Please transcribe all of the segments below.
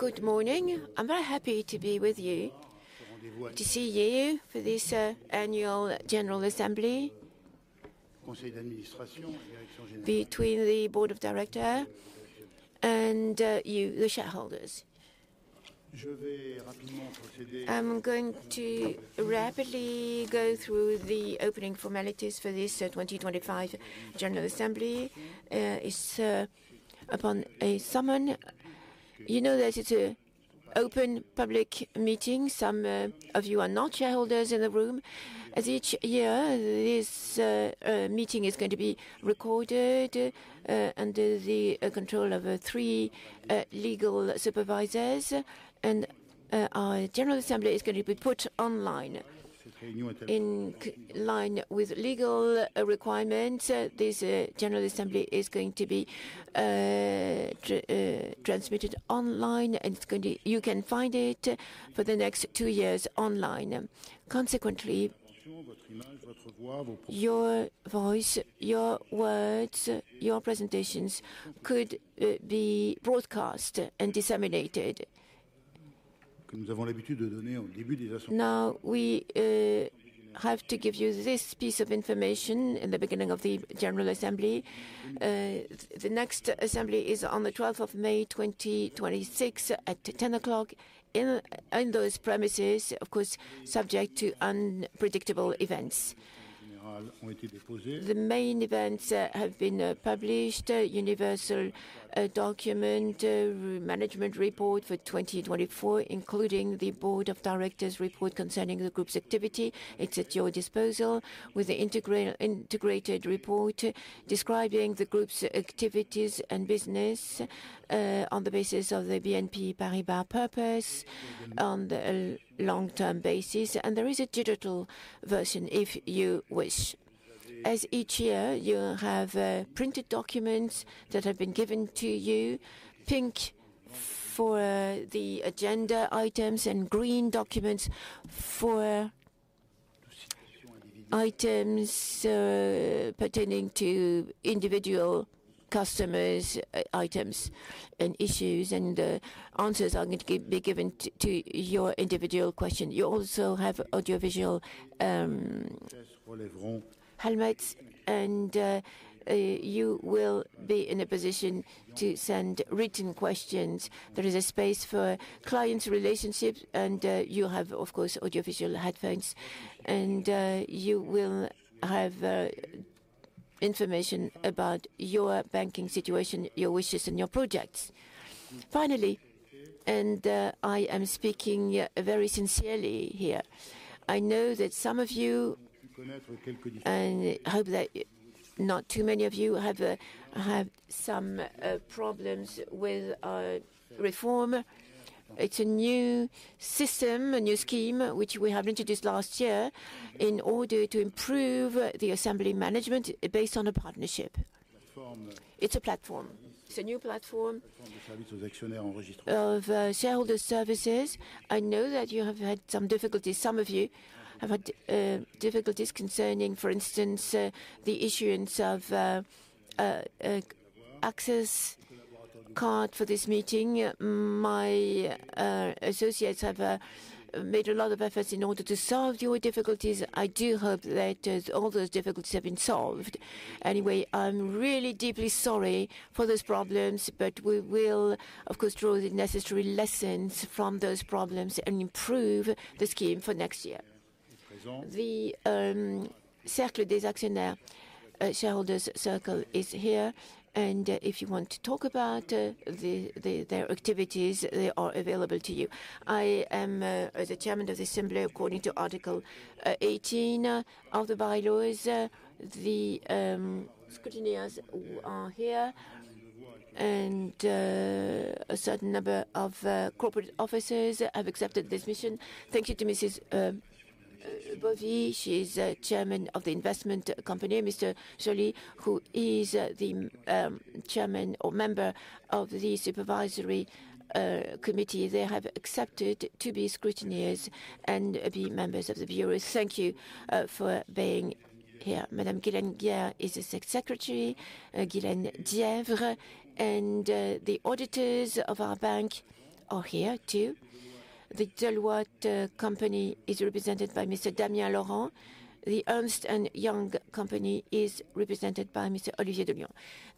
Good morning. I'm very happy to be with you to see you for this annual General Assembly between the Board of Directors and you, the shareholders. I'm going to rapidly go through the opening formalities for this 2025 General Assembly. It's upon a summon. You know that it's an open public meeting. Some of you are not shareholders in the room. As each year, this meeting is going to be recorded under the control of three legal supervisors, and our General Assembly is going to be put online. In line with legal requirements, this General Assembly is going to be transmitted online, and you can find it for the next two years online. Consequently, your voice, your words, your presentations could be broadcast and disseminated. Now we have to give you this piece of information in the beginning of the General Assembly. The next assembly is on the 12th of May 2026 at 10:00 A.M. in those premises, of course subject to unpredictable events. The main events have been published: Universal Document Management Report for 2024, including the Board of Directors' report concerning the group's activity, it is at your disposal, with the integrated report describing the group's activities and business on the basis of the BNP Paribas purpose on a long-term basis. There is a digital version if you wish. As each year, you have printed documents that have been given to you: pink for the agenda items and green documents for items pertaining to individual customers, items and issues, and answers are going to be given to your individual questions. You also have audiovisual helmets and you will be in a position to send written questions. There is a space for clients' relationships and you have, of course, audiovisual headphones. You will have information about your banking situation, your wishes, and your projects. Finally, and I am speaking very sincerely here, I know that some of you, and I hope that not too many of you, have some problems with our reform. It is a new system, a new scheme which we have introduced last year in order to improve the assembly management based on a partnership. It is a platform. It is a new platform of shareholder services. I know that you have had some difficulties. Some of you have had difficulties concerning, for instance, the issuance of access cards for this meeting. My associates have made a lot of efforts in order to solve your difficulties. I do hope that all those difficulties have been solved. Anyway, I'm really deeply sorry for those problems, but we will, of course, draw the necessary lessons from those problems and improve the scheme for next year. The Shareholders' Circle, is here, and if you want to talk about their activities, they are available to you. I am the Chairman of the assembly according to Article 18 of the bylaws. The scrutineers are here, and a certain number of corporate officers have accepted this mission. Thank you to [Mrs. Bovie]. She is Chairman of the investment company. [Mr. Chollet], who is the Chairman or member of the supervisory committee, they have accepted to be scrutineers and be members of the bureau. Thank you for being here. [Madame Guillen-Guillard] is the secretary, [Guillen-Dièvre], and the auditors of our bank are here too. The Deloitte company is represented by Mr. Damien Leurent. The Ernst & Young company is represented by [Mr. Olivier Dullion].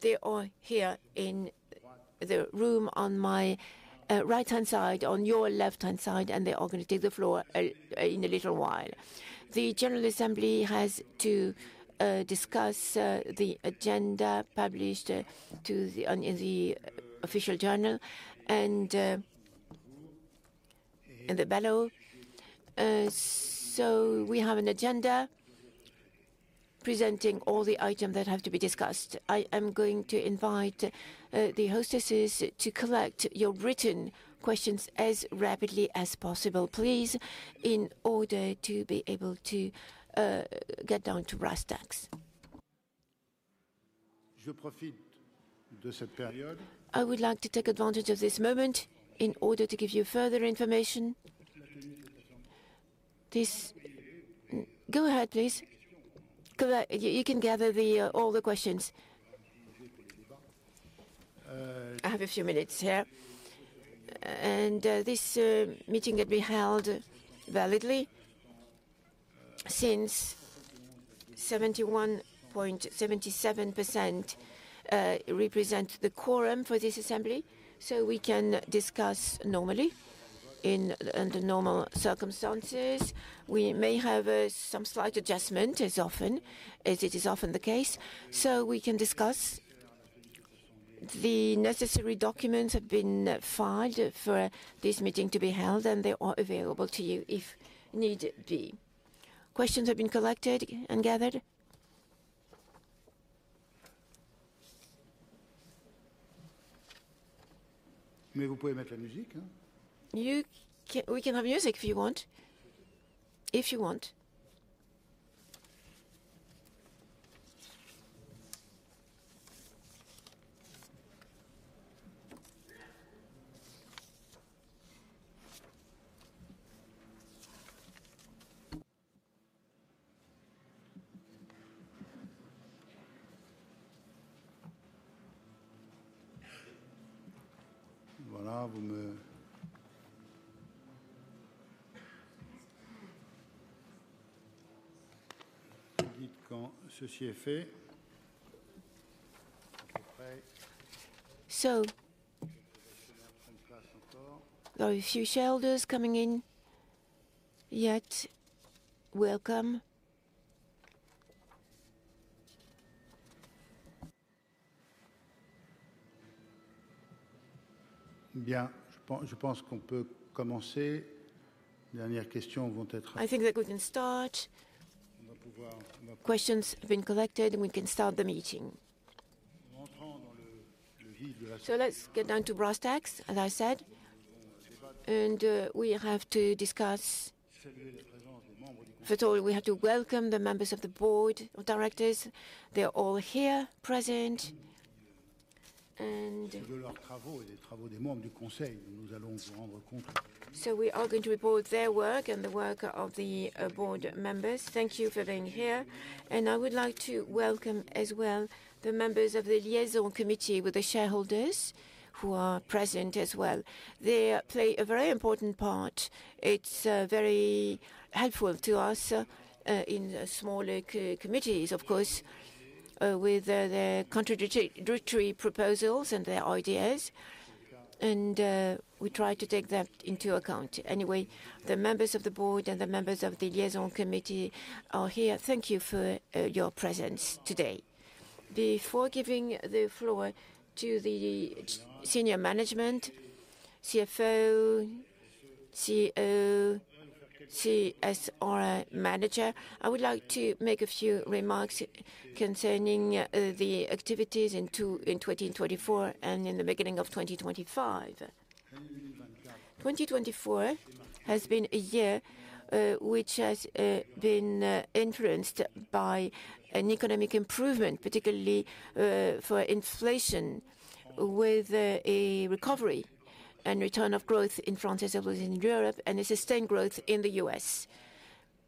They are here in the room on my right-hand side, on your left-hand side, and they are going to take the floor in a little while. The General Assembly has to discuss the agenda published in the official journal and in the bello. We have an agenda presenting all the items that have to be discussed. I am going to invite the hostesses to collect your written questions as rapidly as possible, please, in order to be able to get down to brass tacks. I would like to take advantage of this moment in order to give you further information. Go ahead, please. You can gather all the questions. I have a few minutes here. This meeting can be held validly since 71.77% represent the quorum for this assembly, so we can discuss normally in the normal circumstances. We may have some slight adjustment, as often as it is often the case, so we can discuss. The necessary documents have been filed for this meeting to be held, and they are available to you if need be. Questions have been collected and gathered. We can have music if you want. There are a few shareholders coming in yet. Welcome. I think that we can start. Questions have been collected, and we can start the meeting. Let's get down to brass tacks, as I said, and we have to discuss, we have to welcome the members of the board of directors. They are all here present. We are going to report their work and the work of the board members. Thank you for being here. I would like to welcome as well the members of the liaison committee with the shareholders who are present as well. They play a very important part. It is very helpful to us in smaller committees, of course, with their contributory proposals and their ideas, and we try to take that into account. Anyway, the members of the board and the members of the liaison committee are here. Thank you for your presence today. Before giving the floor to the senior management, CFO, CEO, CSR manager, I would like to make a few remarks concerning the activities in 2024 and in the beginning of 2025. 2024 has been a year which has been influenced by an economic improvement, particularly for inflation, with a recovery and return of growth in France as opposed to in Europe and a sustained growth in the U.S.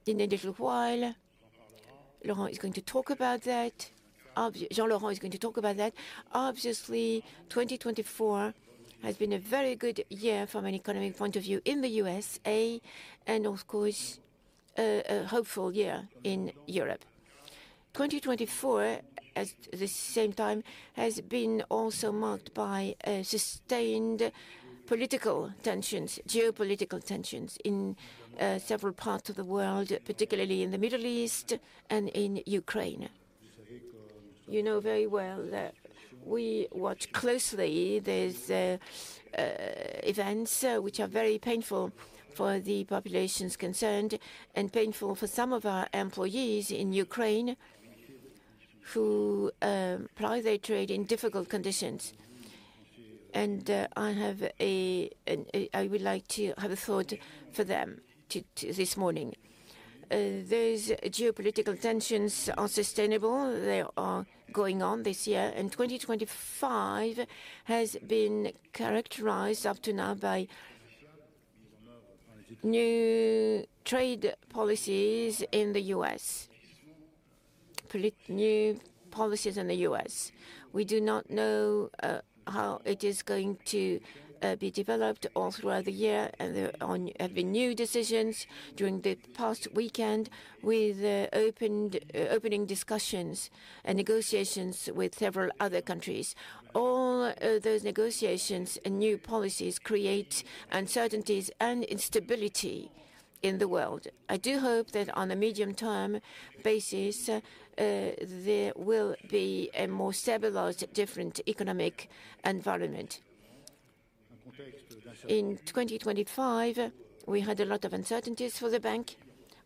In a little while, Laurent is going to talk about that. Jean-Laurent is going to talk about that. Obviously, 2024 has been a very good year from an economic point of view in the U.S.A. and, of course, a hopeful year in Europe. 2024, at the same time, has been also marked by sustained political tensions, geopolitical tensions in several parts of the world, particularly in the Middle East and in Ukraine. You know very well that we watch closely these events, which are very painful for the populations concerned and painful for some of our employees in Ukraine who apply their trade in difficult conditions. I would like to have a thought for them this morning. These geopolitical tensions are sustainable. They are going on this year. 2025 has been characterized up to now by new trade policies in the U.S. New policies in the U.S. We do not know how it is going to be developed all throughout the year, and there have been new decisions during the past weekend with opening discussions and negotiations with several other countries. All those negotiations and new policies create uncertainties and instability in the world. I do hope that on a medium-term basis, there will be a more stabilized, different economic environment. In 2025, we had a lot of uncertainties for the bank,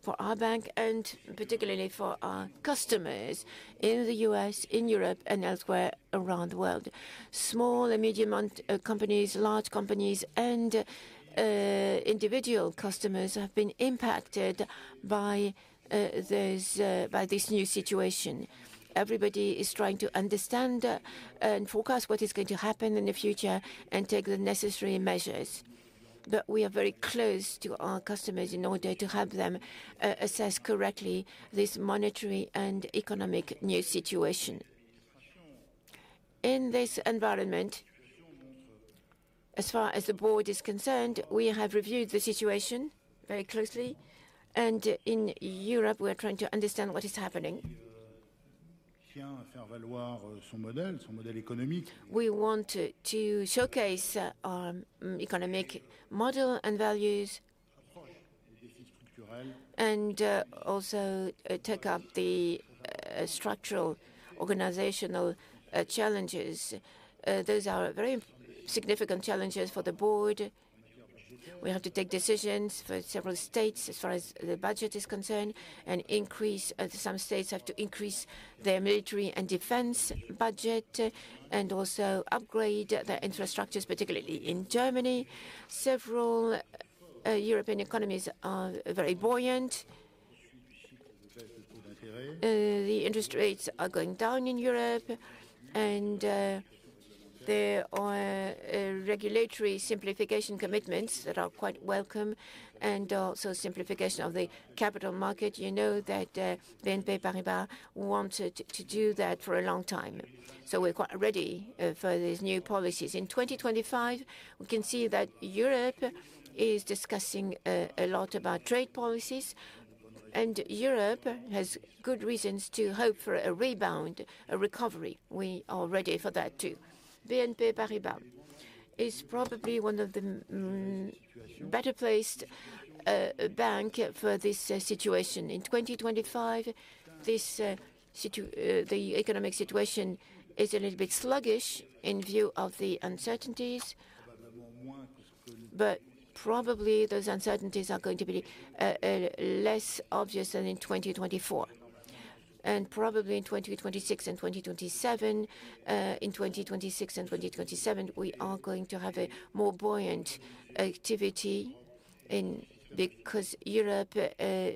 for our bank, and particularly for our customers in the U.S., in Europe, and elsewhere around the world. Small and medium companies, large companies, and individual customers have been impacted by this new situation. Everybody is trying to understand and forecast what is going to happen in the future and take the necessary measures. We are very close to our customers in order to have them assess correctly this monetary and economic new situation. In this environment, as far as the board is concerned, we have reviewed the situation very closely, and in Europe, we are trying to understand what is happening. We want to showcase our economic model and values and also take up the structural organizational challenges. Those are very significant challenges for the board. We have to take decisions for several states as far as the budget is concerned and increase. Some states have to increase their military and defense budget and also upgrade their infrastructures, particularly in Germany. Several European economies are very buoyant. The interest rates are going down in Europe, and there are regulatory simplification commitments that are quite welcome and also simplification of the capital market. You know that BNP Paribas wanted to do that for a long time. So we're quite ready for these new policies. In 2025, we can see that Europe is discussing a lot about trade policies, and Europe has good reasons to hope for a rebound, a recovery. We are ready for that too. BNP Paribas is probably one of the better placed banks for this situation. In 2025, the economic situation is a little bit sluggish in view of the uncertainties, but probably those uncertainties are going to be less obvious than in 2024. Probably in 2026 and 2027, we are going to have a more buoyant activity because Europe's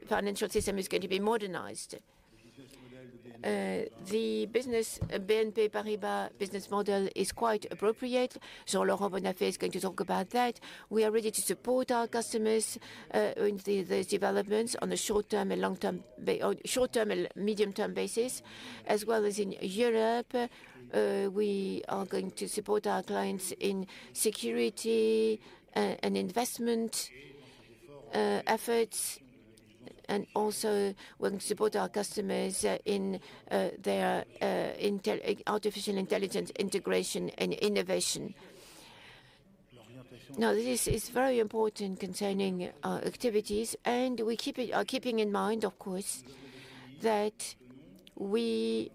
financial system is going to be modernized. The BNP Paribas business model is quite appropriate. Jean-Laurent Bonnafé is going to talk about that. We are ready to support our customers in these developments on a short-term and medium-term basis, as well as in Europe. We are going to support our clients in security and investment efforts, and also we are going to support our customers in their artificial intelligence integration and innovation. This is very important concerning our activities, and we are keeping in mind, of course, that we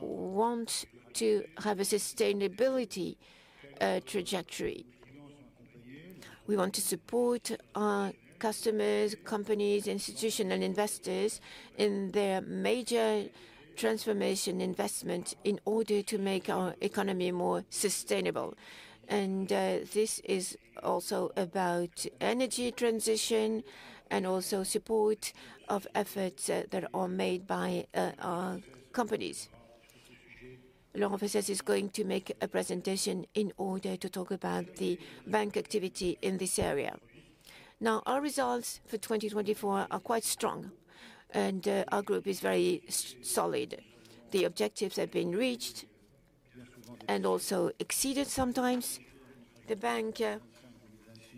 want to have a sustainability trajectory. We want to support our customers, companies, institutions, and investors in their major transformation investment in order to make our economy more sustainable. This is also about energy transition and also support of efforts that are made by our companies. Laurence Pessez is going to make a presentation in order to talk about the bank activity in this area. Now, our results for 2024 are quite strong, and our group is very solid. The objectives have been reached and also exceeded sometimes. The bank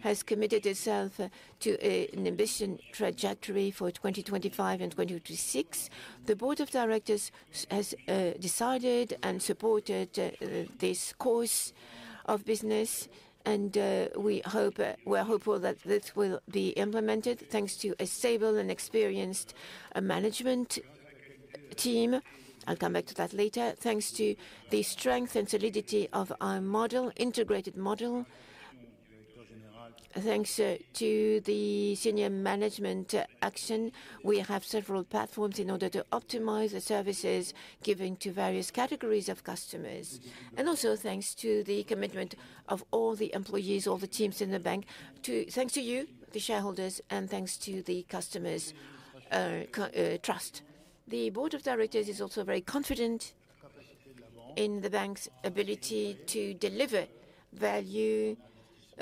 has committed itself to an ambition trajectory for 2025 and 2026. The board of directors has decided and supported this course of business, and we're hopeful that this will be implemented thanks to a stable and experienced management team. I'll come back to that later. Thanks to the strength and solidity of our model, integrated model, thanks to the senior management action, we have several platforms in order to optimize the services given to various categories of customers. Also, thanks to the commitment of all the employees, all the teams in the bank, thanks to you, the shareholders, and thanks to the customers' trust. The Board of Directors is also very confident in the bank's ability to deliver value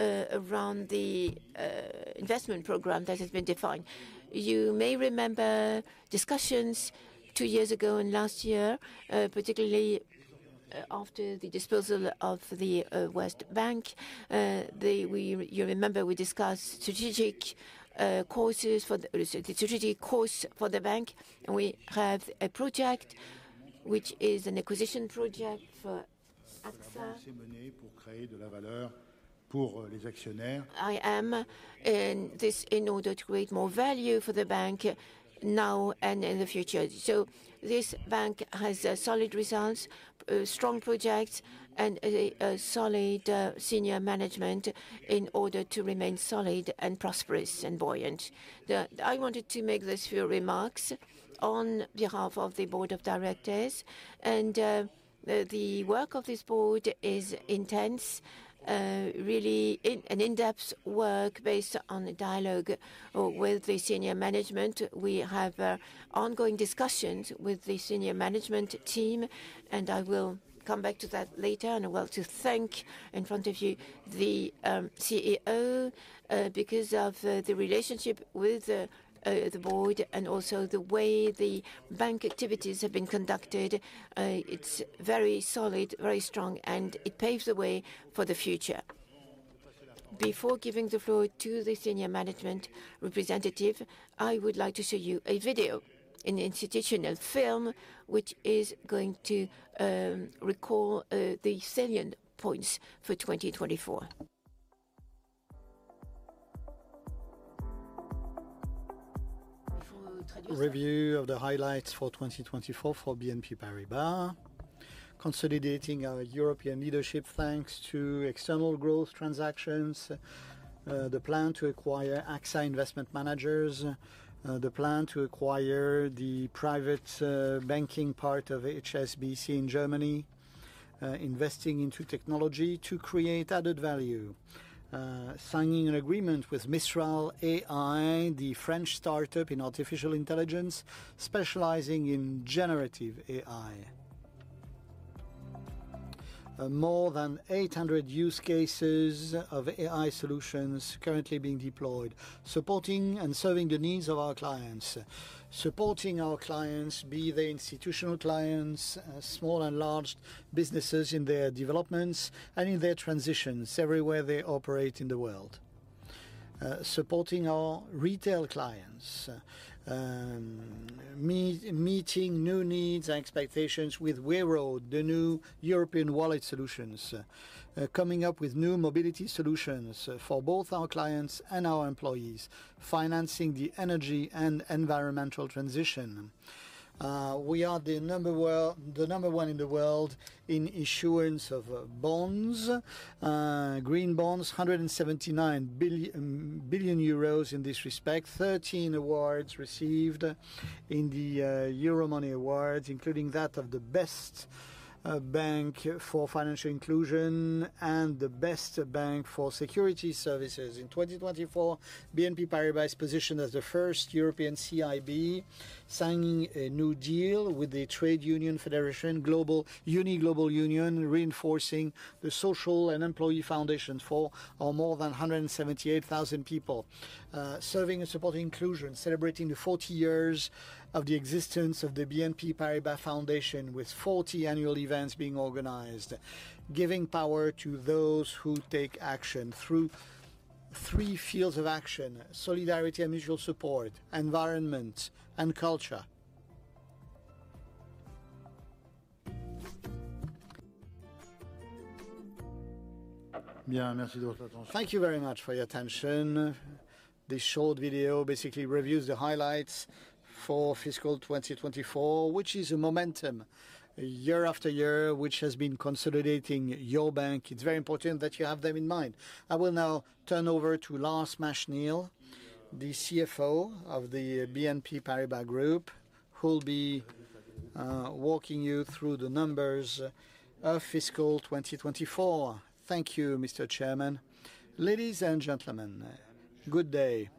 around the investment program that has been defined. You may remember discussions two years ago and last year, particularly after the disposal of Bank of the West. You remember we discussed strategic courses for the bank, and we have a project which is an acquisition project for AXA. I am in this in order to create more value for the bank now and in the future. This bank has solid results, strong projects, and a solid senior management in order to remain solid and prosperous and buoyant. I wanted to make these few remarks on behalf of the board of directors, and the work of this board is intense, really an in-depth work based on dialogue with the senior management. We have ongoing discussions with the senior management team, and I will come back to that later. I want to thank in front of you the CEO because of the relationship with the board and also the way the bank activities have been conducted. It's very solid, very strong, and it paves the way for the future. Before giving the floor to the senior management representative, I would like to show you a video, an institutional film, which is going to recall the salient points for 2024. Review of the highlights for 2024 for BNP Paribas. Consolidating our European leadership thanks to external growth transactions, the plan to acquire AXA Investment Managers, the plan to acquire the private banking part of HSBC in Germany, investing into technology to create added value, signing an agreement with Mistral AI, the French startup in artificial intelligence specializing in generative AI. More than 800 use cases of AI solutions currently being deployed, supporting and serving the needs of our clients. Supporting our clients, be they institutional clients, small and large businesses in their developments and in their transitions everywhere they operate in the world. Supporting our retail clients, meeting new needs and expectations with Wero, the new European wallet solutions, coming up with new mobility solutions for both our clients and our employees, financing the energy and environmental transition. We are the number one in the world in issuance of bonds, green bonds, 179 billion in this respect, 13 awards received in the Euro Money Awards, including that of the best bank for financial inclusion and the best bank for security services. In 2024, BNP Paribas is positioned as the first European CIB, signing a new deal with the Trade Union Federation, Uni Global Union, reinforcing the social and employee foundations for more than 178,000 people, serving and supporting inclusion, celebrating the 40 years of the existence of the BNP Paribas Foundation with 40 annual events being organized, giving power to those who take action through three fields of action: solidarity and mutual support, environment and culture. Thank you very much for your attention. This short video basically reviews the highlights for fiscal 2024, which is a momentum year after year, which has been consolidating your bank. It's very important that you have them in mind. I will now turn over to Lars Machenil, the CFO of the BNP Paribas Group, who will be walking you through the numbers of fiscal 2024. Thank you, Mr. Chairman. Ladies and gentlemen, good day.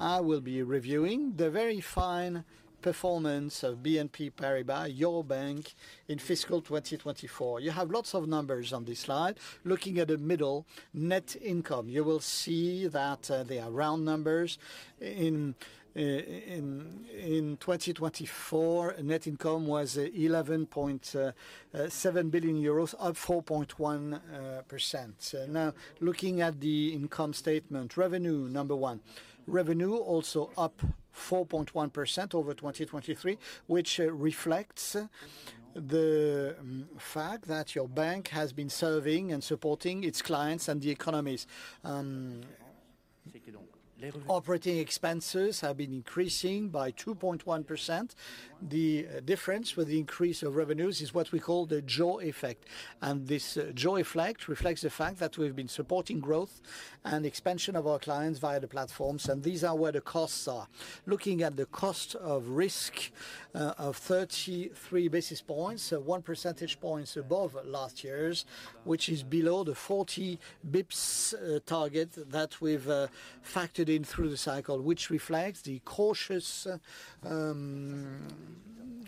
I will be reviewing the very fine performance of BNP Paribas, your bank, in fiscal 2024. You have lots of numbers on this slide. Looking at the middle net income, you will see that they are round numbers. In 2024, net income was 11.7 billion euros, up 4.1%. Now, looking at the income statement, revenue number one, revenue also up 4.1% over 2023, which reflects the fact that your bank has been serving and supporting its clients and the economies. Operating expenses have been increasing by 2.1%. The difference with the increase of revenues is what we call the jaw effect. This jaw effect reflects the fact that we have been supporting growth and expansion of our clients via the platforms, and these are where the costs are. Looking at the cost of risk of 33 basis points, one percentage point above last year's, which is below the 40 basis points target that we've factored in through the cycle, which reflects the cautious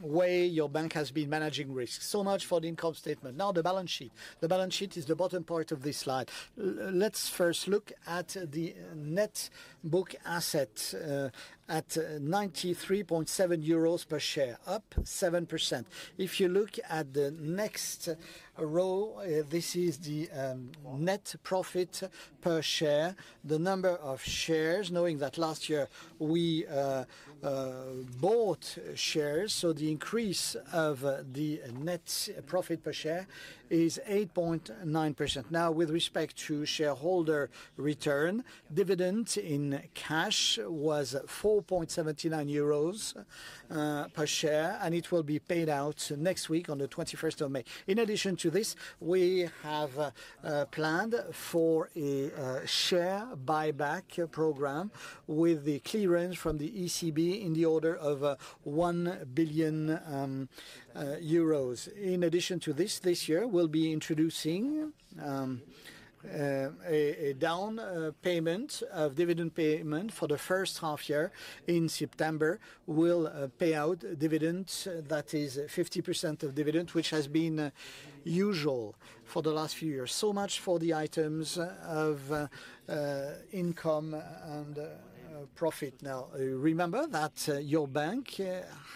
way your bank has been managing risk. So much for the income statement. Now, the balance sheet. The balance sheet is the bottom part of this slide. Let's first look at the net book assets at 93.70 euros per share, up 7%. If you look at the next row, this is the net profit per share, the number of shares, knowing that last year we bought shares. The increase of the net profit per share is 8.9%. Now, with respect to shareholder return, dividends in cash was 4.79 euros per share, and it will be paid out next week on the 21st of May. In addition to this, we have planned for a share buyback program with the clearance from the ECB in the order of 1 billion euros. In addition to this, this year, we'll be introducing a down payment of dividend payment for the first half year in September. We'll pay out dividends, that is 50% of dividends, which has been usual for the last few years. So much for the items of income and profit. Now, remember that your bank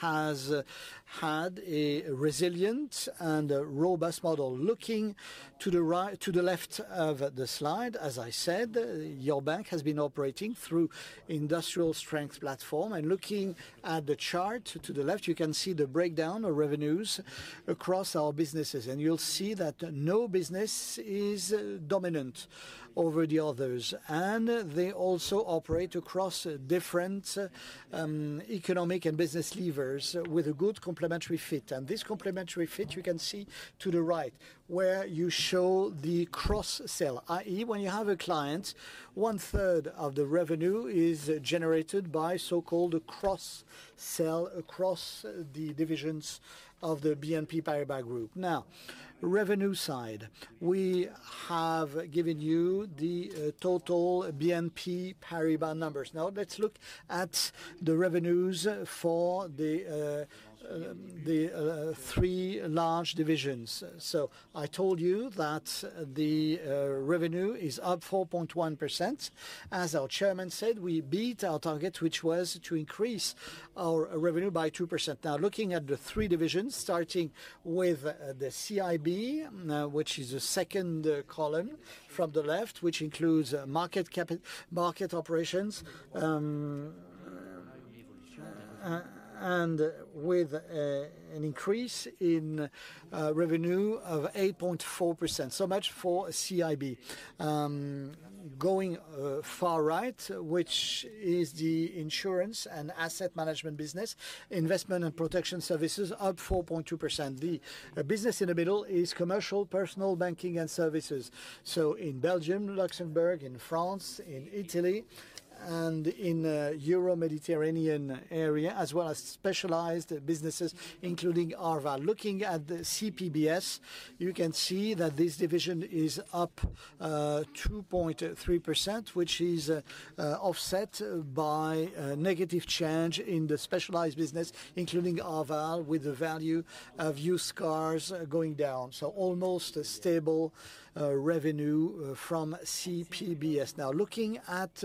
has had a resilient and robust model. Looking to the left of the slide, as I said, your bank has been operating through industrial strength platform. And looking at the chart to the left, you can see the breakdown of revenues across our businesses. You will see that no business is dominant over the others. They also operate across different economic and business levers with a good complementary fit. This complementary fit, you can see to the right, where you show the cross-sale, i.e., when you have a client, 1/3 of the revenue is generated by so-called cross-sale across the divisions of the BNP Paribas Group. Now, revenue side, we have given you the total BNP Paribas numbers. Now, let's look at the revenues for the three large divisions. I told you that the revenue is up 4.1%. As our Chairman said, we beat our target, which was to increase our revenue by 2%. Now, looking at the three divisions, starting with the CIB, which is the second column from the left, which includes market operations, and with an increase in revenue of 8.4%. So much for CIB. Going far right, which is the insurance and asset management business, investment and protection services, up 4.2%. The business in the middle is commercial, personal banking and services. In Belgium, Luxembourg, France, Italy, and the Euro-Mediterranean area, as well as specialized businesses, including Arval. Looking at the CPBS, you can see that this division is up 2.3%, which is offset by negative change in the specialized business, including Arval, with the value of used cars going down. Almost a stable revenue from CPBS. Now, looking at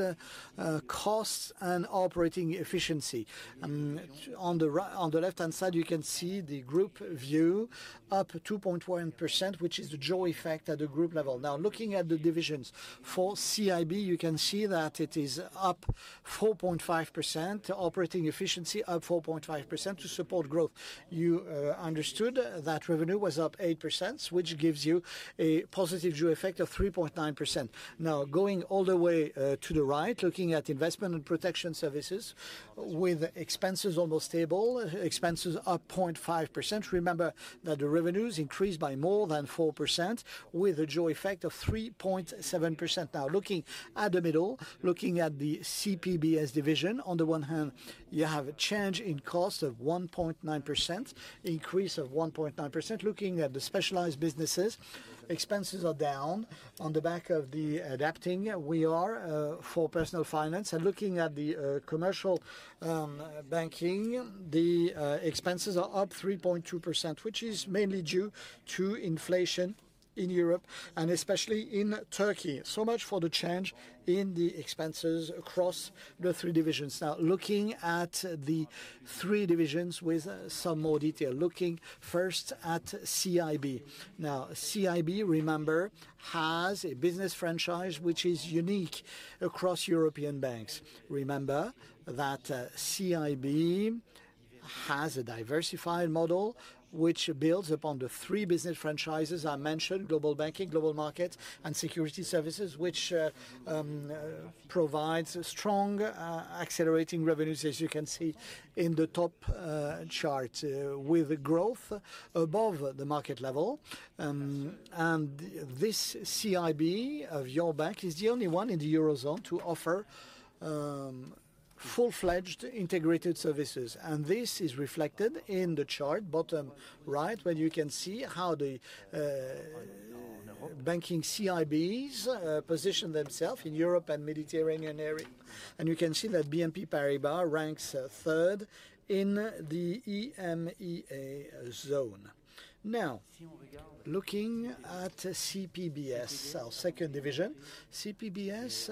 costs and operating efficiency. On the left-hand side, you can see the group view up 2.1%, which is the jaw effect at the group level. Now, looking at the divisions for CIB, you can see that it is up 4.5%, operating efficiency up 4.5% to support growth. You understood that revenue was up 8%, which gives you a positive jaw effect of 3.9%. Now, going all the way to the right, looking at investment and protection services with expenses almost stable, expenses up 0.5%. Remember that the revenues increased by more than 4% with a jaw effect of 3.7%. Now, looking at the middle, looking at the CPBS division, on the one hand, you have a change in cost of 1.9%, increase of 1.9%. Looking at the specialized businesses, expenses are down. On the back of the adapting, we are for personal finance. Looking at the commercial banking, the expenses are up 3.2%, which is mainly due to inflation in Europe and especially in Turkey. So much for the change in the expenses across the three divisions. Now, looking at the three divisions with some more detail, looking first at CIB. Now, CIB, remember, has a business franchise which is unique across European banks. Remember that CIB has a diversified model which builds upon the three business franchises I mentioned, Global Banking, Global Markets, and Securities Services, which provides strong accelerating revenues, as you can see in the top chart, with growth above the market level. This CIB of your bank is the only one in the Eurozone to offer full-fledged integrated services. This is reflected in the chart bottom right, where you can see how the banking CIBs position themselves in Europe and the Mediterranean area. You can see that BNP Paribas ranks third in the EMEA zone. Now, looking at CPBS, our second division, CPBS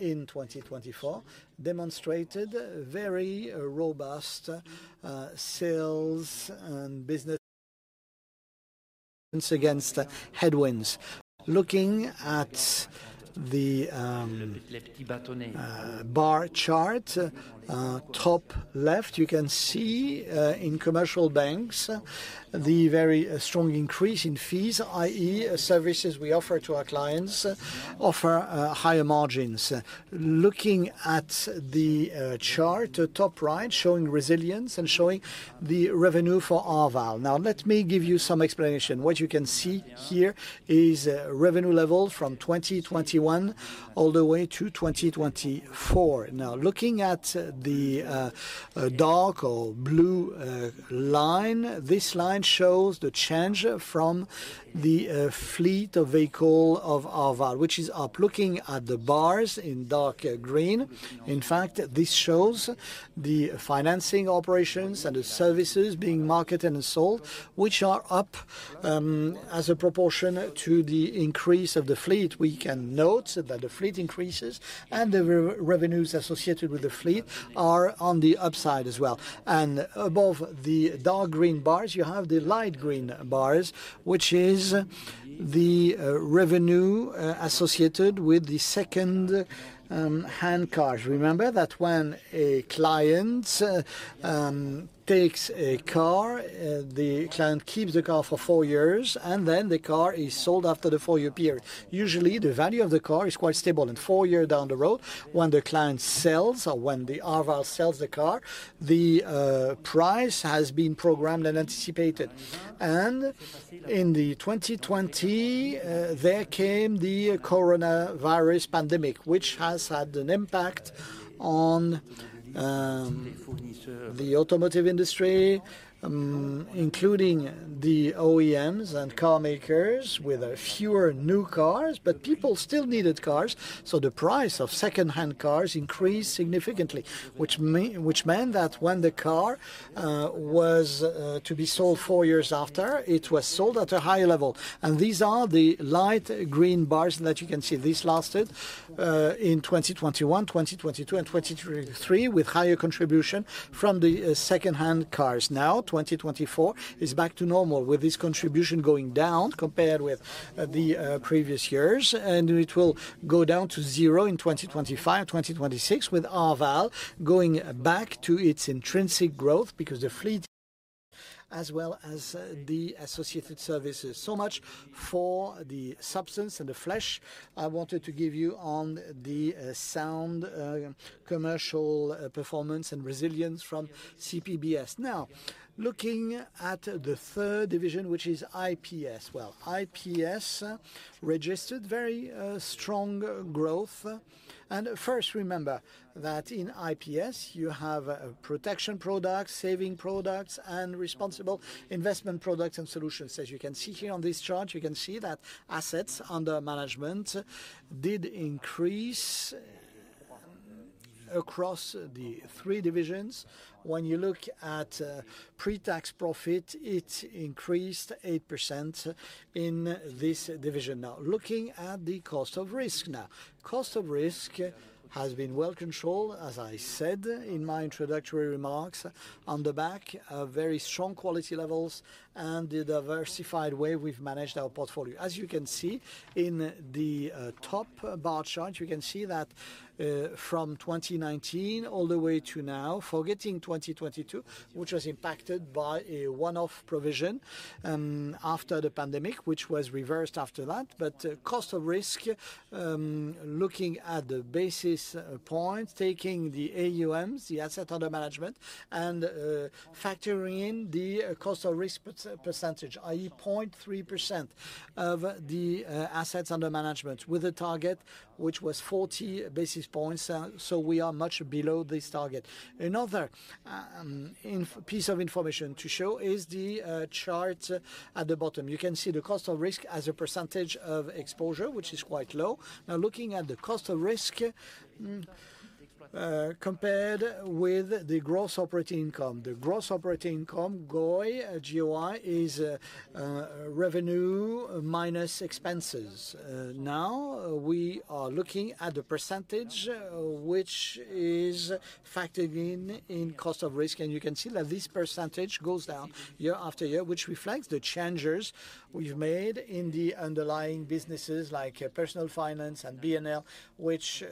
in 2024 demonstrated very robust sales and business against headwinds. Looking at the bar chart top left, you can see in commercial banks the very strong increase in fees, i.e., services we offer to our clients offer higher margins. Looking at the chart top right, showing resilience and showing the revenue for Arval. Now, let me give you some explanation. What you can see here is revenue levels from 2021 all the way to 2024. Now, looking at the dark or blue line, this line shows the change from the fleet of vehicles of Arval, which is up. Looking at the bars in dark green, in fact, this shows the financing operations and the services being marketed and sold, which are up as a proportion to the increase of the fleet. We can note that the fleet increases and the revenues associated with the fleet are on the upside as well. Above the dark green bars, you have the light green bars, which is the revenue associated with the second-hand cars. Remember that when a client takes a car, the client keeps the car for four years, and then the car is sold after the four-year period. Usually, the value of the car is quite stable. Four years down the road, when the client sells or when Arval sells the car, the price has been programmed and anticipated. In 2020, there came the Corona virus pandemic, which has had an impact on the automotive industry, including the OEMs and carmakers with fewer new cars, but people still needed cars. The price of second-hand cars increased significantly, which meant that when the car was to be sold four years after, it was sold at a higher level. These are the light green bars that you can see. This lasted in 2021, 2022, and 2023 with higher contribution from the second-hand cars. Now, 2024 is back to normal with this contribution going down compared with the previous years. It will go down to zero in 2025 and 2026 with Arval going back to its intrinsic growth because the fleet, as well as the associated services. So much for the substance and the flesh. I wanted to give you on the sound commercial performance and resilience from CPBS. Now, looking at the third division, which is IPS. IPS registered very strong growth. First, remember that in IPS, you have protection products, saving products, and responsible investment products and solutions. As you can see here on this chart, you can see that assets under management did increase across the three divisions. When you look at pre-tax profit, it increased 8% in this division. Now, looking at the cost of risk now, cost of risk has been well controlled, as I said in my introductory remarks on the back of very strong quality levels and the diversified way we've managed our portfolio. As you can see in the top bar chart, you can see that from 2019 all the way to now, forgetting 2022, which was impacted by a one-off provision after the pandemic, which was reversed after that. Cost of risk, looking at the basis points, taking the assets under management, and factoring in the cost of risk percentage, i.e., 0.3% of the assets under management with a target which was 40 basis points. We are much below this target. Another piece of information to show is the chart at the bottom. You can see the cost of risk as a percentage of exposure, which is quite low. Now, looking at the cost of risk compared with the gross operating income, the gross operating income, GOI, is revenue minus expenses. Now, we are looking at the percentage, which is factored in in cost of risk. You can see that this percentage goes down year after year, which reflects the changes we have made in the underlying businesses like personal finance and BNL, which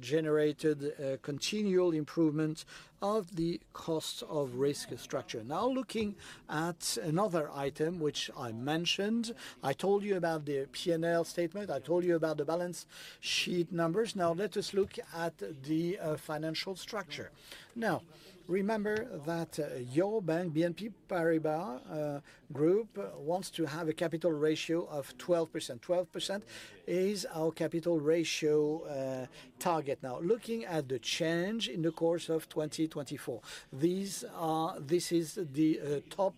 generated a continual improvement of the cost of risk structure. Now, looking at another item, which I mentioned, I told you about the P&L statement. I told you about the balance sheet numbers. Now, let us look at the financial structure. Now, remember that your bank, BNP Paribas Group, wants to have a capital ratio of 12%. 12% is our capital ratio target. Now, looking at the change in the course of 2024, this is the top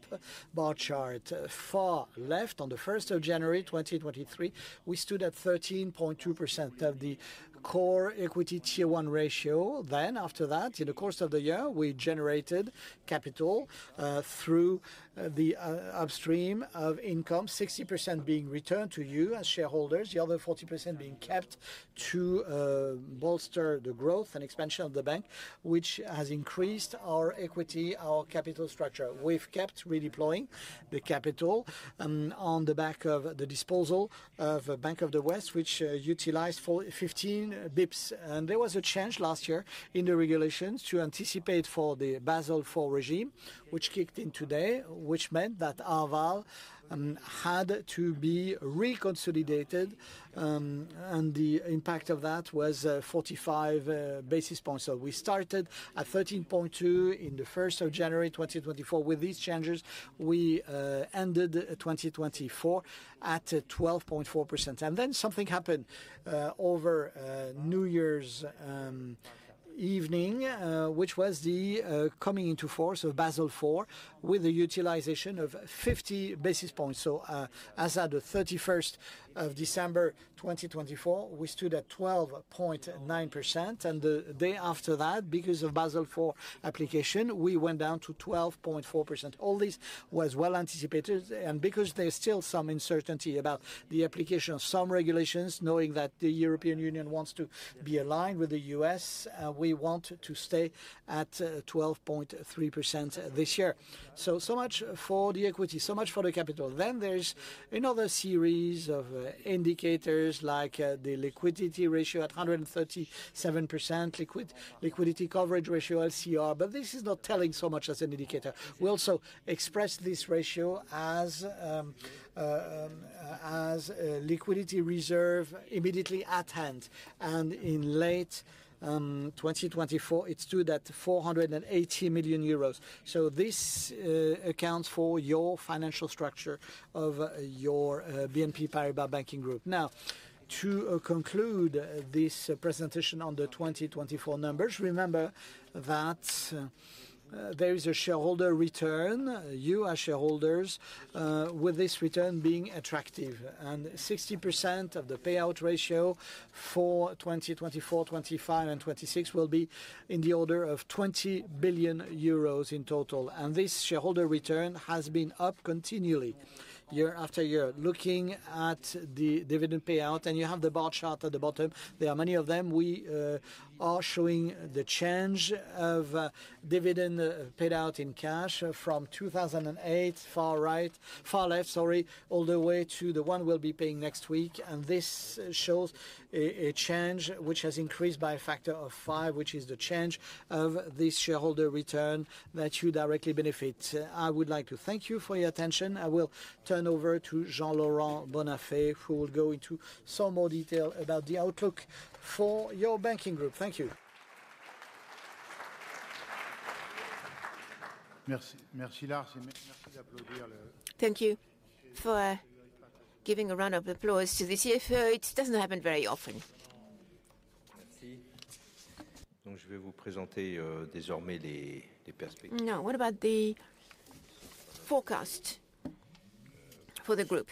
bar chart. Far left, on the 1st of January 2023, we stood at 13.2% of the core equity tier one ratio. After that, in the course of the year, we generated capital through the upstream of income, 60% being returned to you as shareholders, the other 40% being kept to bolster the growth and expansion of the bank, which has increased our equity, our capital structure. We have kept redeploying the capital on the back of the disposal of Bank of the West, which utilized 15 basis points. There was a change last year in the regulations to anticipate for the Basel IV regime, which kicked in today, which meant that Arval had to be reconsolidated. The impact of that was 45 basis points. We started at 13.2% on the 1st of January 2024. With these changes, we ended 2024 at 12.4%. Something happened over New Year's evening, which was the coming into force of Basel IV with the utilization of 50 basis points. As of December 31, 2024, we stood at 12.9%. The day after that, because of Basel IV application, we went down to 12.4%. All this was well anticipated. Because there is still some uncertainty about the application of some regulations, knowing that the European Union wants to be aligned with the U.S., we want to stay at 12.3% this year. So much for the equity, so much for the capital. There is another series of indicators like the liquidity ratio at 137%, liquidity coverage ratio, LCR. This is not telling so much as an indicator. We also expressed this ratio as liquidity reserve immediately at hand. In late 2024, it stood at 480 million euros. This accounts for your financial structure of your BNP Paribas Banking Group. To conclude this presentation on the 2024 numbers, remember that there is a shareholder return, you as shareholders, with this return being attractive. 60% of the payout ratio for 2024, 2025, and 2026 will be in the order of 20 billion euros in total. This shareholder return has been up continually year after year. Looking at the dividend payout, and you have the bar chart at the bottom, there are many of them. We are showing the change of dividend paid out in cash from 2008, far left, all the way to the one we will be paying next week. This shows a change which has increased by a factor of five, which is the change of this shareholder return that you directly benefit. I would like to thank you for your attention. I will turn over to Jean-Laurent Bonnafé, who will go into some more detail about the outlook for your banking group. Thank you for giving a round of applause to the CFO. It doesn't happen very often. Now, what about the forecast for the group?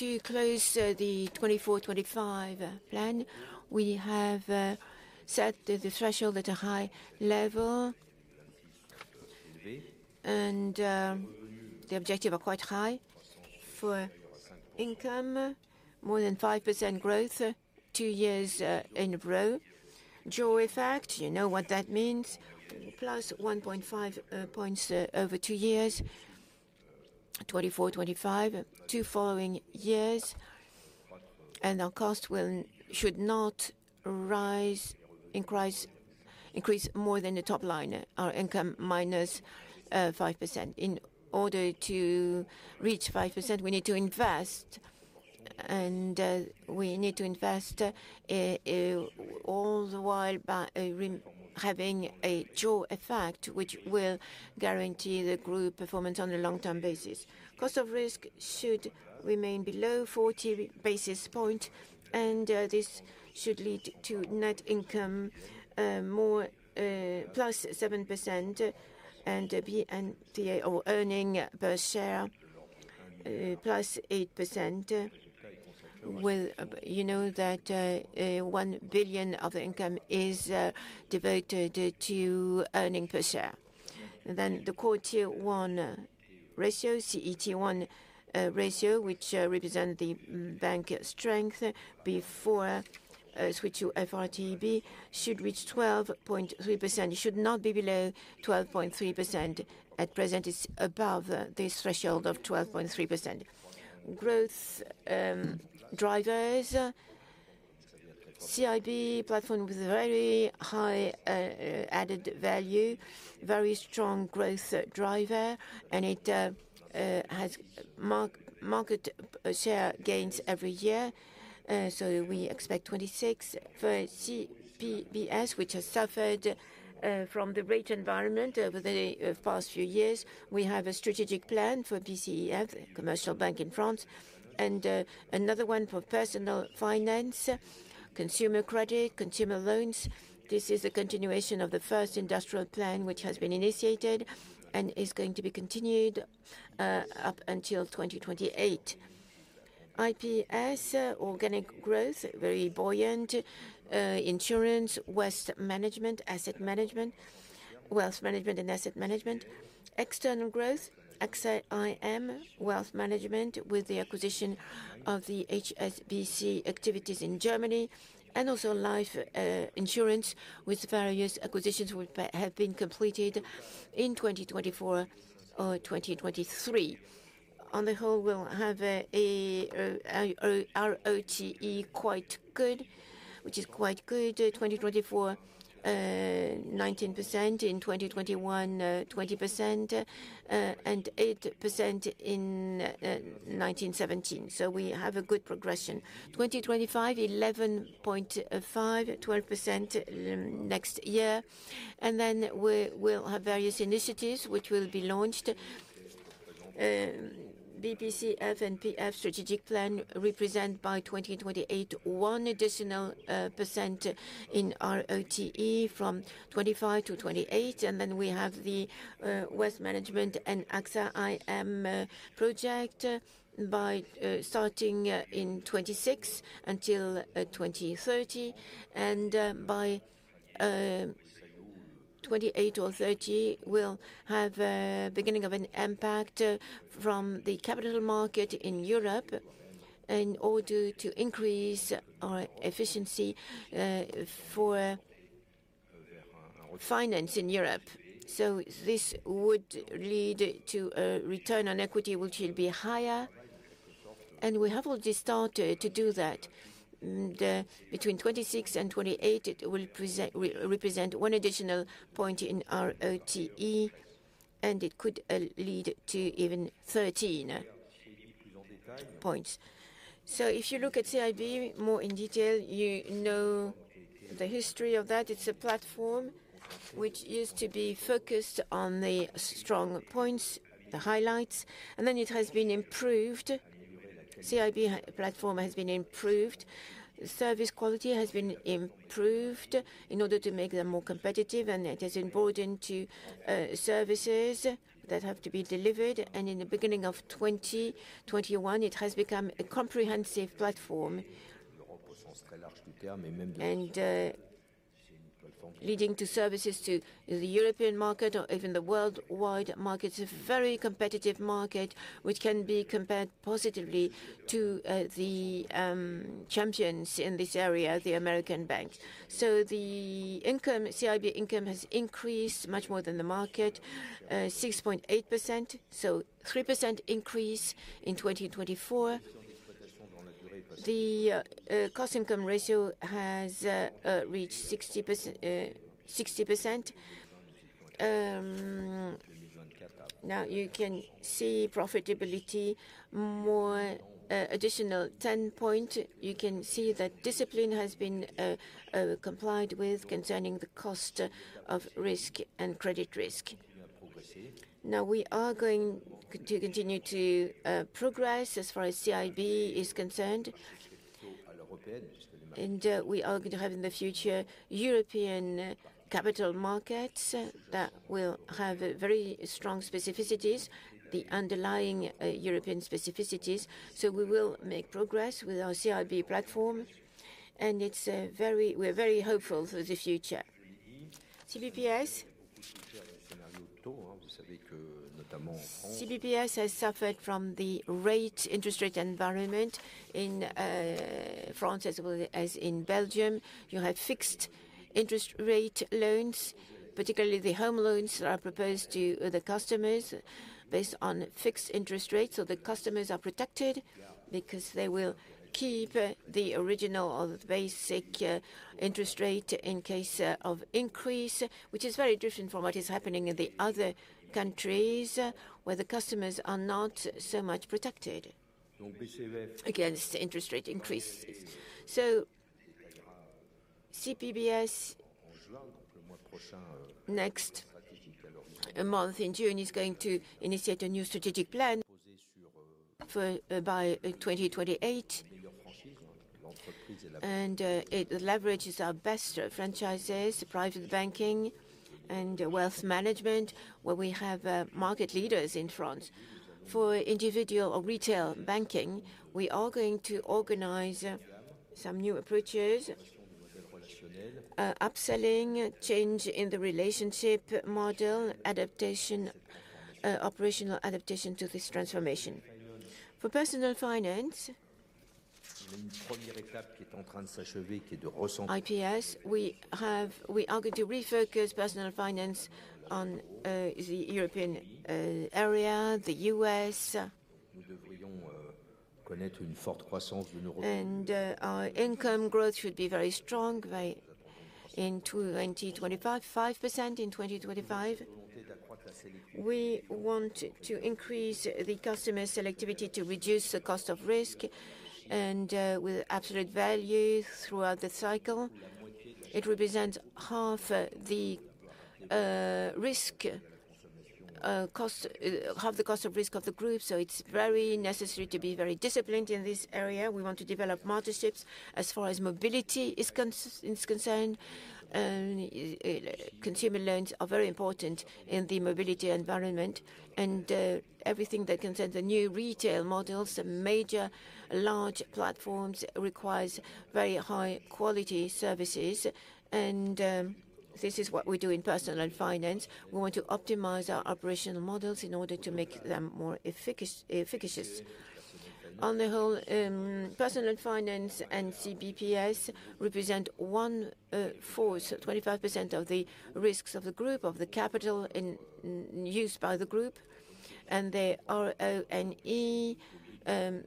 To close the 2024-2025 plan, we have set the threshold at a high level. The objectives are quite high for income, more than 5% growth two years in a row. Jaw effect, you know what that means. +1.5 percentage points over two years, 2024-2025, two following years. Our cost should not rise in price, increase more than the top line, our income -5%. In order to reach 5%, we need to invest, and we need to invest all the while having a jaw effect, which will guarantee the group performance on a long-term basis. Cost of risk should remain below 40 basis points, and this should lead to net income +7% and EPS or earnings per share +8%. You know that 1 billion of the income is devoted to earnings per share. The quarter one ratio, CET1 ratio, which represents the bank strength before switch to FRTB, should reach 12.3%. It should not be below 12.3%. At present, it's above this threshold of 12.3%. Growth drivers, CIB platform with very high added value, very strong growth driver, and it has market share gains every year. We expect 2026 for CPBS, which has suffered from the rate environment over the past few years. We have a strategic plan for PCEF, commercial bank in France, and another one for personal finance, consumer credit, consumer loans. This is a continuation of the first industrial plan, which has been initiated and is going to be continued up until 2028. IPS, organic growth, very buoyant, insurance, wealth management, asset management, wealth management and asset management, external growth, AXA IM, wealth management with the acquisition of the HSBC activities in Germany, and also life insurance with various acquisitions which have been completed in 2024 or 2023. On the whole, we'll have a ROTE quite good, which is quite good. 2024, 19%, in 2021, 20%, and 8% in 2017. We have a good progression. 2025, 11.5%, 12% next year. We will have various initiatives which will be launched. BPCF and PF strategic plan represent by 2028, one additional percent in ROTE from 2025 to 2028. Then we have the Wealth Management and AXA IM project starting in 2026 until 2030. By 2028 or 2030, we'll have the beginning of an impact from the capital market in Europe in order to increase our efficiency for finance in Europe. This would lead to a return on equity which will be higher. We have already started to do that. Between 2026 and 2028, it will represent one additional point in ROTE, and it could lead to even 13 points. If you look at CIB more in detail, you know the history of that. It's a platform which used to be focused on the strong points, the highlights. It has been improved. The CIB platform has been improved. Service quality has been improved in order to make them more competitive. It has been brought into services that have to be delivered. In the beginning of 2021, it has become a comprehensive platform. Leading to services to the European market or even the worldwide market, a very competitive market which can be compared positively to the champions in this area, the American bank. The income, CIB income, has increased much more than the market, 6.8%. A 3% increase in 2024. The cost income ratio has reached 60%. Now, you can see profitability, more additional 10 points. You can see that discipline has been complied with concerning the cost of risk and credit risk. We are going to continue to progress as far as CIB is concerned. We are going to have in the future European capital markets that will have very strong specificities, the underlying European specificities. We will make progress with our CIB platform. We are very hopeful for the future. CPBS has suffered from the interest rate environment in France as well as in Belgium. You have fixed interest rate loans, particularly the home loans that are proposed to the customers based on fixed interest rates. The customers are protected because they will keep the original or the basic interest rate in case of increase, which is very different from what is happening in the other countries where the customers are not so much protected against interest rate increases. CPBS next month in June is going to initiate a new strategic plan by 2028. It leverages our best franchises, private banking, and wealth management where we have market leaders in France. For individual or retail banking, we are going to organize some new approaches, upselling, change in the relationship model, operational adaptation to this transformation. For personal finance, IPS, we are going to refocus personal finance on the European area, the U.S. And our income growth should be very strong in 2025, 5% in 2025. We want to increase the customer selectivity to reduce the cost of risk and with absolute value throughout the cycle. It represents half the risk, half the cost of risk of the group. It is very necessary to be very disciplined in this area. We want to develop partnerships as far as mobility is concerned. Consumer loans are very important in the mobility environment. Everything that concerns the new retail models, the major large platforms requires very high quality services. This is what we do in personal finance. We want to optimize our operational models in order to make them more efficacious. On the whole, Personal Finance and CPBS represent one fourth, 25%, of the risks of the group, of the capital used by the group. The RONE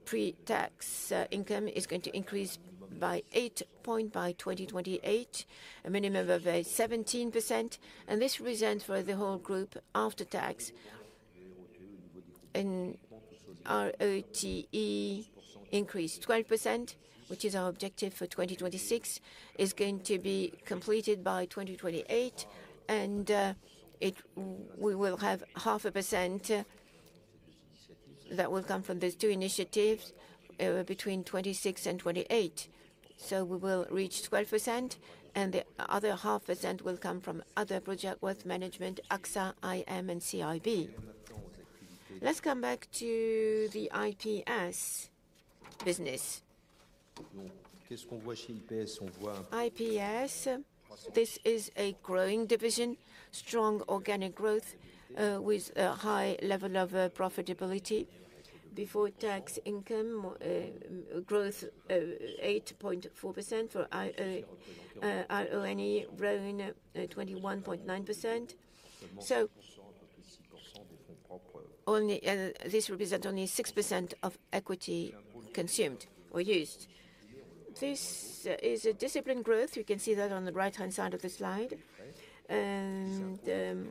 pre-tax income is going to increase by 8 percentage points by 2028, a minimum of 17%. This results for the whole group after tax. ROTE increased 12%, which is our objective for 2026, is going to be completed by 2028. We will have 0.5% that will come from these two initiatives between 2026 and 2028. We will reach 12%. The other 0.5% will come from other projects, Wealth Management, AXA IM, and CIB. Let's come back to the IPS business. IPS, this is a growing division, strong organic growth with a high level of profitability. Before tax income, growth 8.4% for RONE, growing 21.9%. This represents only 6% of equity consumed or used. This is a disciplined growth. You can see that on the right-hand side of the slide. The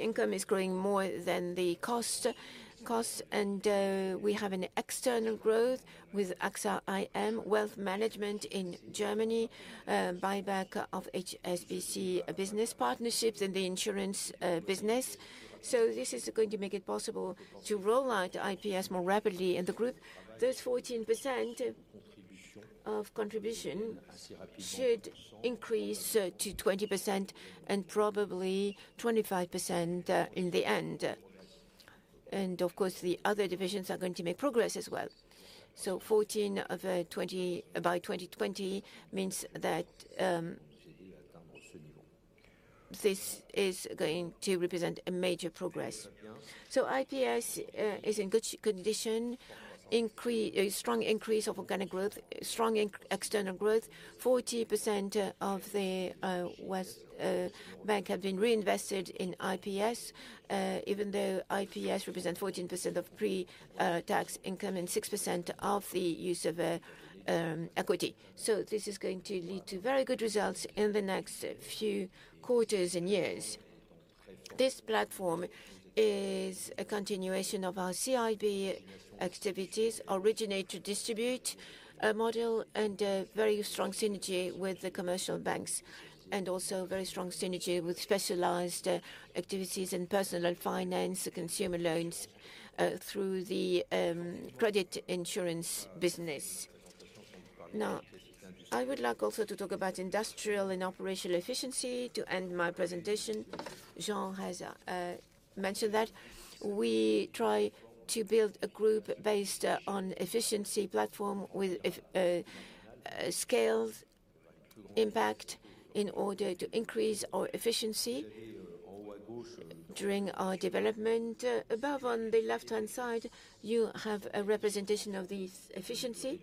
income is growing more than the cost. We have an external growth with AXA IM, wealth management in Germany, buyback of HSBC business partnerships, and the insurance business. This is going to make it possible to roll out IPS more rapidly in the group. Those 14% of contribution should increase to 20% and probably 25% in the end. Of course, the other divisions are going to make progress as well. Fourteen by 2020 means that this is going to represent a major progress. IPS is in good condition, strong increase of organic growth, strong external growth. 40% of the West bank have been reinvested in IPS, even though IPS represents 14% of pre-tax income and 6% of the use of equity. This is going to lead to very good results in the next few quarters and years. This platform is a continuation of our CIB activities, originate to distribute a model and a very strong synergy with the commercial banks, and also a very strong synergy with specialized activities and personal finance, consumer loans through the credit insurance business. Now, I would like also to talk about industrial and operational efficiency to end my presentation. Jean has mentioned that we try to build a group based on efficiency platform with scale impact in order to increase our efficiency during our development. Above on the left-hand side, you have a representation of this efficiency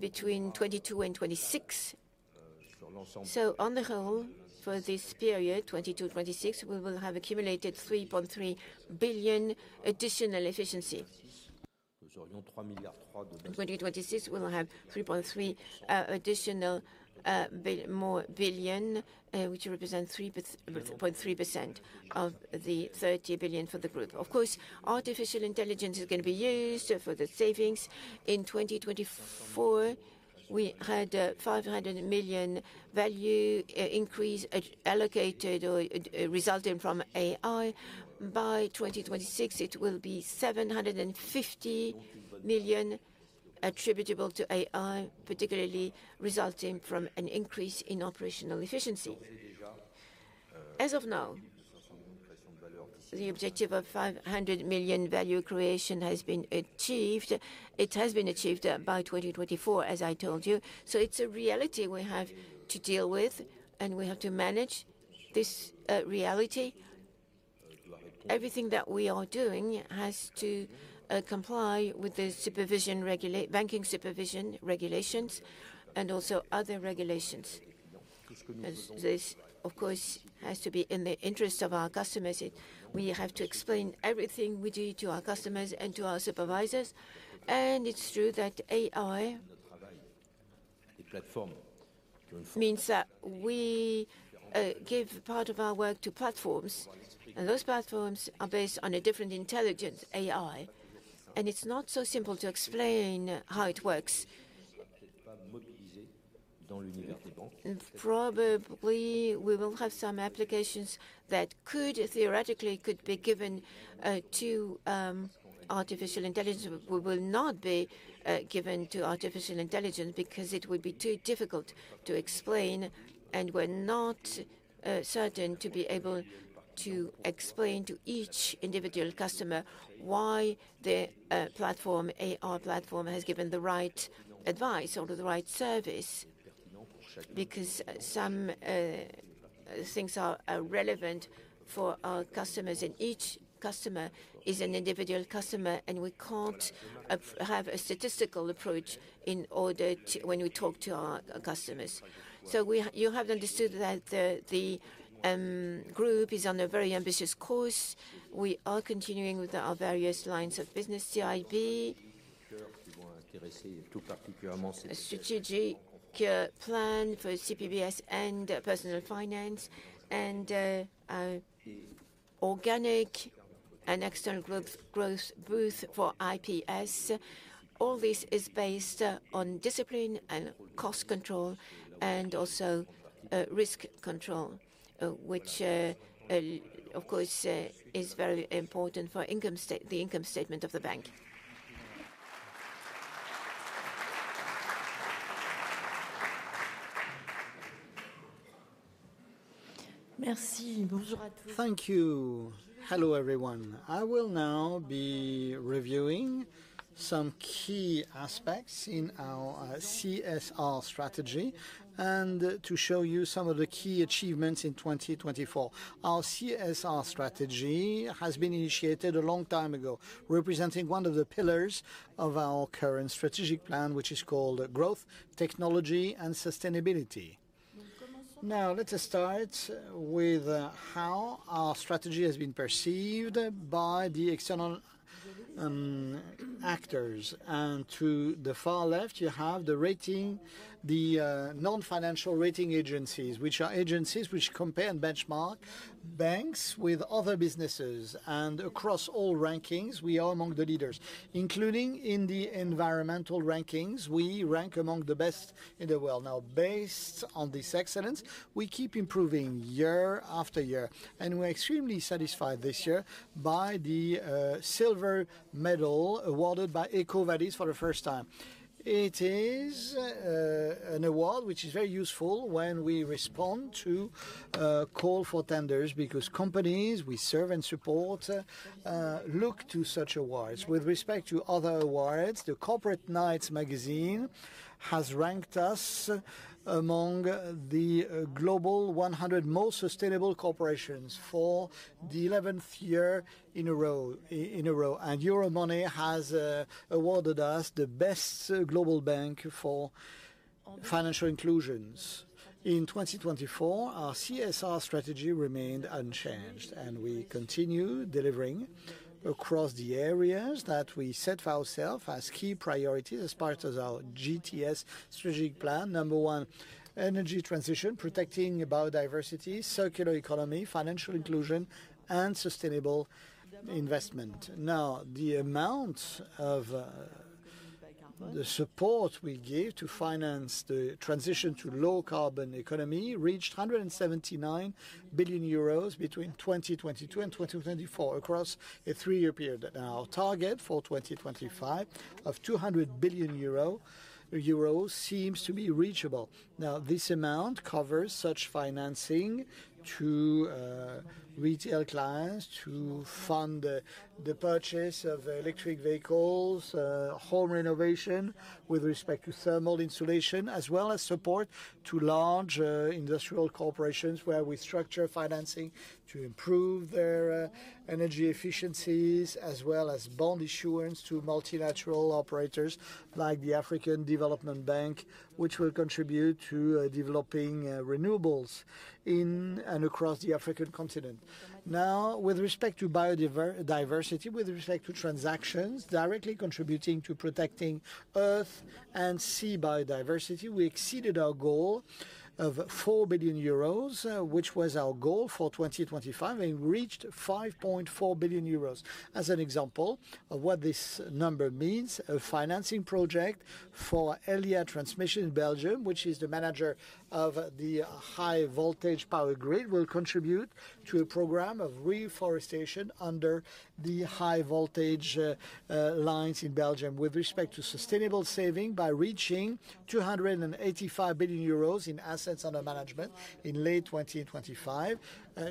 between 2022 and 2026. On the whole, for this period, 2022-2026, we will have accumulated 3.3 billion additional efficiency. In 2026, we will have 3.3 billion additional, which represents 3.3% of the 30 billion for the group. Of course, artificial intelligence is going to be used for the savings. In 2024, we had a 500 million value increase allocated or resulting from AI. By 2026, it will be 750 million attributable to AI, particularly resulting from an increase in operational efficiency. As of now, the objective of 500 million value creation has been achieved. It has been achieved by 2024, as I told you. It is a reality we have to deal with, and we have to manage this reality. Everything that we are doing has to comply with the banking supervision regulations and also other regulations. This, of course, has to be in the interest of our customers. We have to explain everything we do to our customers and to our supervisors. It is true that AI means that we give part of our work to platforms, and those platforms are based on a different intelligence, AI. It is not so simple to explain how it works. Probably, we will have some applications that could theoretically be given to artificial intelligence, but we will not be given to artificial intelligence because it would be too difficult to explain. We are not certain to be able to explain to each individual customer why the AI platform has given the right advice or the right service. Some things are relevant for our customers, and each customer is an individual customer, and we cannot have a statistical approach when we talk to our customers. You have to understand that the group is on a very ambitious course. We are continuing with our various lines of business, CIB, strategic plan for CPBS and personal finance, and organic and external growth both for IPS. All this is based on discipline and cost control and also risk control, which, of course, is very important for the income statement of the bank. Thank you. Hello everyone. I will now be reviewing some key aspects in our CSR strategy and to show you some of the key achievements in 2024. Our CSR strategy has been initiated a long time ago, representing one of the pillars of our current strategic plan, which is called Growth, Technology, and Sustainability. Now, let's start with how our strategy has been perceived by the external actors. To the far left, you have the rating, the non-financial rating agencies, which are agencies which compare and benchmark banks with other businesses. Across all rankings, we are among the leaders, including in the environmental rankings. We rank among the best in the world. Now, based on this excellence, we keep improving year after year. We are extremely satisfied this year by the silver medal awarded by EcoVadis for the first time. It is an award which is very useful when we respond to calls for tenders because companies we serve and support look to such awards. With respect to other awards, the Corporate Knights magazine has ranked us among the global 100 most sustainable corporations for the 11th year in a row. Euromoney has awarded us the best global bank for financial inclusions. In 2024, our CSR strategy remained unchanged, and we continue delivering across the areas that we set for ourselves as key priorities as part of our GTS strategic plan. Number one, energy transition, protecting biodiversity, circular economy, financial inclusion, and sustainable investment. Now, the amount of the support we give to finance the transition to a low-carbon economy reached 179 billion euros between 2022 and 2024 across a three-year period. Our target for 2025 of 200 billion euro seems to be reachable. Now, this amount covers such financing to retail clients to fund the purchase of electric vehicles, home renovation with respect to thermal insulation, as well as support to large industrial corporations where we structure financing to improve their energy efficiencies, as well as bond issuance to multilateral operators like the African Development Bank, which will contribute to developing renewables in and across the African continent. Now, with respect to biodiversity, with respect to transactions directly contributing to protecting Earth and sea biodiversity, we exceeded our goal of 4 billion euros, which was our goal for 2025, and we reached 5.4 billion euros. As an example of what this number means, a financing project for Elia Transmission in Belgium, which is the manager of the high-voltage power grid, will contribute to a program of reforestation under the high-voltage lines in Belgium. With respect to sustainable saving, by reaching 285 billion euros in assets under management in late 2025,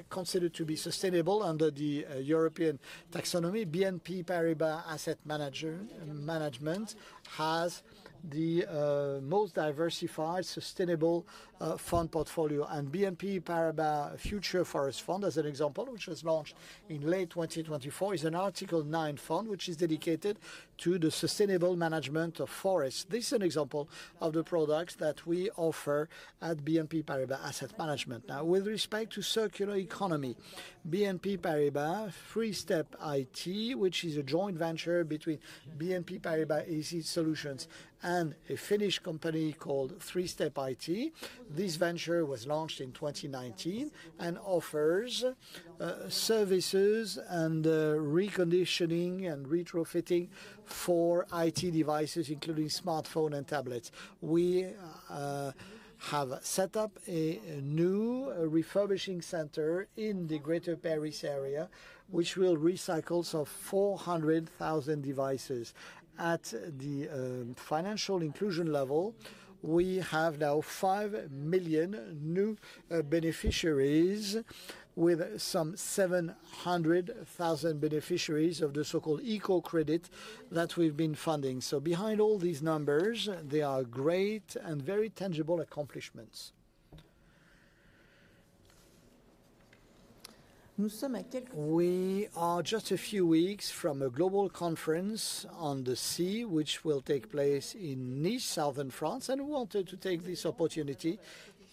considered to be sustainable under the European taxonomy, BNP Paribas Asset Management has the most diversified sustainable fund portfolio. BNP Paribas Future Forest Fund, as an example, which was launched in late 2024, is an Article 9 fund which is dedicated to the sustainable management of forests. This is an example of the products that we offer at BNP Paribas Asset Management. Now, with respect to circular economy, BNP Paribas, 3stepIT, which is a joint venture between BNP Paribas EC Solutions and a Finnish company called 3stepIT. This venture was launched in 2019 and offers services and reconditioning and retrofitting for IT devices, including smartphones and tablets. We have set up a new refurbishing center in the Greater Paris area, which will recycle 400,000 devices. At the financial inclusion level, we have now 5 million new beneficiaries with some 700,000 beneficiaries of the so-called EcoCredit that we've been funding. Behind all these numbers, there are great and very tangible accomplishments. We are just a few weeks from a global conference on the sea, which will take place in Nice, southern France, and we wanted to take this opportunity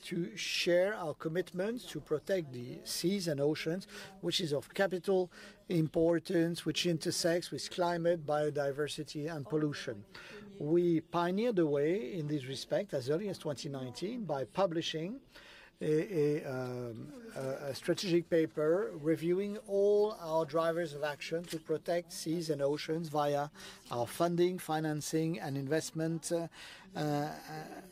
to share our commitment to protect the seas and oceans, which is of capital importance, which intersects with climate, biodiversity, and pollution. We pioneered the way in this respect as early as 2019 by publishing a strategic paper reviewing all our drivers of action to protect seas and oceans via our funding, financing, and investment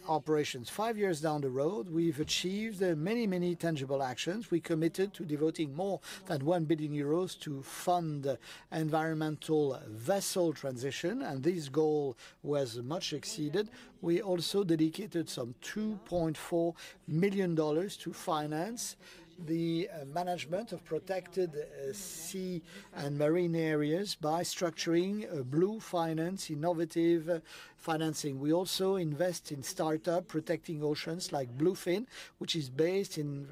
operations. Five years down the road, we've achieved many, many tangible actions. We committed to devoting more than 1 billion euros to fund environmental vessel transition, and this goal was much exceeded. We also dedicated some $2.4 million to finance the management of protected sea and marine areas by structuring blue finance, innovative financing. We also invest in startups protecting oceans like Bluefin, which is based in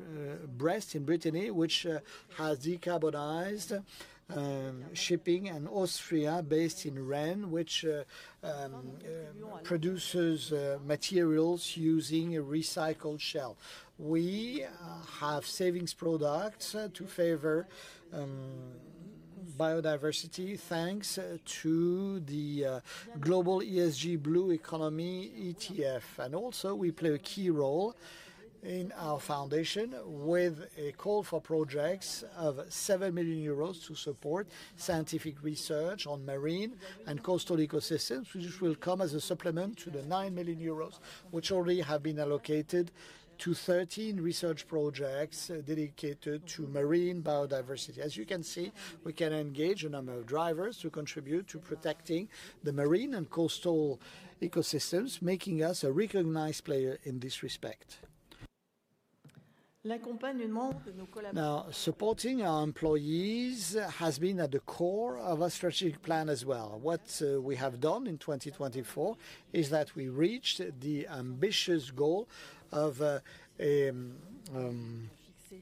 Brest in Brittany, which has decarbonized shipping, and Austria, based in Rennes, which produces materials using a recycled shell. We have savings products to favor biodiversity thanks to the Global ESG Blue Economy ETF. We play a key role in our foundation with a call for projects of 7 million euros to support scientific research on marine and coastal ecosystems, which will come as a supplement to the 9 million euros, which already have been allocated to 13 research projects dedicated to marine biodiversity. As you can see, we can engage a number of drivers to contribute to protecting the marine and coastal ecosystems, making us a recognized player in this respect. Now, supporting our employees has been at the core of our strategic plan as well. What we have done in 2024 is that we reached the ambitious goal of a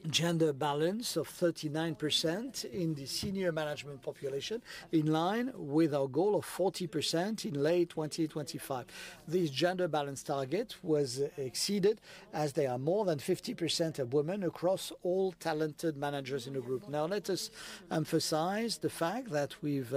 gender balance of 39% in the senior management population in line with our goal of 40% in late 2025. This gender balance target was exceeded as there are more than 50% of women across all talented managers in the group. Now, let us emphasize the fact that we've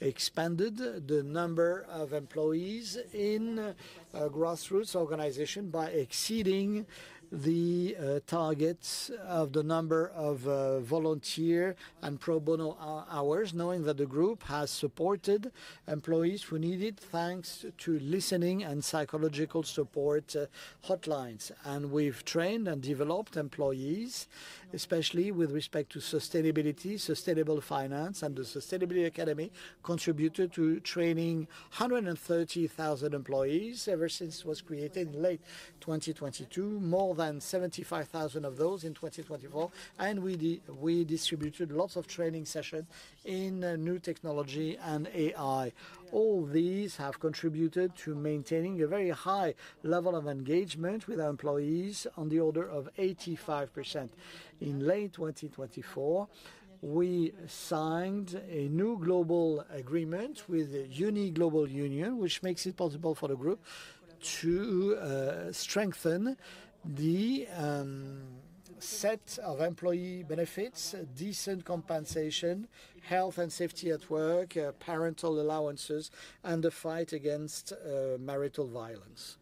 expanded the number of employees in grassroots organization by exceeding the targets of the number of volunteer and pro bono hours, knowing that the group has supported employees who need it thanks to listening and psychological support hotlines. We've trained and developed employees, especially with respect to sustainability, sustainable finance, and the Sustainability Academy, contributed to training 130,000 employees ever since it was created in late 2022, more than 75,000 of those in 2024. We distributed lots of training sessions in new technology and AI. All these have contributed to maintaining a very high level of engagement with our employees on the order of 85%. In late 2024, we signed a new global agreement with the Uni Global Union, which makes it possible for the group to strengthen the set of employee benefits, decent compensation, health and safety at work, parental allowances, and the fight against marital violence.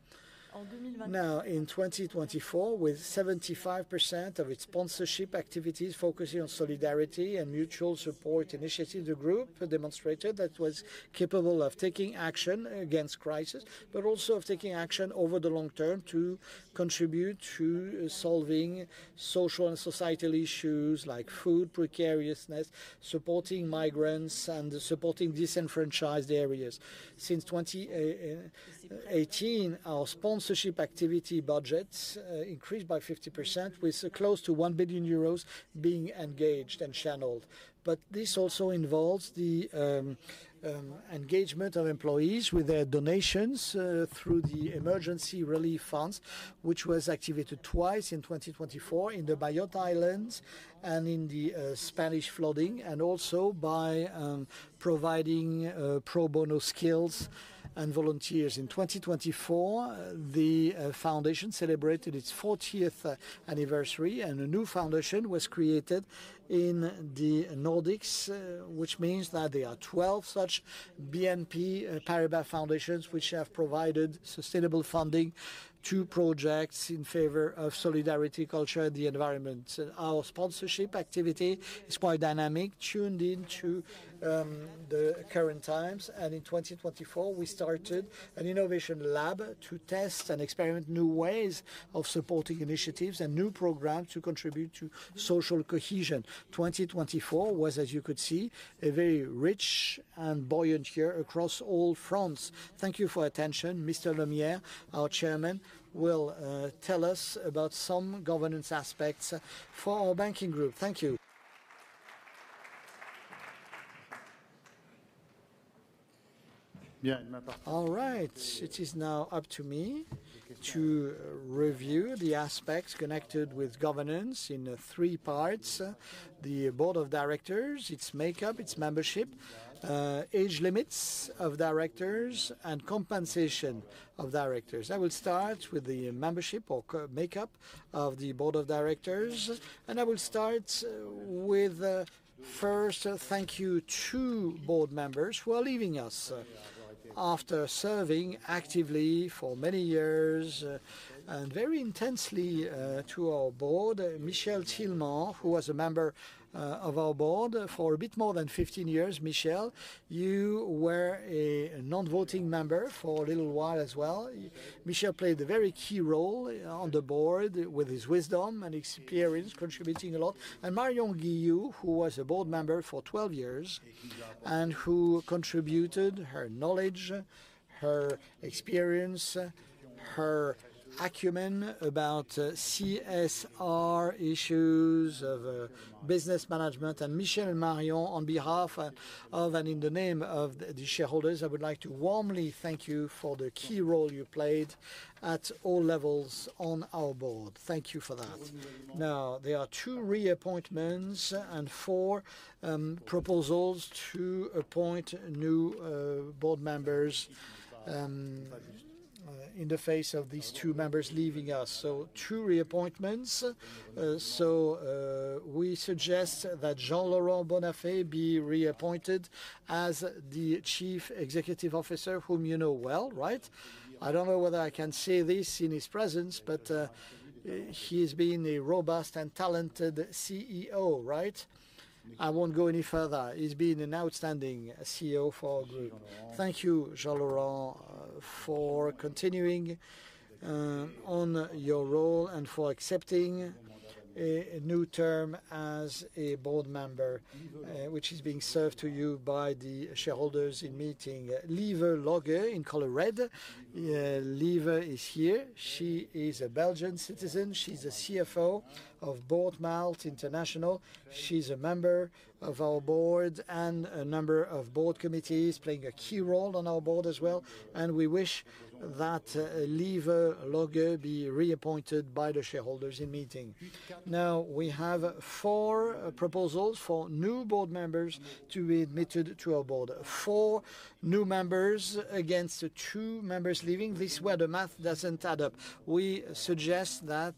Now, in 2024, with 75% of its sponsorship activities focusing on solidarity and mutual support initiatives, the group demonstrated that it was capable of taking action against crisis, but also of taking action over the long term to contribute to solving social and societal issues like food precariousness, supporting migrants, and supporting disenfranchised areas. Since 2018, our sponsorship activity budgets increased by 50%, with close to 1 billion euros being engaged and channeled. This also involves the engagement of employees with their donations through the emergency relief funds, which was activated twice in 2024 in the Bayot Islands and in the Spanish flooding, and also by providing pro bono skills and volunteers. In 2024, the foundation celebrated its 40th anniversary, and a new foundation was created in the Nordics, which means that there are 12 such BNP Paribas Foundations which have provided sustainable funding to projects in favor of solidarity, culture, and the environment. Our sponsorship activity is quite dynamic, tuned into the current times. In 2024, we started an innovation lab to test and experiment new ways of supporting initiatives and new programs to contribute to social cohesion. 2024 was, as you could see, a very rich and buoyant year across all fronts. Thank you for attention. Mr. Lemierre, our Chairman, will tell us about some governance aspects for our banking group. Thank you. All right. It is now up to me to review the aspects connected with governance in three parts: the Board of Directors, its makeup, its membership, age limits of directors, and compensation of directors. I will start with the membership or makeup of the Board of Directors. I will start with first, thank you to board members who are leaving us after serving actively for many years and very intensely to our board. Michel Tilmant, who was a member of our board for a bit more than 15 years. Michel, you were a non-voting member for a little while as well. Michel played a very key role on the board with his wisdom and experience, contributing a lot. Marion Guillou, who was a board member for 12 years and who contributed her knowledge, her experience, her acumen about CSR issues of business management. Michel and Marion, on behalf of and in the name of the shareholders, I would like to warmly thank you for the key role you played at all levels on our board. Thank you for that. Now, there are two reappointments and four proposals to appoint new board members in the face of these two members leaving us. Two reappointments. We suggest that Jean-Laurent Bonnafé be reappointed as the Chief Executive Officer, whom you know well, right? I do not know whether I can say this in his presence, but he has been a robust and talented CEO, right? I will not go any further. He has been an outstanding CEO for our group. Thank you, Jean-Laurent, for continuing on your role and for accepting a new term as a board member, which is being served to you by the shareholders in meeting. Lieve Logghe in color red. Lieve is here. She is a Belgian citizen. She's a CFO of Boortmalt International. She's a member of our board and a member of board committees, playing a key role on our board as well. We wish that Lieve Logghe be reappointed by the shareholders in meeting. Now, we have four proposals for new board members to be admitted to our board. Four new members against two members leaving. This is where the math doesn't add up. We suggest that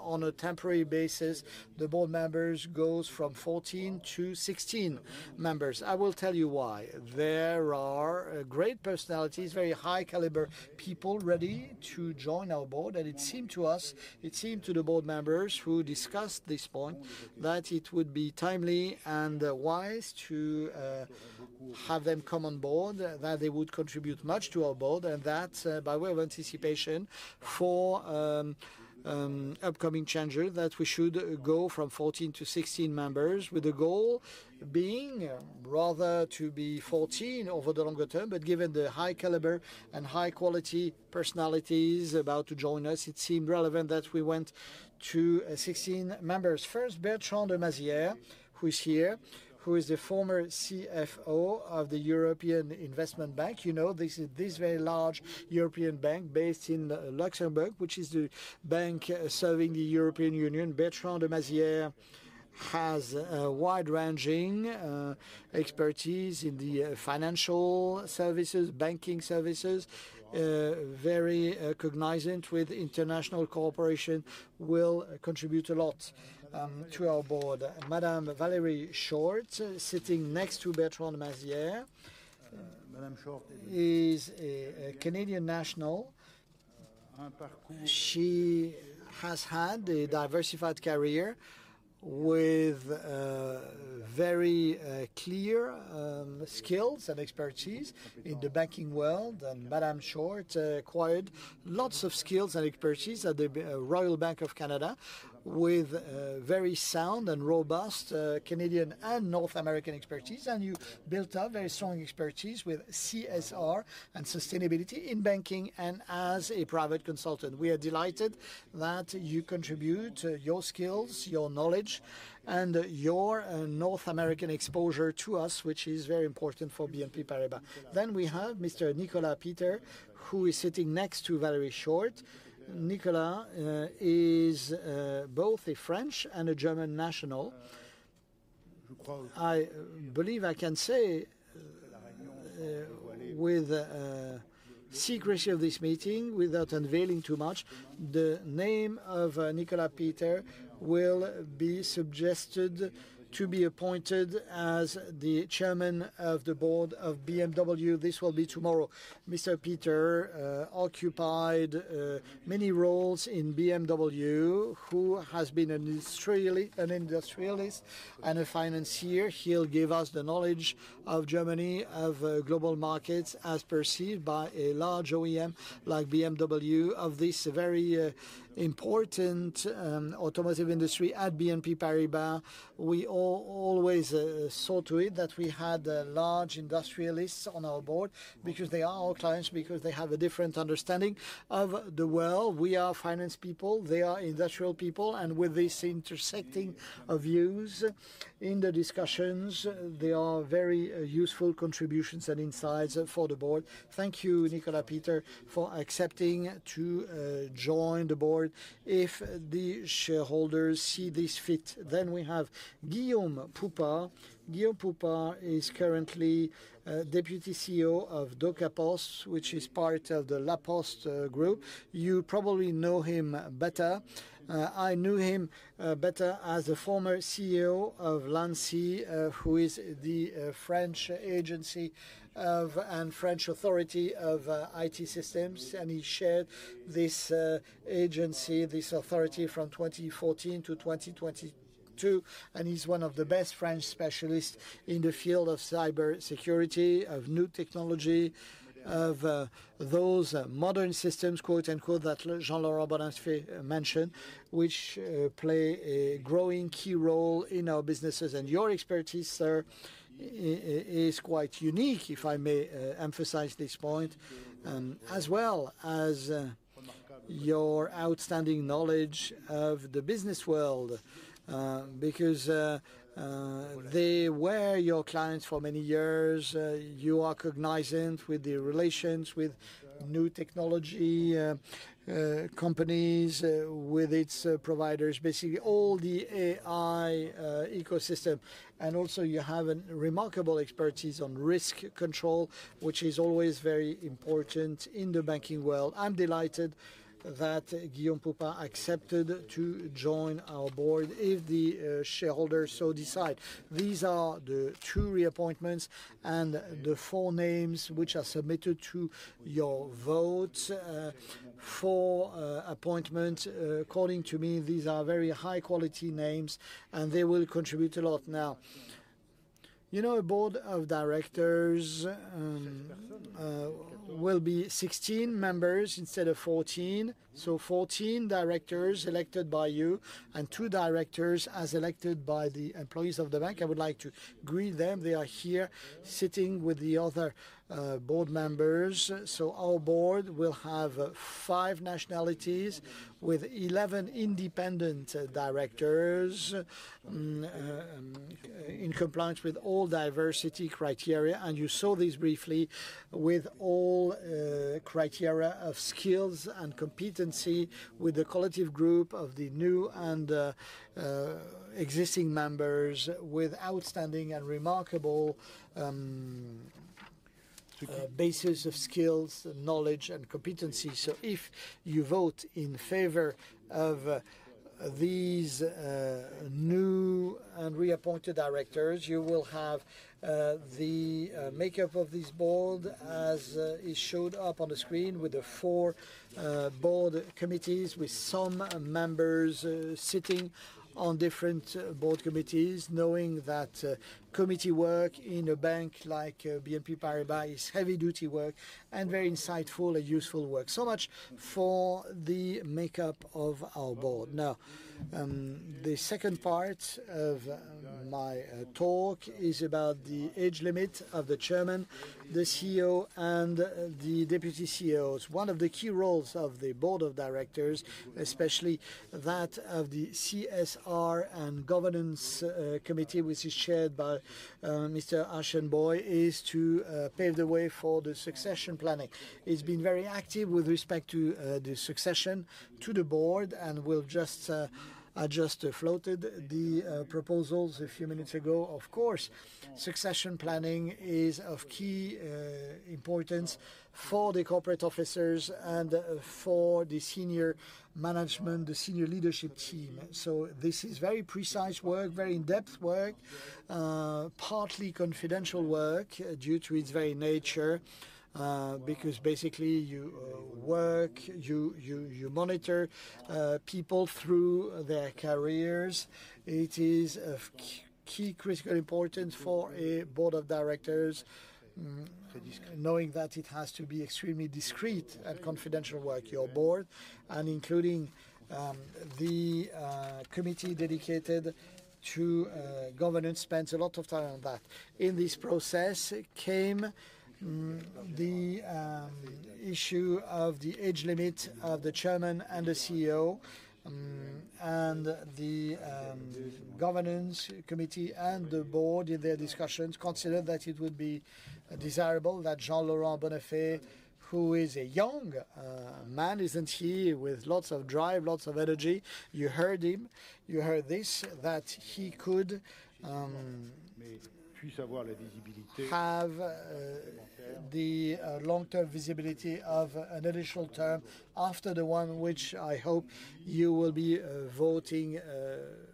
on a temporary basis, the board members go from 14 to 16 members. I will tell you why. There are great personalities, very high-caliber people ready to join our board. It seemed to us, it seemed to the board members who discussed this point, that it would be timely and wise to have them come on board, that they would contribute much to our board, and that by way of anticipation for upcoming changes, we should go from 14 to 16 members, with the goal being rather to be 14 over the longer term. Given the high-caliber and high-quality personalities about to join us, it seemed relevant that we went to 16 members. First, Bertrand de Mazières, who is here, who is the former CFO of the European Investment Bank. You know, this is a very large European bank based in Luxembourg, which is the bank serving the European Union. Bertrand de Mazières has a wide-ranging expertise in the financial services, banking services, very recognizant with international cooperation, will contribute a lot to our board. Madame Valérie Chort, sitting next to Bertrand de Mazières, is a Canadian national. She has had a diversified career with very clear skills and expertise in the banking world. Madame Chort acquired lots of skills and expertise at the Royal Bank of Canada with very sound and robust Canadian and North American expertise. You built up very strong expertise with CSR and sustainability in banking and as a private consultant. We are delighted that you contribute your skills, your knowledge, and your North American exposure to us, which is very important for BNP Paribas. We have Mr. Nicolas Peter, who is sitting next to Valérie Chort. Nicolas is both a French and a German national. I believe I can say, with secrecy of this meeting, without unveiling too much, the name of Nicolas Peter will be suggested to be appointed as the Chairman of the Board of BMW. This will be tomorrow. Mr. Peter occupied many roles in BMW, who has been an industrialist and a financier. He'll give us the knowledge of Germany, of global markets as perceived by a large OEM like BMW of this very important automotive industry at BNP Paribas. We always saw to it that we had large industrialists on our board because they are our clients, because they have a different understanding of the world. We are finance people. They are industrial people. With this intersecting of views in the discussions, there are very useful contributions and insights for the board. Thank you, Nicolas Peter, for accepting to join the board. If the shareholders see this fit, then we have Guillaume Poupard. Guillaume Poupard is currently Deputy CEO of Docaposte, which is part of the La Poste Group. You probably know him better. I knew him better as a former CEO of ANSSI, who is the French agency and French authority of IT systems. He chaired this agency, this authority from 2014 to 2022. He is one of the best French specialists in the field of cybersecurity, of new technology, of those modern systems, quote unquote, that Jean-Laurent Bonnafé mentioned, which play a growing key role in our businesses. Your expertise, sir, is quite unique, if I may emphasize this point, as well as your outstanding knowledge of the business world, because they were your clients for many years. You are cognizant with the relations with new technology companies, with its providers, basically all the AI ecosystem. You have a remarkable expertise on risk control, which is always very important in the banking world. I'm delighted that Guillaume Poupard accepted to join our board if the shareholders so decide. These are the two reappointments and the four names which are submitted to your vote for appointment. According to me, these are very high-quality names, and they will contribute a lot now. You know, a board of directors will be 16 members instead of 14. Fourteen directors elected by you and two directors as elected by the employees of the bank. I would like to greet them. They are here sitting with the other board members. Our board will have five nationalities with 11 independent directors in compliance with all diversity criteria. You saw this briefly with all criteria of skills and competency with the collective group of the new and existing members with outstanding and remarkable bases of skills, knowledge, and competency. If you vote in favor of these new and reappointed directors, you will have the makeup of this board as it showed up on the screen with the four board committees, with some members sitting on different board committees, knowing that committee work in a bank like BNP Paribas is heavy-duty work and very insightful and useful work. So much for the makeup of our board. Now, the second part of my talk is about the age limit of the Chairman, the CEO, and the Deputy CEOs. One of the key roles of the board of directors, especially that of the CSR and governance committee, which is chaired by Mr. Aschenbroich, is to pave the way for the succession planning. He's been very active with respect to the succession to the board and will just float the proposals a few minutes ago. Of course, succession planning is of key importance for the corporate officers and for the senior management, the senior leadership team. So this is very precise work, very in-depth work, partly confidential work due to its very nature, because basically you work, you monitor people through their careers. It is of key critical importance for a board of directors, knowing that it has to be extremely discreet and confidential work, your board, and including the committee dedicated to governance spends a lot of time on that. In this process came the issue of the age limit of the Chairman and the CEO, and the governance committee and the board in their discussions considered that it would be desirable that Jean-Laurent Bonnafé, who is a young man, isn't he, with lots of drive, lots of energy. You heard him. You heard this, that he could have the long-term visibility of an additional term after the one which I hope you will be voting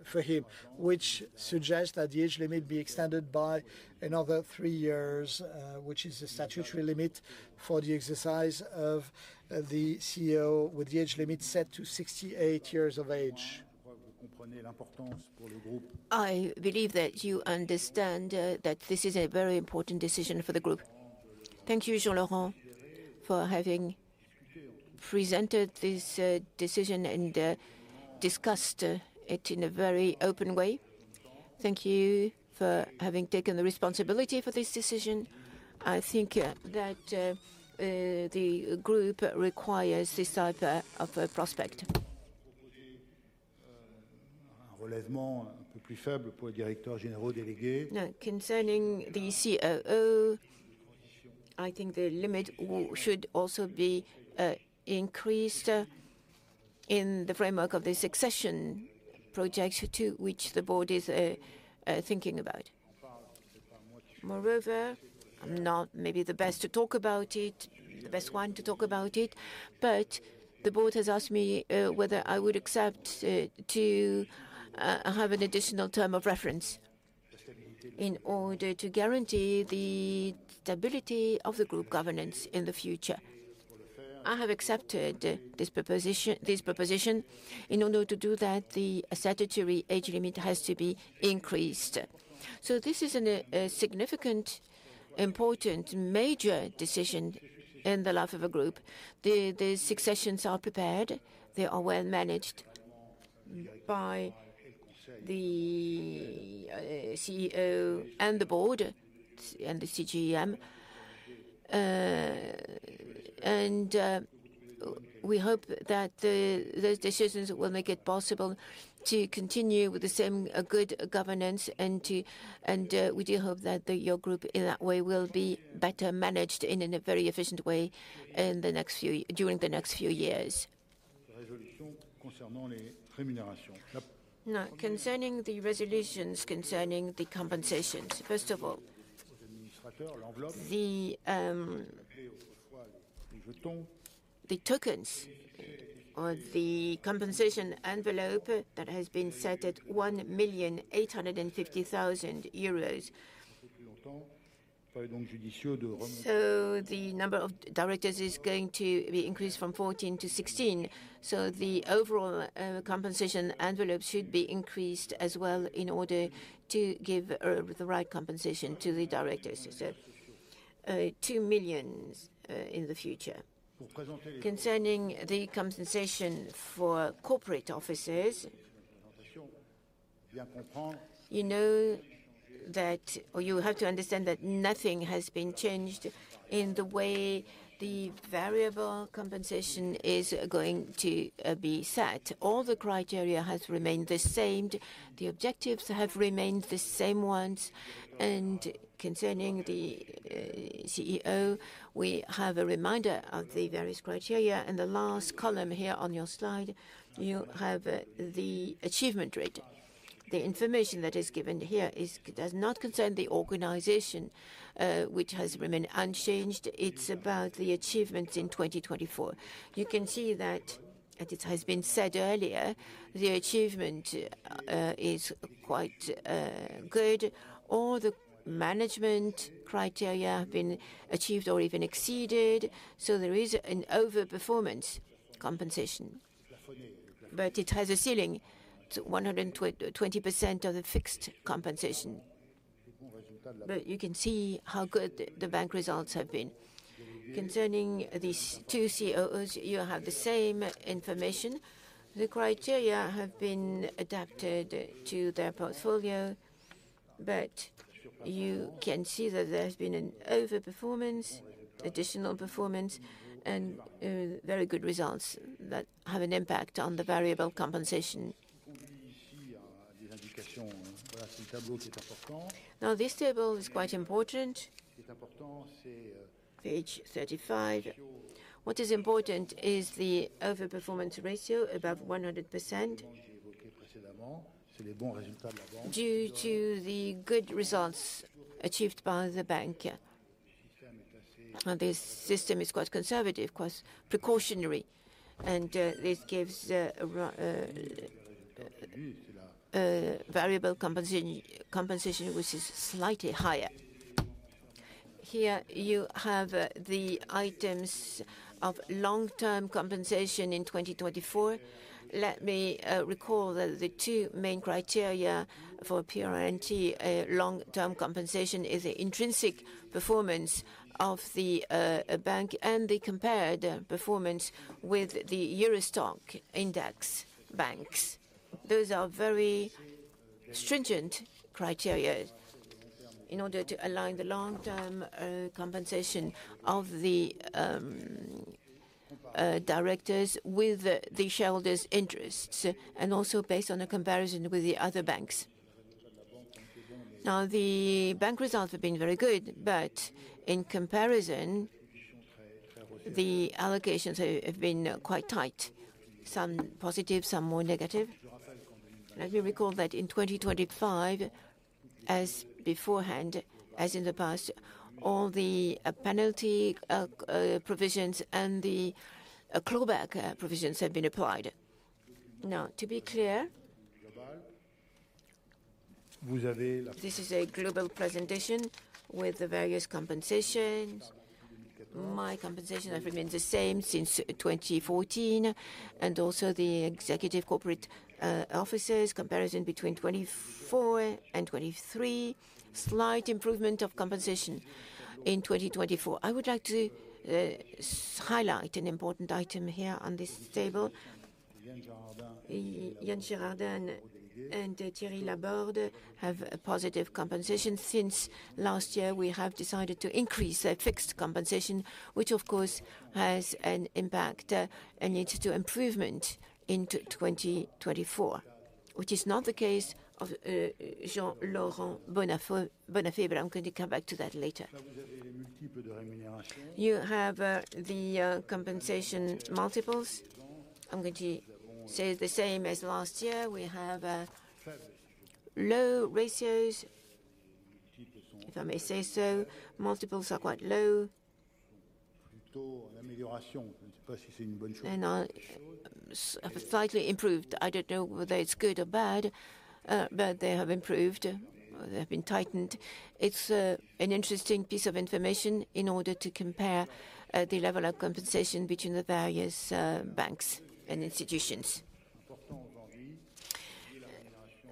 for him, which suggests that the age limit be extended by another three years, which is the statutory limit for the exercise of the CEO, with the age limit set to 68 years of age. I believe that you understand that this is a very important decision for the group. Thank you, Jean-Laurent, for having presented this decision and discussed it in a very open way. Thank you for having taken the responsibility for this decision. I think that the group requires this type of prospect. Concerning the COO, I think the limit should also be increased in the framework of the succession project to which the board is thinking about. Moreover, I am not maybe the best to talk about it, the best one to talk about it, but the board has asked me whether I would accept to have an additional term of reference in order to guarantee the stability of the group governance in the future. I have accepted this proposition. In order to do that, the statutory age limit has to be increased. This is a significant, important major decision in the life of a group. The successions are prepared. They are well managed by the CEO and the board and the CGEM. We hope that those decisions will make it possible to continue with the same good governance, and we do hope that your group in that way will be better managed in a very efficient way during the next few years. Concerning the resolutions concerning the compensations, first of all, the tokens or the compensation envelope that has been set at EUR 1,850,000. The number of directors is going to be increased from 14 to 16. The overall compensation envelope should be increased as well in order to give the right compensation to the directors, so 2 million in the future. Concerning the compensation for corporate officers, you know that you have to understand that nothing has been changed in the way the variable compensation is going to be set. All the criteria have remained the same. The objectives have remained the same ones. Concerning the CEO, we have a reminder of the various criteria. The last column here on your slide, you have the achievement rate. The information that is given here does not concern the organization, which has remained unchanged. It is about the achievements in 2024. You can see that, as it has been said earlier, the achievement is quite good. All the management criteria have been achieved or even exceeded. There is an overperformance compensation, but it has a ceiling at 120% of the fixed compensation. You can see how good the bank results have been. Concerning these two COOs, you have the same information. The criteria have been adapted to their portfolio, but you can see that there has been an overperformance, additional performance, and very good results that have an impact on the variable compensation. This table is quite important. Page 35. What is important is the overperformance ratio above 100% due to the good results achieved by the bank. This system is quite conservative, quite precautionary, and this gives a variable compensation, which is slightly higher. Here you have the items of long-term compensation in 2024. Let me recall that the two main criteria for PR&T long-term compensation are the intrinsic performance of the bank and the compared performance with the Eurostock index banks. Those are very stringent criteria in order to align the long-term compensation of the directors with the shareholders' interests and also based on a comparison with the other banks. Now, the bank results have been very good, but in comparison, the allocations have been quite tight, some positive, some more negative. Let me recall that in 2025, as beforehand, as in the past, all the penalty provisions and the clawback provisions have been applied. Now, to be clear, this is a global presentation with the various compensations. My compensation has remained the same since 2014, and also the executive corporate officers, comparison between 2024 and 2023, slight improvement of compensation in 2024. I would like to highlight an important item here on this table. Yann Gérardin and Thierry Laborde have positive compensation. Since last year, we have decided to increase their fixed compensation, which of course has an impact and leads to improvement in 2024, which is not the case of Jean-Laurent Bonnafé. I am going to come back to that later. You have the compensation multiples. I am going to say the same as last year. We have low ratios, if I may say so. Multiples are quite low. Now, slightly improved. I do not know whether it is good or bad, but they have improved. They have been tightened. It's an interesting piece of information in order to compare the level of compensation between the various banks and institutions.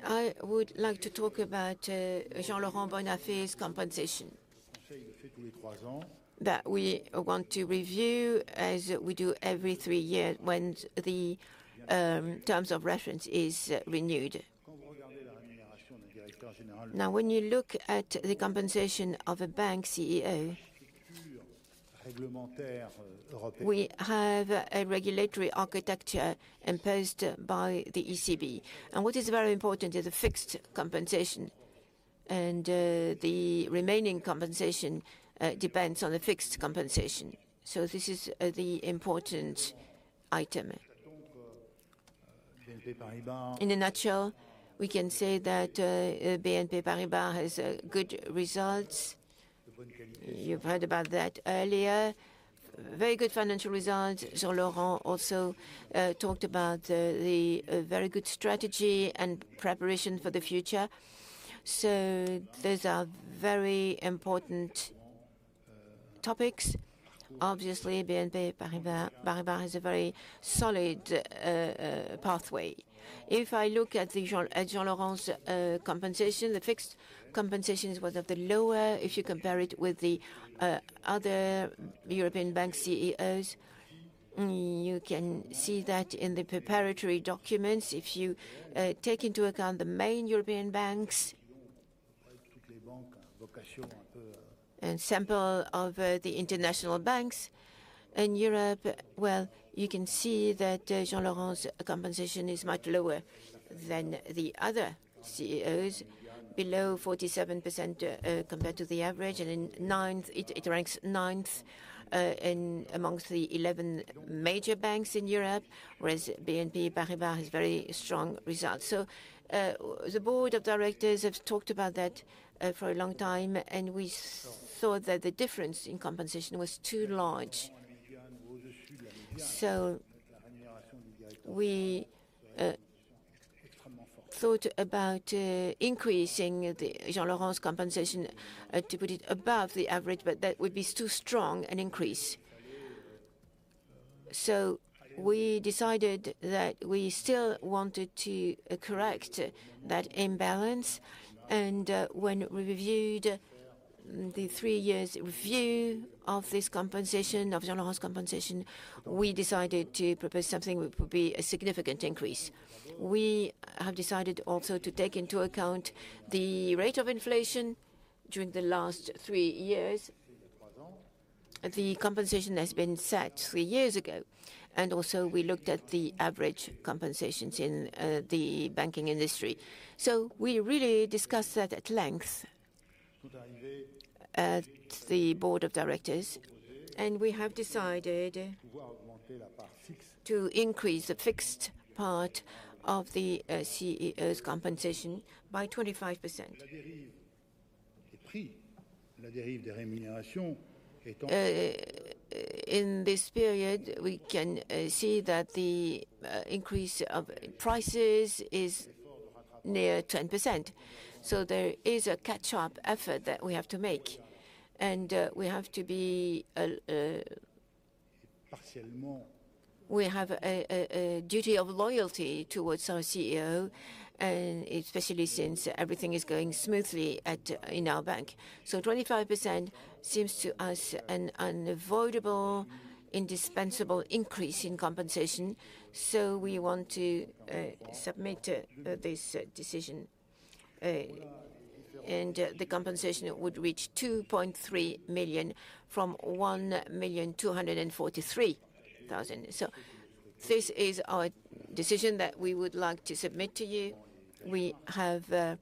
I would like to talk about Jean-Laurent Bonnafé's compensation, that we want to review as we do every three years when the terms of reference is renewed. Now, when you look at the compensation of a bank CEO, we have a regulatory architecture imposed by the ECB. What is very important is the fixed compensation, and the remaining compensation depends on the fixed compensation. This is the important item. In a nutshell, we can say that BNP Paribas has good results. You've heard about that earlier. Very good financial results. Jean-Laurent also talked about the very good strategy and preparation for the future. Those are very important topics. Obviously, BNP Paribas has a very solid pathway. If I look at Jean-Laurent's compensation, the fixed compensation is one of the lower. If you compare it with the other European bank CEOs, you can see that in the preparatory documents. If you take into account the main European banks and sample of the international banks in Europe, you can see that Jean-Laurent's compensation is much lower than the other CEOs, below 47% compared to the average. It ranks ninth amongst the 11 major banks in Europe, whereas BNP Paribas has very strong results. The board of directors have talked about that for a long time, and we thought that the difference in compensation was too large. We thought about increasing Jean-Laurent's compensation to put it above the average, but that would be too strong, an increase. We decided that we still wanted to correct that imbalance. When we reviewed the three-year review of this compensation, of Jean-Laurent's compensation, we decided to propose something which would be a significant increase. We have decided also to take into account the rate of inflation during the last three years. The compensation has been set three years ago. Also, we looked at the average compensations in the banking industry. We really discussed that at length at the board of directors, and we have decided to increase the fixed part of the CEO's compensation by 25%. In this period, we can see that the increase of prices is near 10%. There is a catch-up effort that we have to make. We have to be a duty of loyalty towards our CEO, especially since everything is going smoothly in our bank. 25% seems to us an unavoidable, indispensable increase in compensation. We want to submit this decision. The compensation would reach 2.3 million from 1,243,000. This is our decision that we would like to submit to you. We have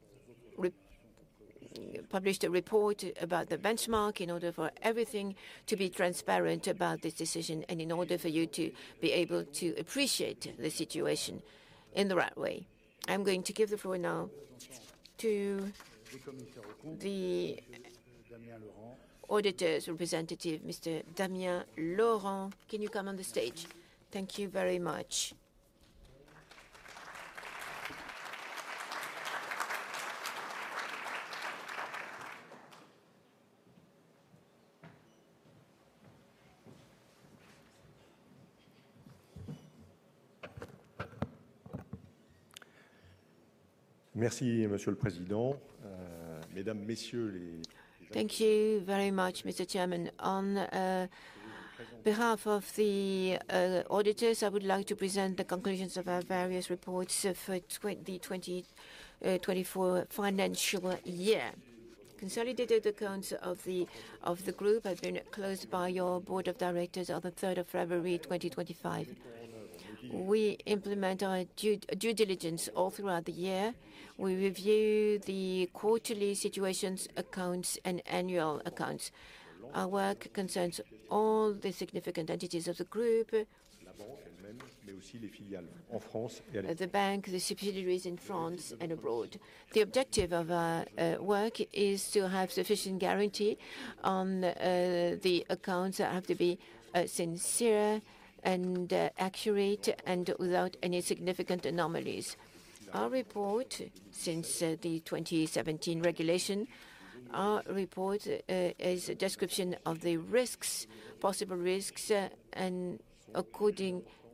published a report about the benchmark in order for everything to be transparent about this decision and in order for you to be able to appreciate the situation in the right way. I'm going to give the floor now to the auditor's representative, Mr. Damien Leurent. Can you come on the stage? Thank you very much. Thank you very much, Mr. Chairman. On behalf of the auditors, I would like to present the conclusions of our various reports for the 2024 financial year. Consolidated accounts of the group have been closed by your Board of Directors on the 3rd of February, 2025. We implement our due diligence all throughout the year. We review the quarterly situations accounts and annual accounts. Our work concerns all the significant entities of the group, the bank, the subsidiaries in France and abroad. The objective of our work is to have sufficient guarantee on the accounts that have to be sincere and accurate and without any significant anomalies. Our report, since the 2017 regulation, our report is a description of the risks, possible risks,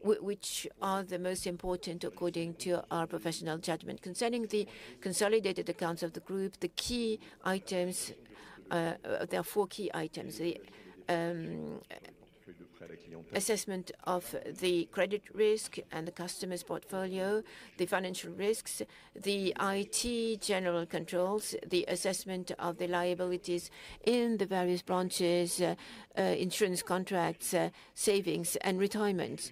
which are the most important according to our professional judgment. Concerning the consolidated accounts of the group, the key items, there are four key items: the assessment of the credit risk and the customer's portfolio, the financial risks, the IT general controls, the assessment of the liabilities in the various branches, insurance contracts, savings, and retirements.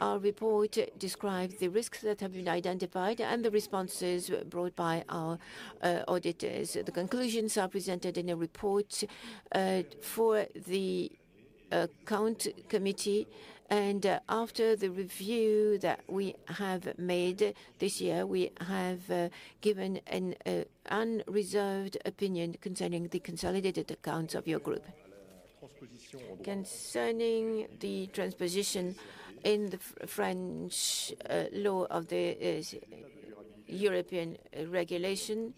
Our report describes the risks that have been identified and the responses brought by our auditors. The conclusions are presented in a report for the account committee. After the review that we have made this year, we have given an unreserved opinion concerning the consolidated accounts of your group. Concerning the transposition in the French law of the European regulation,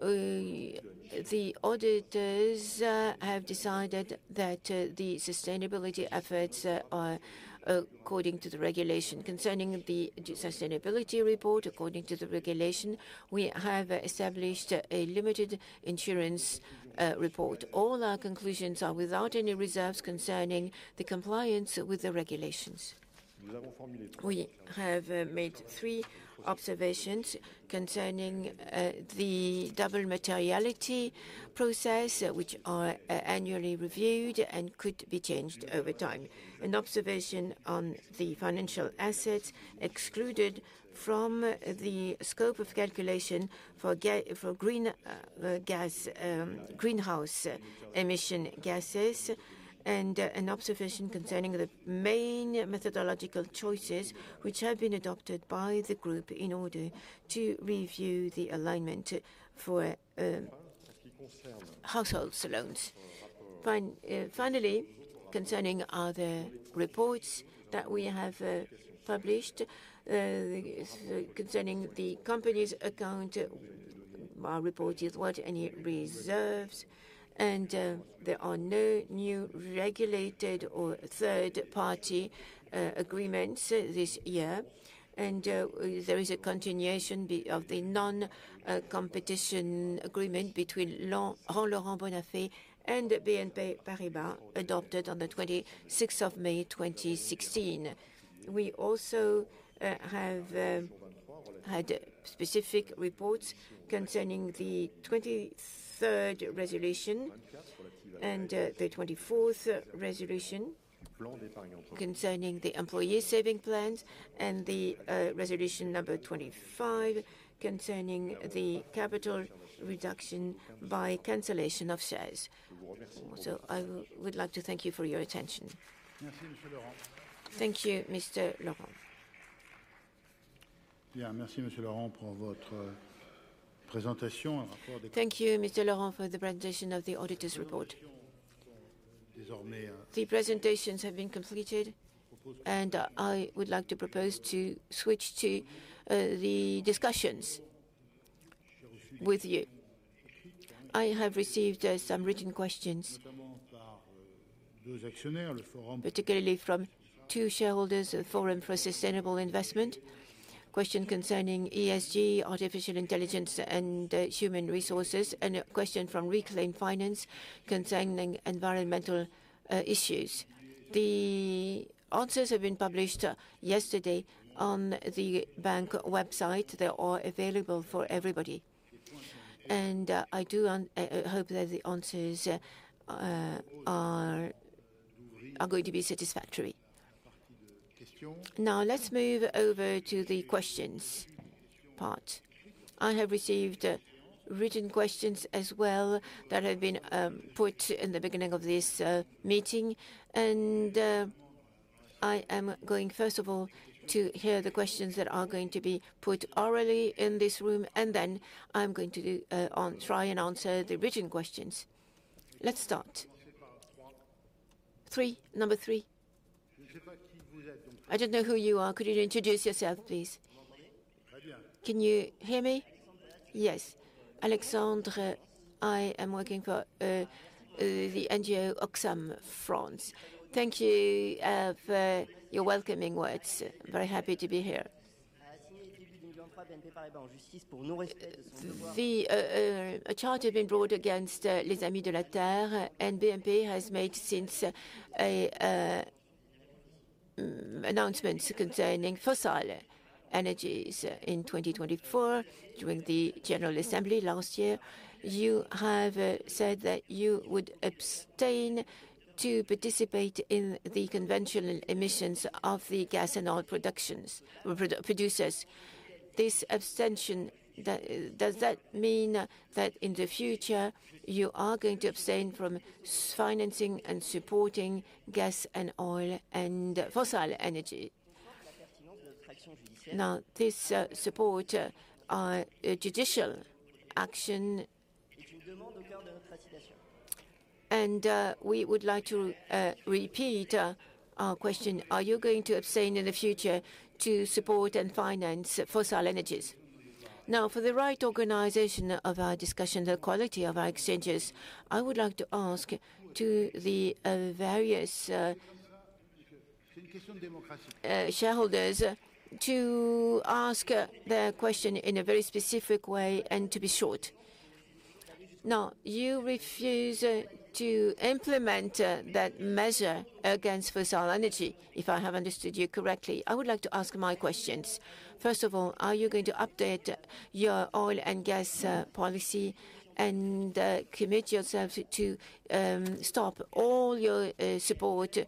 the auditors have decided that the sustainability efforts are according to the regulation. Concerning the sustainability report, according to the regulation, we have established a limited insurance report. All our conclusions are without any reserves concerning the compliance with the regulations. We have made three observations concerning the double materiality process, which are annually reviewed and could be changed over time. An observation on the financial assets excluded from the scope of calculation for greenhouse emission gases, and an observation concerning the main methodological choices which have been adopted by the group in order to review the alignment for households' loans. Finally, concerning other reports that we have published, concerning the company's account, our report is without any reserves, and there are no new regulated or third-party agreements this year. There is a continuation of the non-competition agreement between Jean-Laurent Bonnafé and BNP Paribas, adopted on the 26th of May, 2016. We also have had specific reports concerning the 23rd resolution and the 24th resolution concerning the employee saving plans and the resolution number 25 concerning the capital reduction by cancellation of shares. I would like to thank you for your attention. Thank you, Mr. Leurent. Thank you, Mr. Leurent, for the presentation of the auditor's report. The presentations have been completed, and I would like to propose to switch to the discussions with you. I have received some written questions, particularly from two shareholders of Forum for Sustainable Investment, a question concerning ESG, artificial intelligence, and human resources, and a question from Reclaim Finance concerning environmental issues. The answers have been published yesterday on the bank website. They are available for everybody. I do hope that the answers are going to be satisfactory. Now, let's move over to the questions part. I have received written questions as well that have been put in the beginning of this meeting. I am going, first of all, to hear the questions that are going to be put orally in this room, and then I'm going to try and answer the written questions. Let's start. Three, number three. I don't know who you are. Could you introduce yourself, please? Can you hear me? Alexandre, I am working for the NGO Oxfam France. Thank you for your welcoming words. Very happy to be here. A charge has been brought against Les Amis de la Terre, and BNP has made since an announcement concerning fossil energies in 2024 during the General Assembly last year. You have said that you would abstain to participate in the conventional emissions of the gas and oil producers. This abstention, does that mean that in the future you are going to abstain from financing and supporting gas and oil and fossil energy? Now, this support is a judicial action, and we would like to repeat our question. Are you going to abstain in the future to support and finance fossil energies? Now, for the right organization of our discussion, the quality of our exchanges, I would like to ask to the various shareholders to ask their question in a very specific way and to be short. Now, you refuse to implement that measure against fossil energy, if I have understood you correctly. I would like to ask my questions. First of all, are you going to update your oil and gas policy and commit yourself to stop all your support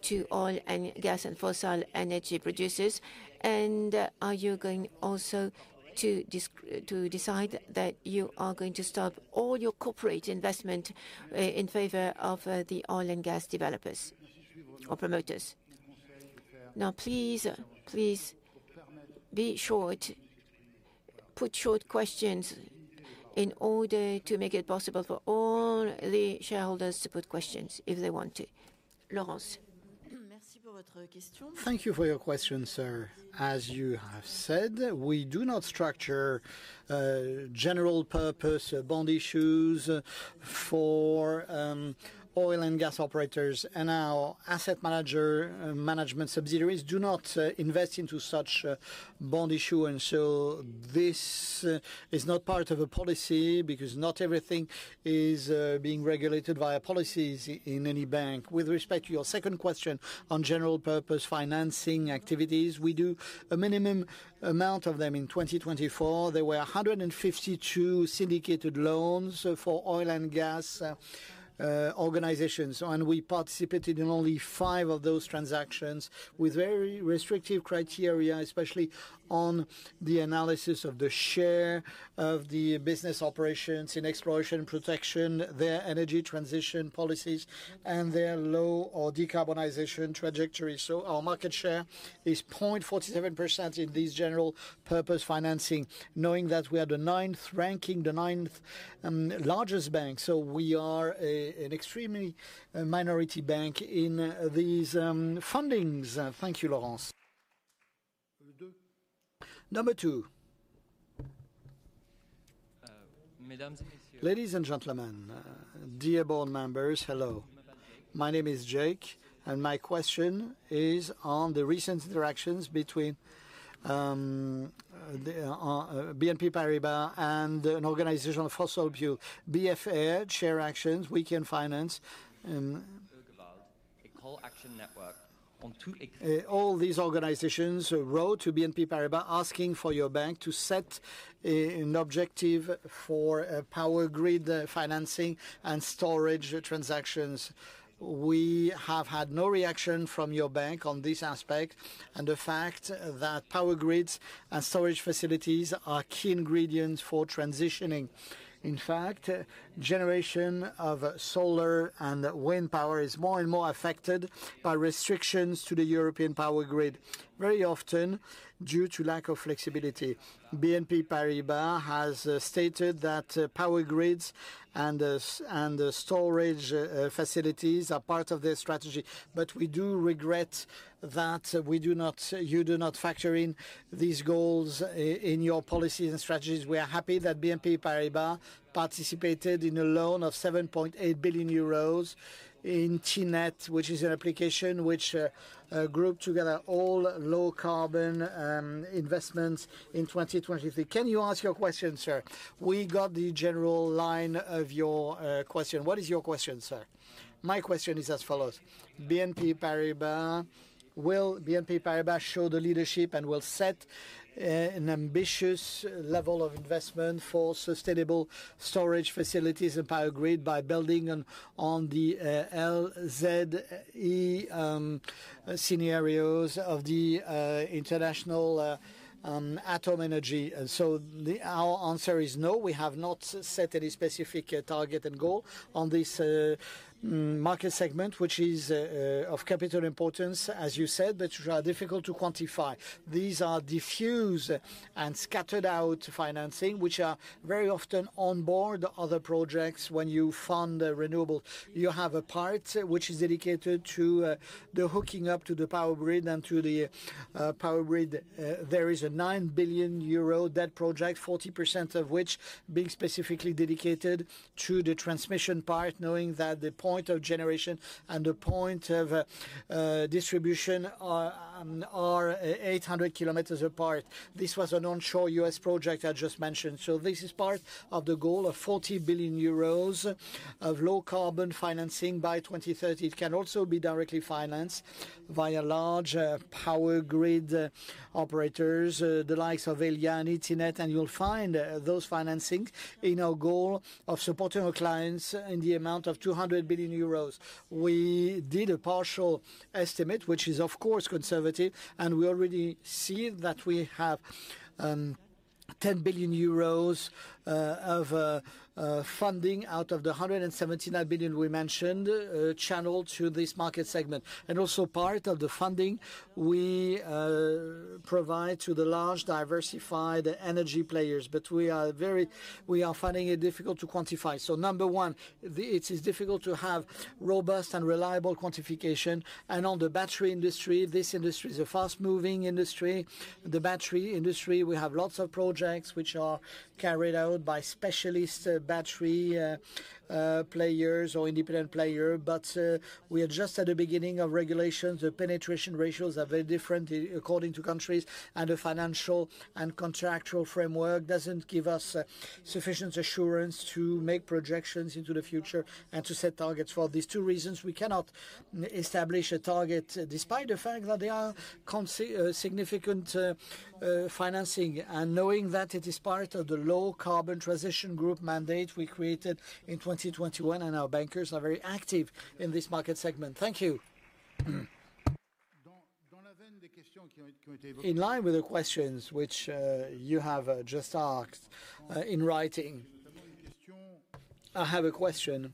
to oil and gas and fossil energy producers? Are you going also to decide that you are going to stop all your corporate investment in favor of the oil and gas developers or promoters? Now, please, please be short. Put short questions in order to make it possible for all the shareholders to put questions if they want to. Laurence? Thank you for your question, sir. As you have said, we do not structure general purpose bond issues for oil and gas operators, and our asset management subsidiaries do not invest into such bond issues. This is not part of a policy because not everything is being regulated via policies in any bank. With respect to your second question on general purpose financing activities, we do a minimum amount of them in 2024. There were 152 syndicated loans for oil and gas organizations, and we participated in only five of those transactions with very restrictive criteria, especially on the analysis of the share of the business operations in exploration and production, their energy transition policies, and their low or decarbonization trajectory. Our market share is 0.47% in these general purpose financing, knowing that we are the ninth ranking, the ninth largest bank. We are an extremely minority bank in these fundings. Thank you, Laurence. Number two. Ladies and gentlemen, dear board members, hello. My name is Jake, and my question is on the recent interactions between BNP Paribas and an organization of fossil fuel, BFA, chair actions, weekend finance. All these organizations wrote to BNP Paribas asking for your bank to set an objective for power grid financing and storage transactions. We have had no reaction from your bank on this aspect and the fact that power grids and storage facilities are key ingredients for transitioning. In fact, the generation of solar and wind power is more and more affected by restrictions to the European power grid, very often due to lack of flexibility. BNP Paribas has stated that power grids and storage facilities are part of their strategy, but we do regret that you do not factor in these goals in your policies and strategies. We are happy that BNP Paribas participated in a loan of 7.8 billion euros in TNET, which is an application which grouped together all low carbon investments in 2023. Can you ask your question, sir? We got the general line of your question. What is your question, sir? My question is as follows. Will BNP Paribas show the leadership and will set an ambitious level of investment for sustainable storage facilities and power grid by building on the LZE scenarios of the International Atom Energy? Our answer is no. We have not set any specific target and goal on this market segment, which is of capital importance, as you said, but which are difficult to quantify. These are diffused and scattered out financing, which are very often on board other projects. When you fund renewables, you have a part which is dedicated to the hooking up to the power grid and to the power grid. There is a 9 billion euro debt project, 40% of which being specifically dedicated to the transmission part, knowing that the point of generation and the point of distribution are 800 km apart. This was an onshore U.S. project I just mentioned. This is part of the goal of 40 billion euros of low carbon financing by 2030. It can also be directly financed via large power grid operators the likes of Elia, TNET, and you'll find those financing in our goal of supporting our clients in the amount of 200 billion euros. We did a partial estimate, which is of course conservative, and we already see that we have 10 billion euros of funding out of the 179 billion we mentioned channeled to this market segment. Also, part of the funding we provide to the large diversified energy players, but we are finding it very difficult to quantify. Number one, it is difficult to have robust and reliable quantification. On the battery industry, this industry is a fast-moving industry. The battery industry, we have lots of projects which are carried out by specialist battery players or independent players. We are just at the beginning of regulations. The penetration ratios are very different according to countries, and the financial and contractual framework does not give us sufficient assurance to make projections into the future and to set targets. For these two reasons, we cannot establish a target despite the fact that there are significant financing. Knowing that it is part of the low carbon transition group mandate we created in 2021, and our bankers are very active in this market segment. Thank you. In line with the questions which you have just asked in writing, I have a question,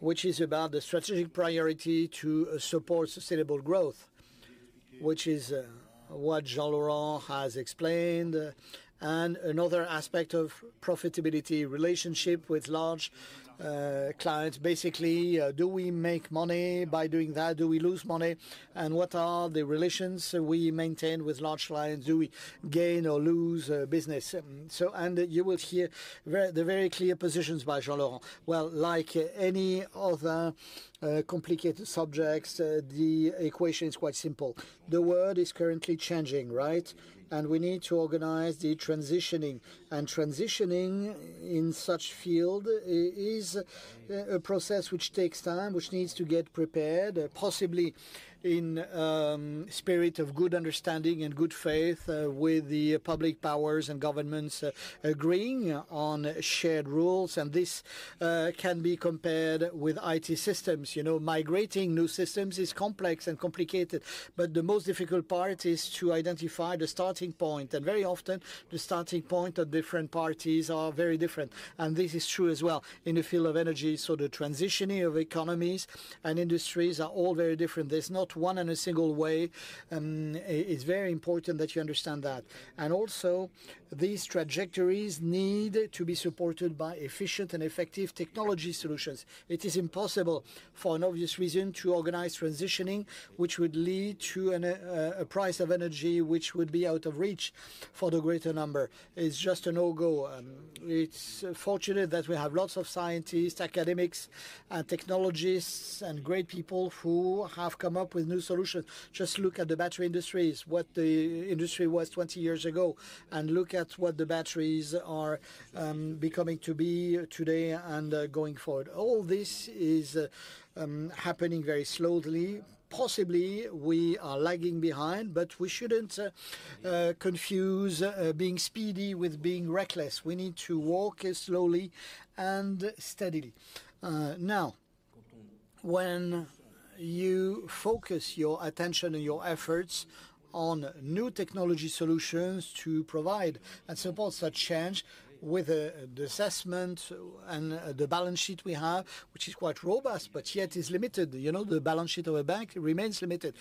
which is about the strategic priority to support sustainable growth, which is what Jean-Laurent has explained, and another aspect of profitability relationship with large clients. Basically, do we make money by doing that? Do we lose money? What are the relations we maintain with large clients? Do we gain or lose business? You will hear the very clear positions by Jean-Laurent. Like any other complicated subjects, the equation is quite simple. The world is currently changing, right? We need to organize the transitioning. Transitioning in such field is a process which takes time, which needs to get prepared, possibly in spirit of good understanding and good faith with the public powers and governments agreeing on shared rules. This can be compared with IT systems. Migrating new systems is complex and complicated, but the most difficult part is to identify the starting point. Very often, the starting point of different parties are very different. This is true as well in the field of energy. The transitioning of economies and industries are all very different. There is not one and a single way. It is very important that you understand that. Also, these trajectories need to be supported by efficient and effective technology solutions. It is impossible for an obvious reason to organize transitioning, which would lead to a price of energy which would be out of reach for the greater number. It's just a no-go. It's fortunate that we have lots of scientists, academics, and technologists and great people who have come up with new solutions. Just look at the battery industries, what the industry was 20 years ago, and look at what the batteries are becoming to be today and going forward. All this is happening very slowly. Possibly, we are lagging behind, but we shouldn't confuse being speedy with being reckless. We need to walk slowly and steadily. Now, when you focus your attention and your efforts on new technology solutions to provide and support such change with the assessment and the balance sheet we have, which is quite robust, but yet is limited. The balance sheet of a bank remains limited.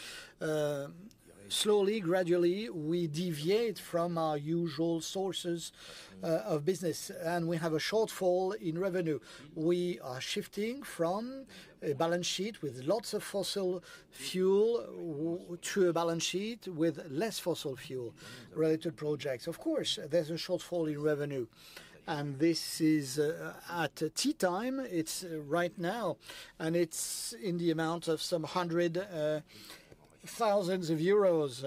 Slowly, gradually, we deviate from our usual sources of business, and we have a shortfall in revenue. We are shifting from a balance sheet with lots of fossil fuel to a balance sheet with less fossil fuel related projects. Of course, there's a shortfall in revenue. This is at tea time. It's right now, and it's in the amount of some hundred thousands of euros.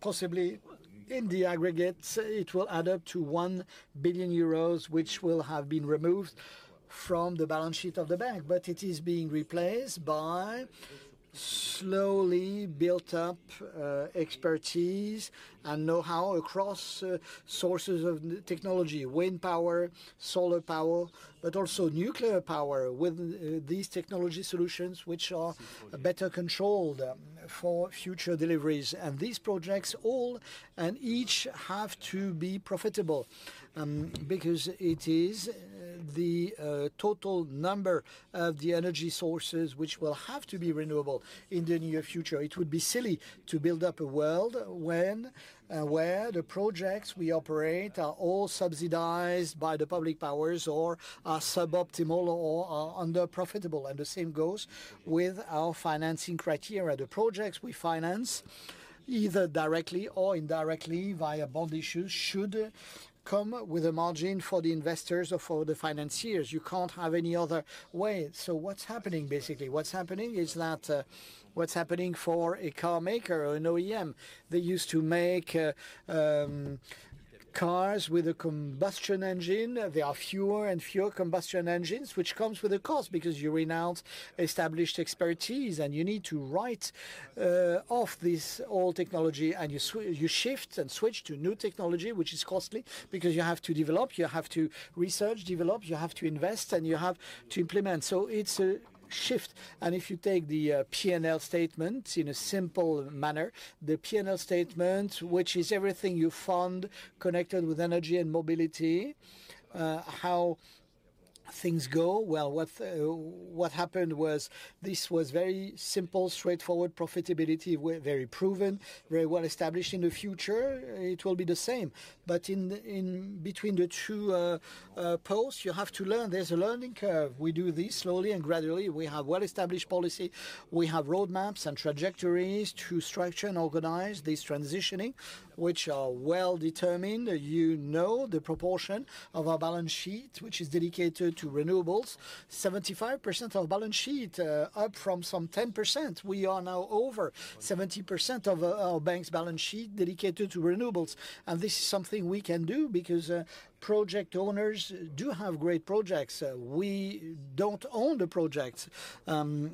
Possibly, in the aggregate, it will add up to 1 billion euros, which will have been removed from the balance sheet of the bank, but it is being replaced by slowly built-up expertise and know-how across sources of technology: wind power, solar power, but also nuclear power with these technology solutions, which are better controlled for future deliveries. These projects all and each have to be profitable because it is the total number of the energy sources which will have to be renewable in the near future. It would be silly to build up a world where the projects we operate are all subsidized by the public powers or are suboptimal or are underprofitable. The same goes with our financing criteria. The projects we finance, either directly or indirectly via bond issues, should come with a margin for the investors or for the financiers. You can't have any other way. What's happening, basically? What's happening is that what's happening for a car maker or an OEM, they used to make cars with a combustion engine. There are fewer and fewer combustion engines, which comes with a cost because you renounce established expertise, and you need to write off this old technology, and you shift and switch to new technology, which is costly because you have to develop, you have to research, develop, you have to invest, and you have to implement. It is a shift. If you take the P&L statement in a simple manner, the P&L statement, which is everything you fund connected with energy and mobility, how things go. What happened was this was very simple, straightforward profitability, very proven, very well established. In the future, it will be the same. In between the two posts, you have to learn. There is a learning curve. We do this slowly and gradually. We have well-established policy. We have roadmaps and trajectories to structure and organize this transitioning, which are well determined. You know the proportion of our balance sheet, which is dedicated to renewables, 75% of balance sheet up from some 10%. We are now over 70% of our bank's balance sheet dedicated to renewables. This is something we can do because project owners do have great projects. We do not own the projects.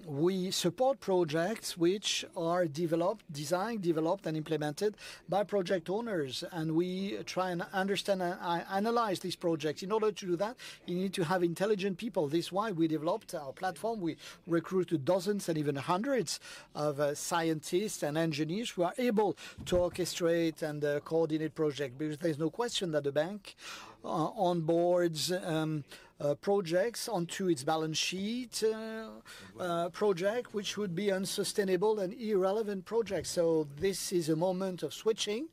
We support projects which are developed, designed, developed, and implemented by project owners. We try and understand and analyze these projects. In order to do that, you need to have intelligent people. This is why we developed our platform. We recruited dozens and even hundreds of scientists and engineers who are able to orchestrate and coordinate projects because there is no question that the bank onboards projects onto its balance sheet, projects which would be unsustainable and irrelevant projects. This is a moment of switching.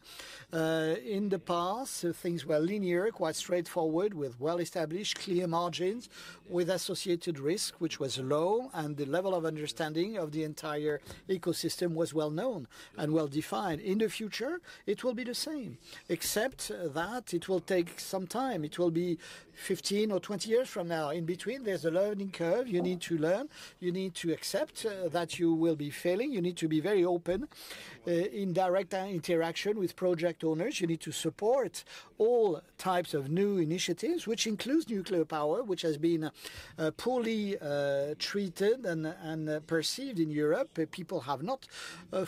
In the past, things were linear, quite straightforward, with well-established, clear margins, with associated risk, which was low, and the level of understanding of the entire ecosystem was well-known and well-defined. In the future, it will be the same, except that it will take some time. It will be 15 or 20 years from now. In between, there's a learning curve. You need to learn. You need to accept that you will be failing. You need to be very open in direct interaction with project owners. You need to support all types of new initiatives, which includes nuclear power, which has been poorly treated and perceived in Europe. People have not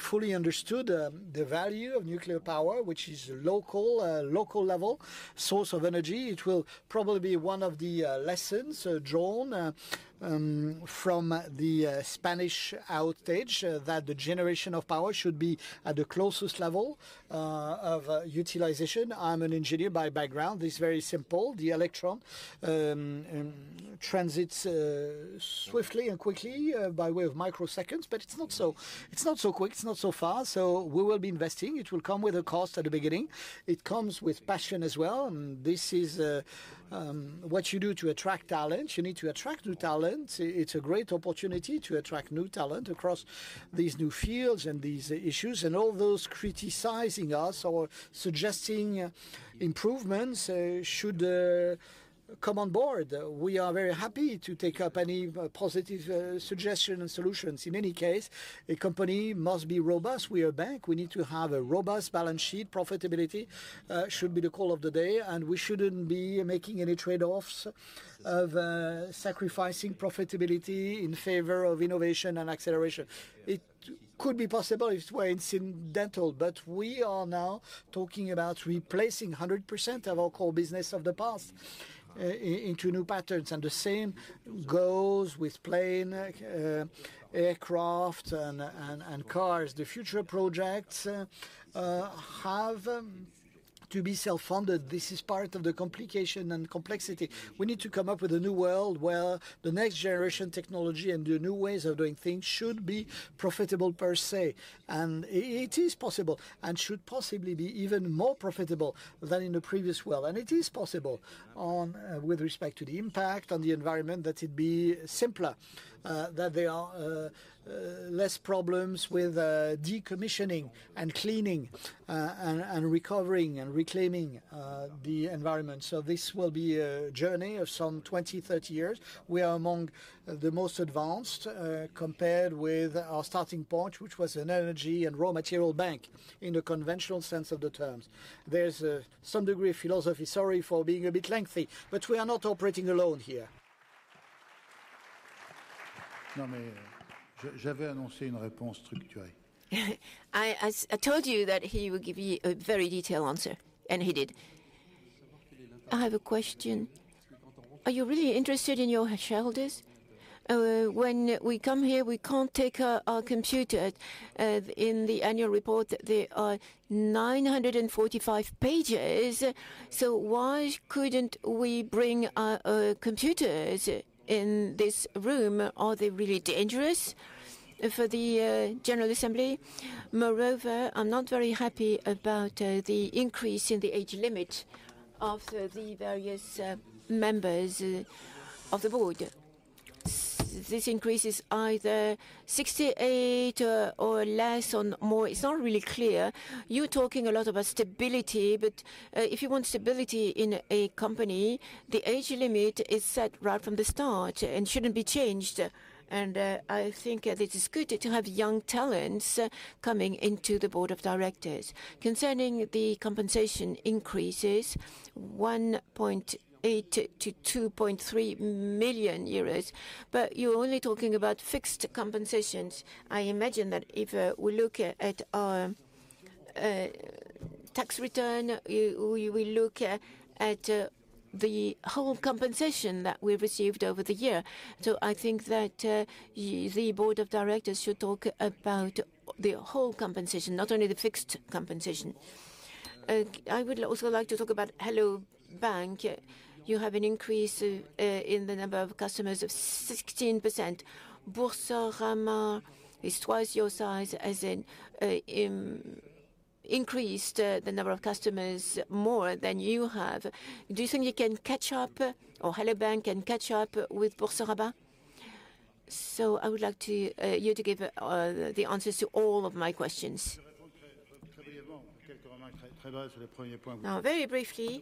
fully understood the value of nuclear power, which is a local level source of energy. It will probably be one of the lessons drawn from the Spanish outage that the generation of power should be at the closest level of utilization. I'm an engineer by background. This is very simple. The electron transits swiftly and quickly by way of microseconds, but it's not so quick. It's not so fast. We will be investing. It will come with a cost at the beginning. It comes with passion as well. This is what you do to attract talent. You need to attract new talent. It's a great opportunity to attract new talent across these new fields and these issues. All those criticizing us or suggesting improvements should come on board. We are very happy to take up any positive suggestions and solutions. In any case, a company must be robust. We are a bank. We need to have a robust balance sheet. Profitability should be the call of the day. We shouldn't be making any trade-offs of sacrificing profitability in favor of innovation and acceleration. It could be possible if it were incidental, but we are now talking about replacing 100% of our core business of the past into new patterns. The same goes with planes, aircraft, and cars. The future projects have to be self-funded. This is part of the complication and complexity. We need to come up with a new world where the next generation technology and the new ways of doing things should be profitable per se. It is possible and should possibly be even more profitable than in the previous world. It is possible with respect to the impact on the environment that it be simpler, that there are less problems with decommissioning and cleaning and recovering and reclaiming the environment. This will be a journey of some 20-30 years. We are among the most advanced compared with our starting point, which was an energy and raw material bank in the conventional sense of the terms. There is some degree of philosophy. Sorry for being a bit lengthy, but we are not operating alone here. I told you that he would give you a very detailed answer, and he did. I have a question. Are you really interested in your shareholders? When we come here, we can't take our computer. In the annual report, there are 945 pages. Why couldn't we bring our computers in this room? Are they really dangerous for the General Assembly? Moreover, I'm not very happy about the increase in the age limit of the various members of the board. This increase is either 68 or less or more. It's not really clear. You're talking a lot about stability, but if you want stability in a company, the age limit is set right from the start and shouldn't be changed. I think that it is good to have young talents coming into the board of directors. Concerning the compensation increases, 1.8 million-2.3 million euros, but you're only talking about fixed compensations. I imagine that if we look at our tax return, we will look at the whole compensation that we received over the year. I think that the board of directors should talk about the whole compensation, not only the fixed compensation. I would also like to talk about Hello bank! You have an increase in the number of customers of 16%. Boursorama is twice your size, as in increased the number of customers more than you have. Do you think you can catch up, or Hello bank! can catch up with Boursorama? I would like you to give the answers to all of my questions. Now, very briefly,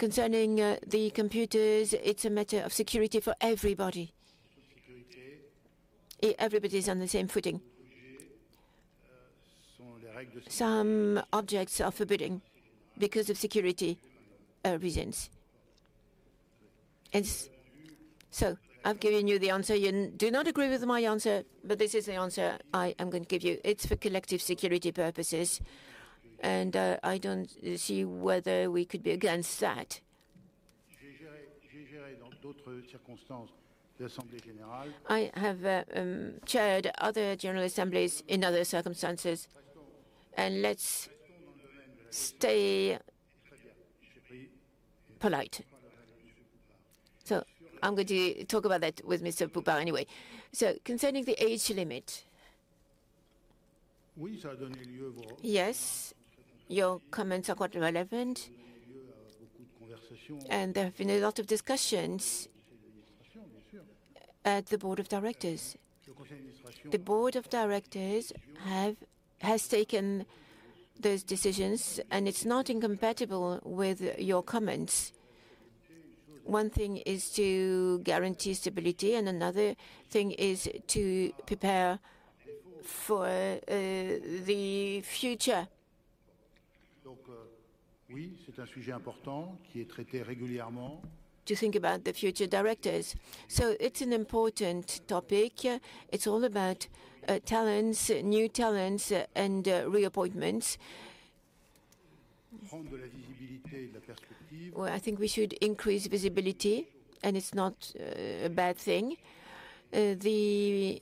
concerning the computers, it is a matter of security for everybody. Everybody is on the same footing. Some objects are forbidden because of security reasons. I have given you the answer. You do not agree with my answer, but this is the answer I am going to give you. It is for collective security purposes, and I do not see whether we could be against that. I have chaired other General Assemblies in other circumstances, and let's stay polite. I am going to talk about that with Mr. Poupard anyway. Concerning the age limit, yes, your comments are quite relevant, and there have been a lot of discussions at the board of directors. The board of directors has taken those decisions, and it's not incompatible with your comments. One thing is to guarantee stability, and another thing is to prepare for the future. To think about the future directors. It is an important topic. It's all about talents, new talents, and reappointments. I think we should increase visibility, and it's not a bad thing. The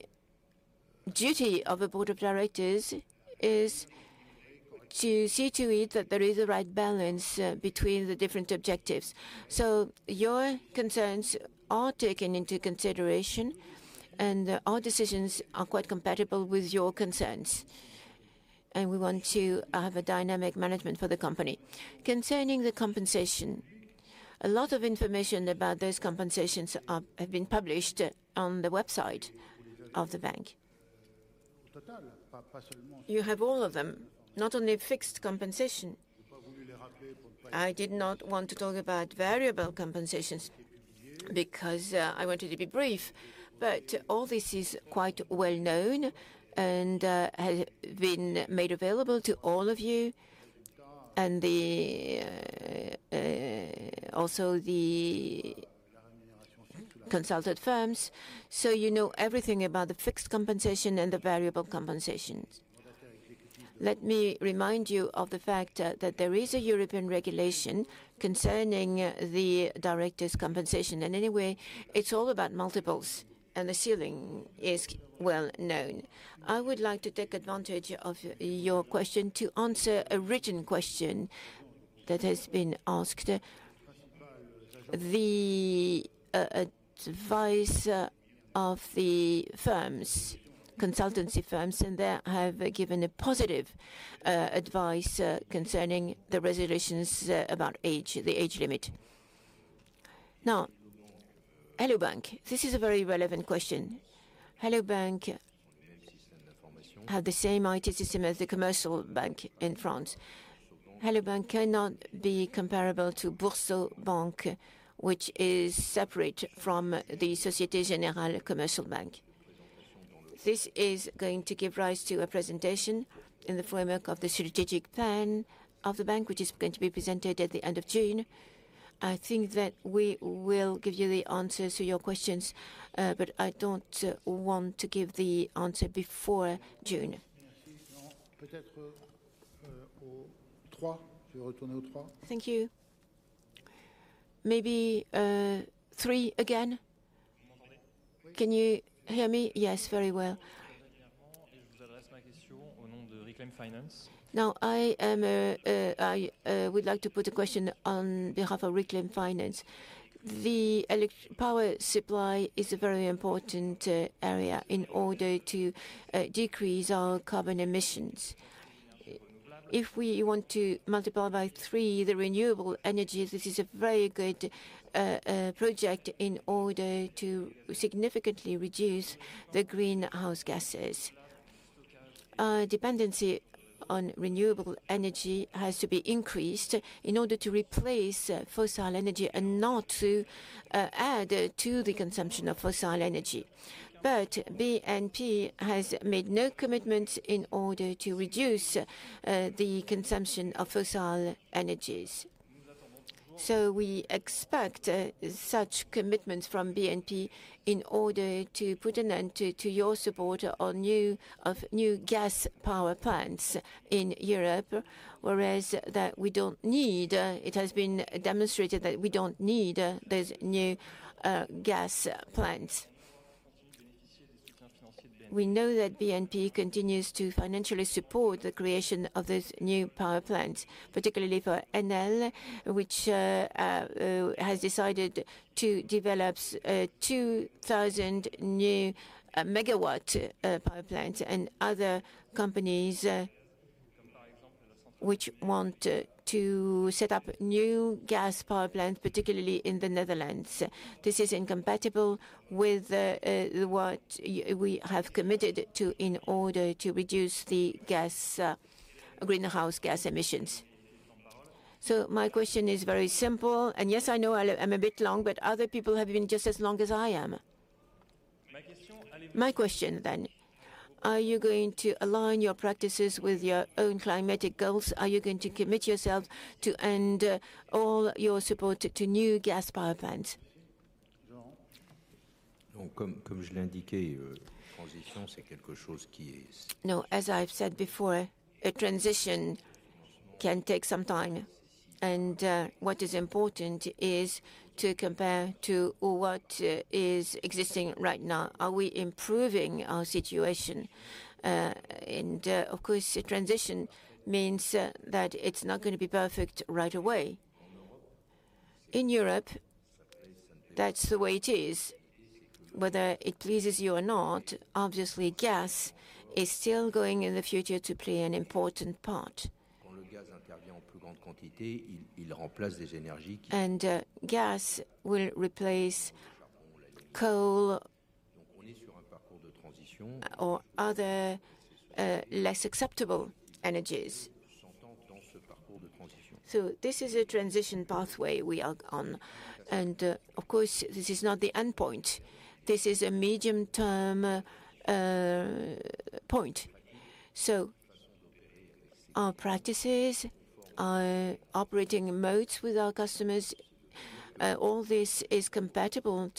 duty of a board of directors is to see to it that there is a right balance between the different objectives. Your concerns are taken into consideration, and our decisions are quite compatible with your concerns. We want to have a dynamic management for the company. Concerning the compensation, a lot of information about those compensations has been published on the website of the bank. You have all of them, not only fixed compensation. I did not want to talk about variable compensations because I wanted to be brief, but all this is quite well known and has been made available to all of you, and also the consultant firms. You know everything about the fixed compensation and the variable compensations. Let me remind you of the fact that there is a European regulation concerning the directors' compensation. Anyway, it's all about multiples, and the ceiling is well known. I would like to take advantage of your question to answer a written question that has been asked. The advice of the firms, consultancy firms, and they have given a positive advice concerning the resolutions about the age limit. Now, Hello bank!, this is a very relevant question. Hello bank! has the same IT system as the commercial bank in France. Hello bank! cannot be comparable to Boursorama, which is separate from the Société Générale Commercial Bank. This is going to give rise to a presentation in the framework of the strategic plan of the bank, which is going to be presented at the end of June. I think that we will give you the answers to your questions, but I do not want to give the answer before June. Thank you. Maybe three again. Can you hear me? Yes, very well. Now, I would like to put a question on behalf of Reclaim Finance. The power supply is a very important area in order to decrease our carbon emissions. If we want to multiply by three the renewable energy, this is a very good project in order to significantly reduce the greenhouse gases. Dependency on renewable energy has to be increased in order to replace fossil energy and not to add to the consumption of fossil energy, but BNP has made no commitments in order to reduce the consumption of fossil energies. We expect such commitments from BNP Paribas in order to put an end to your support of new gas power plants in Europe, whereas it has been demonstrated that we do not need those new gas plants. We know that BNP continues to financially support the creation of those new power plants, particularly for Enel, which has decided to develop 2,000 new megawatt power plants, and other companies which want to set up new gas power plants, particularly in the Netherlands. This is incompatible with what we have committed to in order to reduce the greenhouse gas emissions. My question is very simple. Yes, I know I'm a bit long, but other people have been just as long as I am. My question then, are you going to align your practices with your own climatic goals? Are you going to commit yourself to end all your support to new gas power plants? No, as I've said before, a transition can take some time. What is important is to compare to what is existing right now. Are we improving our situation? Of course, a transition means that it's not going to be perfect right away. In Europe, that's the way it is. Whether it pleases you or not, obviously, gas is still going in the future to play an important part. Gas will replace coal or other less acceptable energies. This is a transition pathway we are on. Of course, this is not the end point. This is a medium-term point. Our practices, our operating modes with our customers, all this is compatible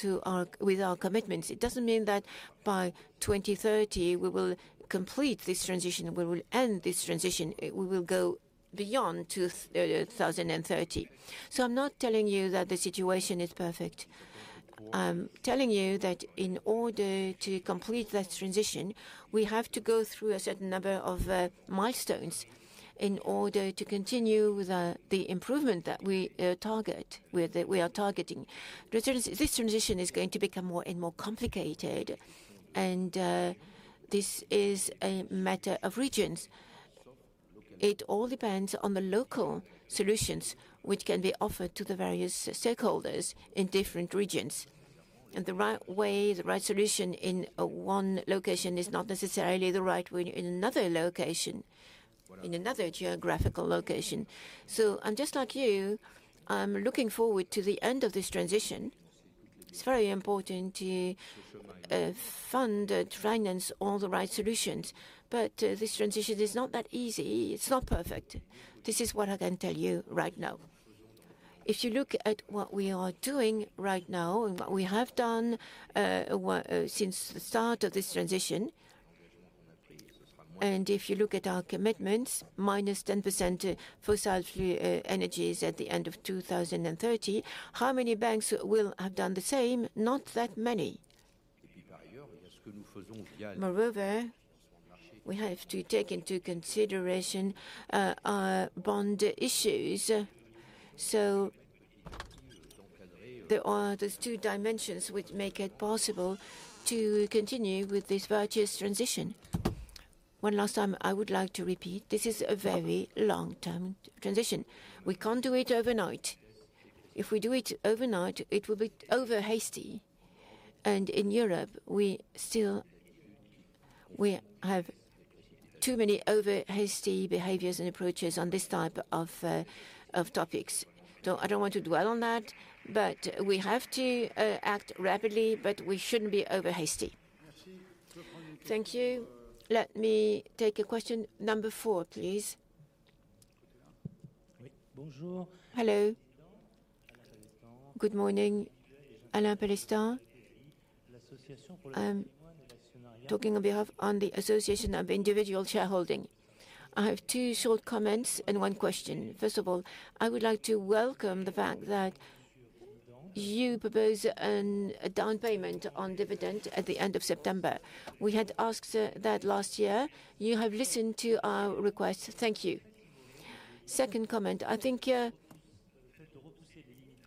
with our commitments. It does not mean that by 2030 we will complete this transition, we will end this transition, we will go beyond 2030. I am not telling you that the situation is perfect. I am telling you that in order to complete that transition, we have to go through a certain number of milestones in order to continue with the improvement that we are targeting. This transition is going to become more and more complicated, and this is a matter of regions. It all depends on the local solutions which can be offered to the various stakeholders in different regions. The right way, the right solution in one location is not necessarily the right way in another location, in another geographical location. I'm just like you, I'm looking forward to the end of this transition. It's very important to fund, to finance all the right solutions. This transition is not that easy. It's not perfect. This is what I can tell you right now. If you look at what we are doing right now and what we have done since the start of this transition, and if you look at our commitments, -10% fossil energies at the end of 2030, how many banks will have done the same? Not that many. Moreover, we have to take into consideration our bond issues. There are those two dimensions which make it possible to continue with this virtuous transition. One last time, I would like to repeat, this is a very long-term transition. We can't do it overnight. If we do it overnight, it will be over-hasty. In Europe, we still have too many over-hasty behaviors and approaches on this type of topics. I do not want to dwell on that, but we have to act rapidly, but we should not be over-hasty. Thank you. Let me take a question. Number four, please. Hello. Good morning. [Alain Pellistin], talking on behalf of the Association of Individual Shareholders. I have two short comments and one question. First of all, I would like to welcome the fact that you propose a down payment on dividends at the end of September. We had asked that last year. You have listened to our request. Thank you. Second comment, I think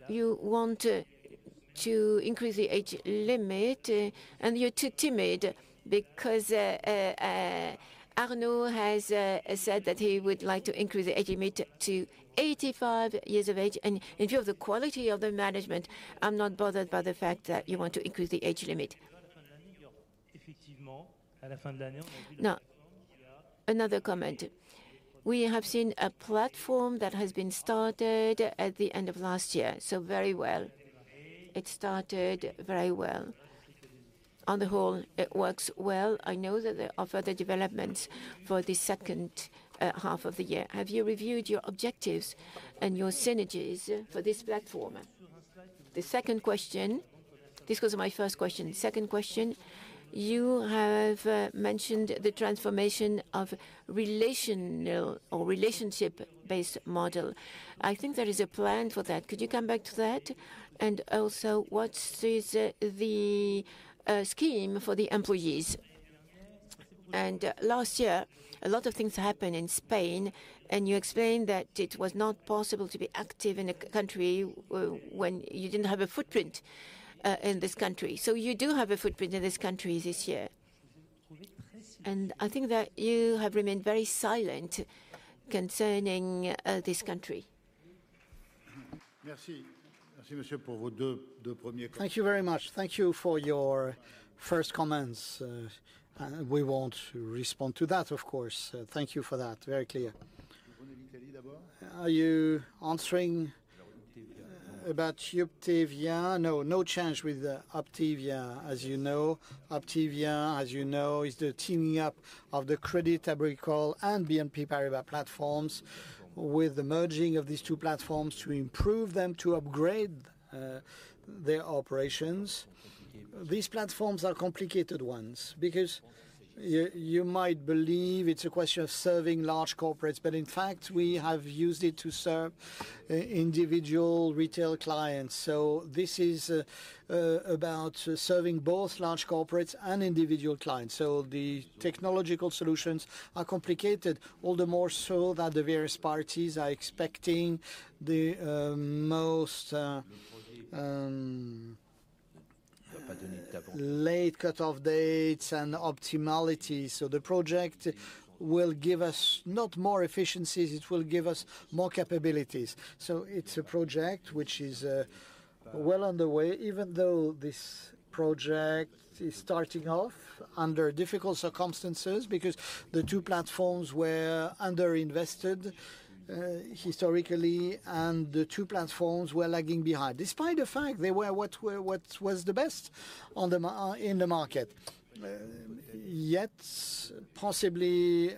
you want to increase the age limit, and you are too timid because Arnaud has said that he would like to increase the age limit to 85 years of age. In view of the quality of the management, I'm not bothered by the fact that you want to increase the age limit. Another comment. We have seen a platform that has been started at the end of last year. Very well. It started very well. On the whole, it works well. I know that there are further developments for the second half of the year. Have you reviewed your objectives and your synergies for this platform? That was my first question. Second question, you have mentioned the transformation of relational or relationship-based model. I think there is a plan for that. Could you come back to that? Also, what is the scheme for the employees? Last year, a lot of things happened in Spain, and you explained that it was not possible to be active in a country when you did not have a footprint in this country. You do have a footprint in this country this year. I think that you have remained very silent concerning this country. Thank you very much. Thank you for your first comments. We will not respond to that, of course. Thank you for that. Very clear. Are you answering about Uptevia? No, no change with Uptevia. Uptevia, as you know, is the teaming up of the Crédit Agricole and BNP Paribas platforms with the merging of these two platforms to improve them, to upgrade their operations. These platforms are complicated ones because you might believe it's a question of serving large corporates, but in fact, we have used it to serve individual retail clients. This is about serving both large corporates and individual clients. The technological solutions are complicated, all the more so that the various parties are expecting the most late cut-off dates and optimalities. The project will give us not more efficiencies, it will give us more capabilities. It is a project which is well underway, even though this project is starting off under difficult circumstances because the two platforms were underinvested historically and the two platforms were lagging behind despite the fact they were what was the best in the market, yet possibly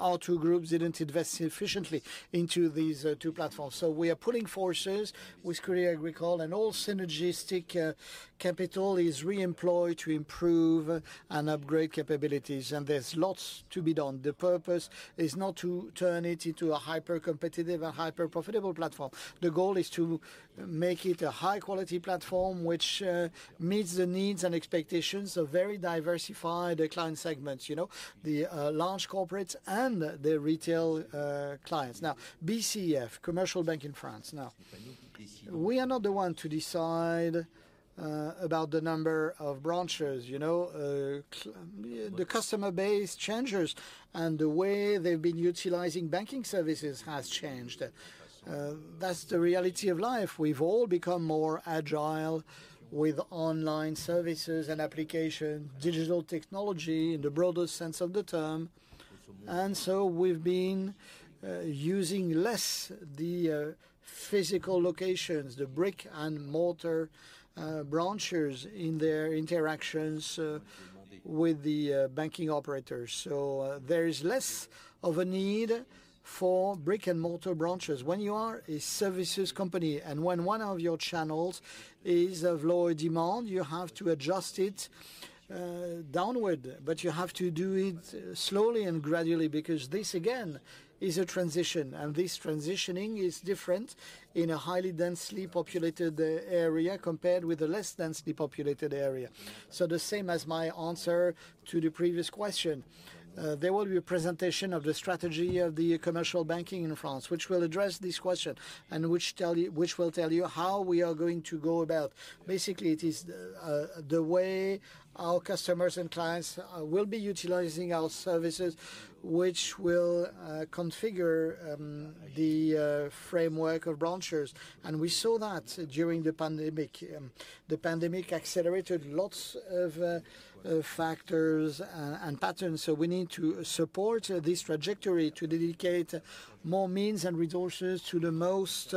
our two groups didn't invest sufficiently into these two platforms. We are pulling forces with Crédit Agricole and all synergistic capital is reemployed to improve and upgrade capabilities. There is lots to be done. The purpose is not to turn it into a hyper-competitive and hyper-profitable platform. The goal is to make it a high-quality platform which meets the needs and expectations of very diversified client segments, you know, the large corporates and the retail clients. Now, BCF, Commercial Bank in France. We are not the ones to decide about the number of branches. You know, the customer base changes and the way they have been utilizing banking services has changed. That is the reality of life. We have all become more agile with online services and applications, digital technology in the broader sense of the term. We have been using less the physical locations, the brick-and-mortar branches in their interactions with the banking operators. There is less of a need for brick-and-mortar branches. When you are a services company and when one of your channels is of low demand, you have to adjust it downward, but you have to do it slowly and gradually because this, again, is a transition. This transitioning is different in a highly densely populated area compared with a less densely populated area. The same as my answer to the previous question, there will be a presentation of the strategy of the commercial banking in France, which will address this question and which will tell you how we are going to go about. Basically, it is the way our customers and clients will be utilizing our services, which will configure the framework of branches. We saw that during the pandemic. The pandemic accelerated lots of factors and patterns. We need to support this trajectory to dedicate more means and resources to the most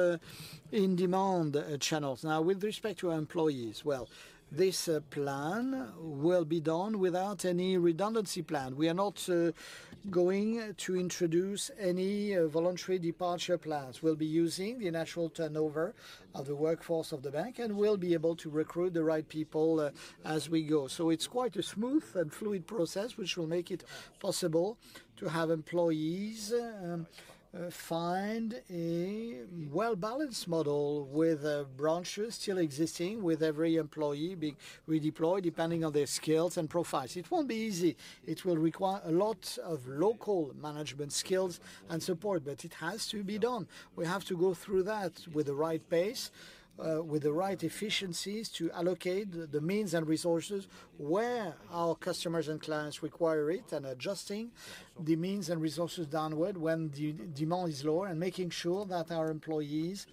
in-demand channels. Now, with respect to our employees, this plan will be done without any redundancy plan. We are not going to introduce any voluntary departure plans. We'll be using the natural turnover of the workforce of the bank and we'll be able to recruit the right people as we go. It's quite a smooth and fluid process, which will make it possible to have employees find a well-balanced model with branches still existing, with every employee being redeployed depending on their skills and profiles. It won't be easy. It will require a lot of local management skills and support, but it has to be done. We have to go through that with the right pace, with the right efficiencies to allocate the means and resources where our customers and clients require it and adjusting the means and resources downward when the demand is low and making sure that our employees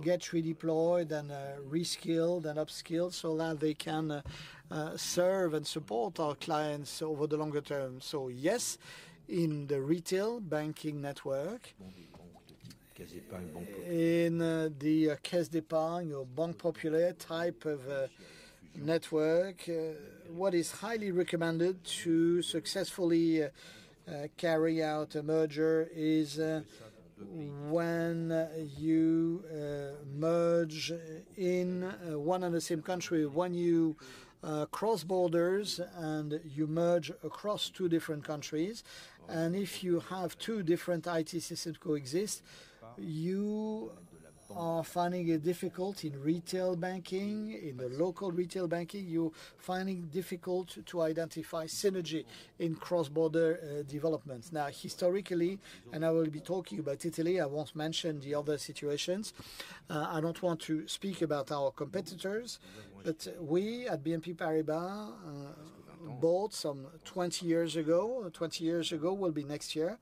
get redeployed and reskilled and upskilled so that they can serve and support our clients over the longer term. Yes, in the retail banking network, in the Caisse d'Épargne or Banque Populaire type of network, what is highly recommended to successfully carry out a merger is when you merge in one and the same country. When you cross borders and you merge across two different countries, and if you have two different IT systems coexist, you are finding it difficult in retail banking, in the local retail banking, you are finding it difficult to identify synergy in cross-border developments. Now, historically, and I will be talking about Italy, I won't mention the other situations. I don't want to speak about our competitors, but we at BNP Paribas bought some 20 years ago. Twenty years ago will be next year.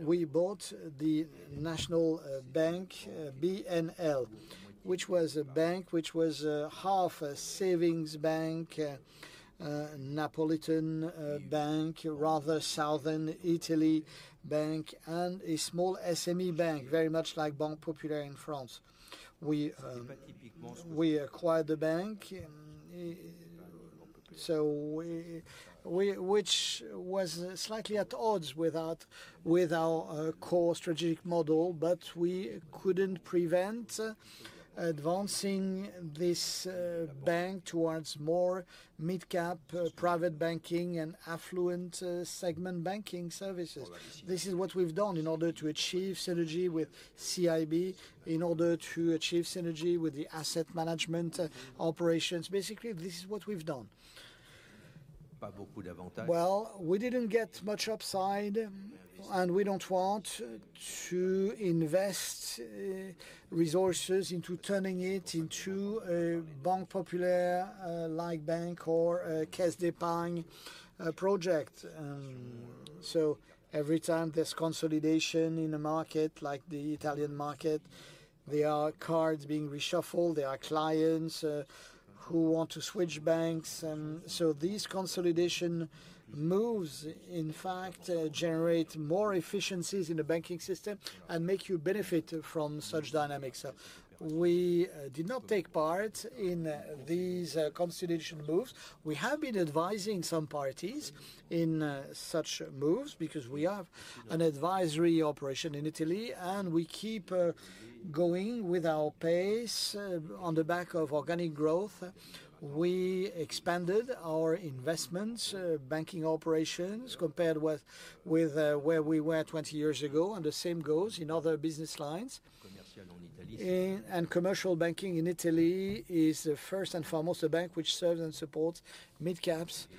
We bought the National Bank BNL, which was a bank which was half a savings bank, Napolitan bank, rather southern Italy bank, and a small SME bank, very much like Banque Populaire in France. We acquired the bank, which was slightly at odds with our core strategic model, but we couldn't prevent advancing this bank towards more mid-cap private banking and affluent segment banking services. This is what we've done in order to achieve synergy with CIB, in order to achieve synergy with the asset management operations. Basically, this is what we've done. We did not get much upside, and we do not want to invest resources into turning it into a Banque Populaire-like bank or Caisse d'Épargne project. Every time there is consolidation in a market like the Italian market, there are cards being reshuffled. There are clients who want to switch banks. These consolidation moves, in fact, generate more efficiencies in the banking system and make you benefit from such dynamics. We did not take part in these consolidation moves. We have been advising some parties in such moves because we have an advisory operation in Italy, and we keep going with our pace on the back of organic growth. We expanded our investment banking operations, compared with where we were 20 years ago, and the same goes in other business lines. Commercial banking in Italy is, first and foremost, a bank which serves and supports mid-caps and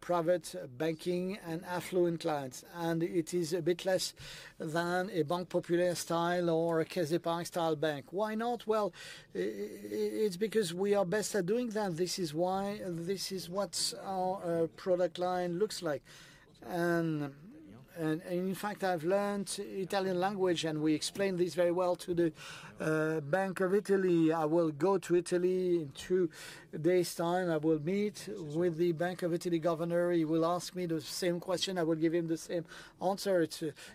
private banking and affluent clients. It is a bit less than a Banque Populaire-style or a Caisse d'Épargne-style bank. Why not? It is because we are best at doing that. This is why this is what our product line looks like. In fact, I have learned Italian language, and we explain this very well to the Bank of Italy. I will go to Italy in two days' time. I will meet with the Bank of Italy governor. He will ask me the same question. I will give him the same answer.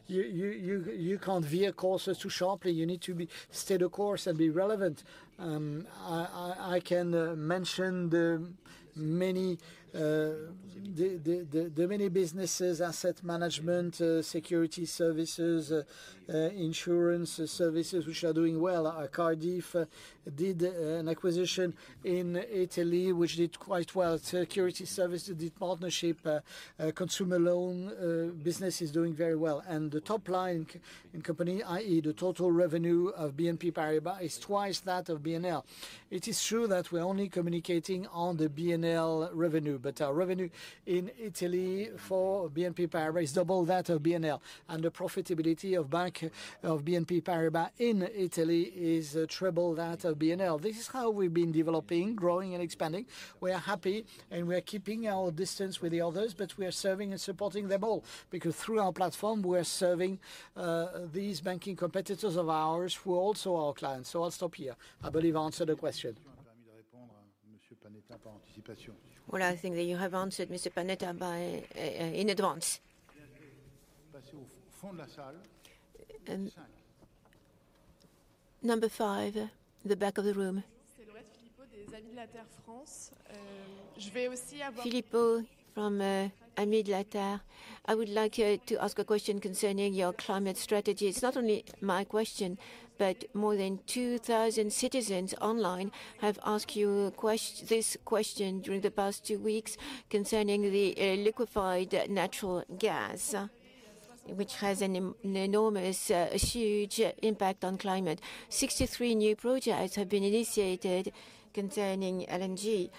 You cannot veer courses too sharply. You need to stay the course and be relevant. I can mention the many businesses, asset management, security services, insurance services, which are doing well. Cardiff did an acquisition in Italy, which did quite well. Securities Services did partnership. Consumer loan business is doing very well. The top line in company, i.e., the total revenue of BNP Paribas is twice that of BNL. It is true that we're only communicating on the BNL revenue, but our revenue in Italy for BNP Paribas is double that of BNL. The profitability of BNP Paribas in Italy is triple that of BNL. This is how we've been developing, growing, and expanding. We are happy, and we are keeping our distance with the others, but we are serving and supporting them all because through our platform, we are serving these banking competitors of ours, who are also our clients. I'll stop here. I believe I answered the question. I think that you have answered Mr. Panetta in advance. Number five, the back of the room. [Philippe] from Amis de la Terre. I would like to ask a question concerning your climate strategy. It's not only my question, but more than 2,000 citizens online have asked you this question during the past two weeks concerning the liquefied natural gas, which has an enormous, huge impact on climate. Sixty-three new projects have been initiated concerning LNG.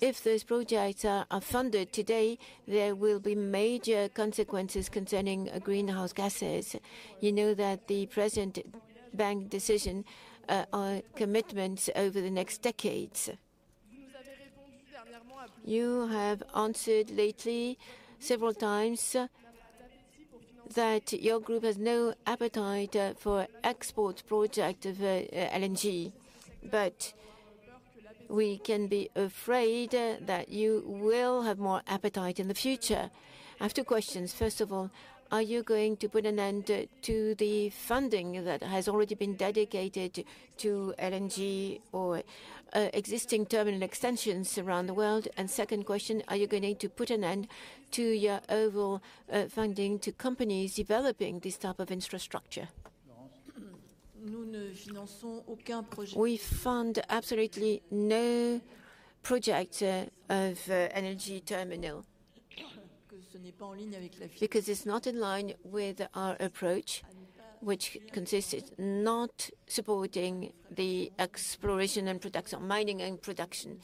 If those projects are funded today, there will be major consequences concerning greenhouse gases. You know that the present bank decisions are commitments over the next decades. You have answered lately several times that your group has no appetite for export projects of LNG, but we can be afraid that you will have more appetite in the future. I have two questions. First of all, are you going to put an end to the funding that has already been dedicated to LNG or existing terminal extensions around the world? Second question, are you going to put an end to your overall funding to companies developing this type of infrastructure? We fund absolutely no projects of energy terminal because it's not in line with our approach, which consists of not supporting the exploration and production mining and production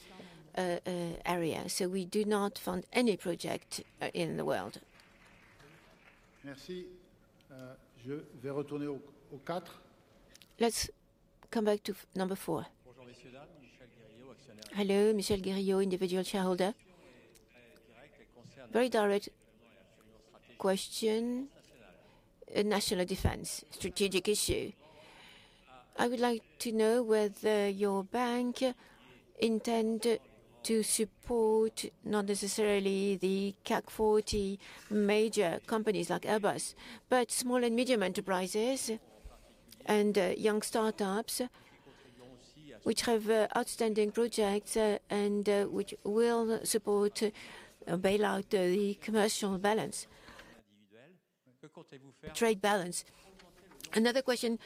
area. So we do not fund any project in the world. Let's come back to number four. Hello, Michel Guerrier, individual shareholder. Very direct question, national defense. Strategic issue. I would like to know whether your bank intends to support not necessarily the CAC 40 major companies like Airbus, but small and medium enterprises and young startups which have outstanding projects and which will support, bail out the commercial balance. Trade balance. Another question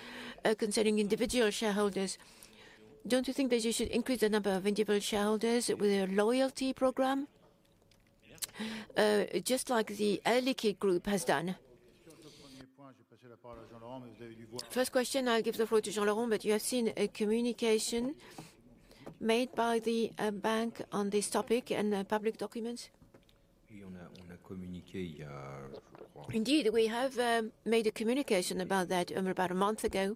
concerning individual shareholders. Don't you think that you should increase the number of individual shareholders with a loyalty program, just like the ELIKI Group has done? First question, I'll give the floor to Jean-Laurent, but you have seen a communication made by the bank on this topic and public documents? Indeed, we have made a communication about that about a month ago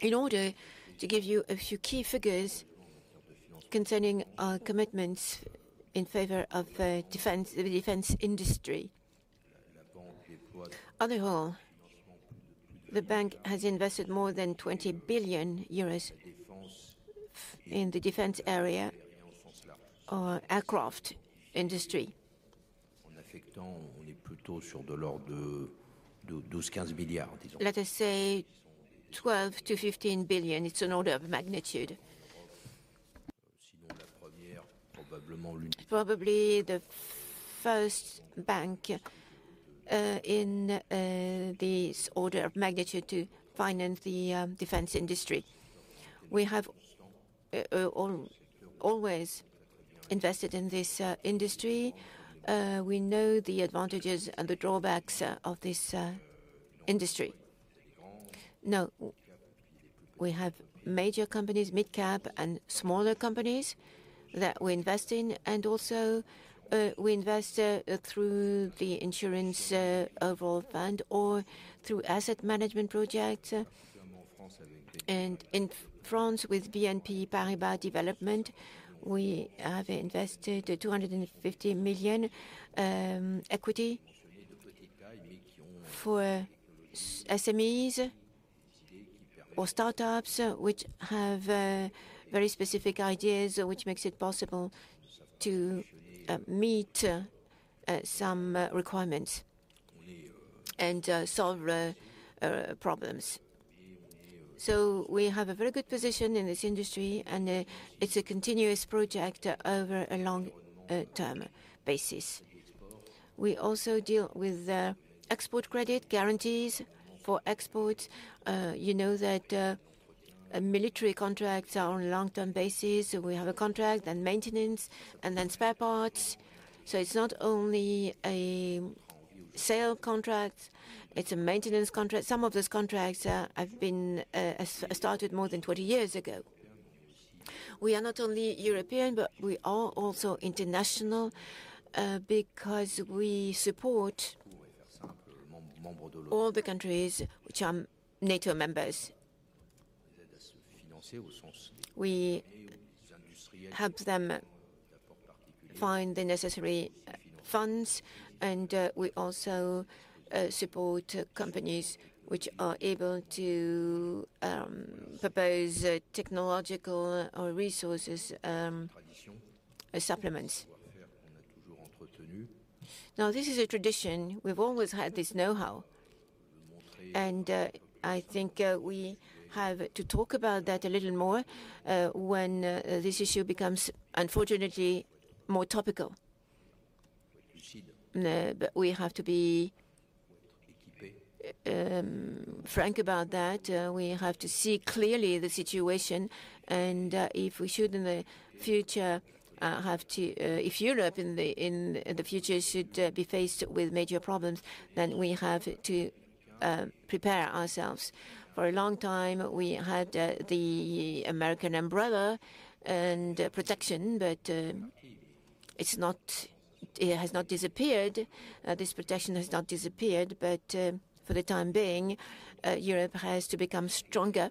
in order to give you a few key figures concerning our commitments in favor of the defense industry. On the whole, the bank has invested more than 20 billion euros in the defense area or aircraft industry. Let us say 12 billion-15 billion. It's an order of magnitude. Probably the first bank in this order of magnitude to finance the defense industry. We have always invested in this industry. We know the advantages and the drawbacks of this industry. No, we have major companies, mid-cap and smaller companies that we invest in, and also we invest through the insurance overall fund or through asset management projects. In France, with BNP Paribas Development, we have invested 250 million equity for SMEs or startups which have very specific ideas, which makes it possible to meet some requirements and solve problems. We have a very good position in this industry, and it is a continuous project over a long-term basis. We also deal with export credit guarantees for exports. You know that military contracts are on a long-term basis. We have a contract and maintenance and then spare parts. It is not only a sale contract, it is a maintenance contract. Some of those contracts have been started more than 20 years ago. We are not only European, but we are also international because we support all the countries which are NATO members. We help them find the necessary funds, and we also support companies which are able to propose technological resources supplements. Now, this is a tradition. We've always had this know-how, and I think we have to talk about that a little more when this issue becomes, unfortunately, more topical. We have to be frank about that. We have to see clearly the situation, and if we should in the future have to, if Europe in the future should be faced with major problems, then we have to prepare ourselves. For a long time, we had the American umbrella and protection, but it has not disappeared. This protection has not disappeared, but for the time being, Europe has to become stronger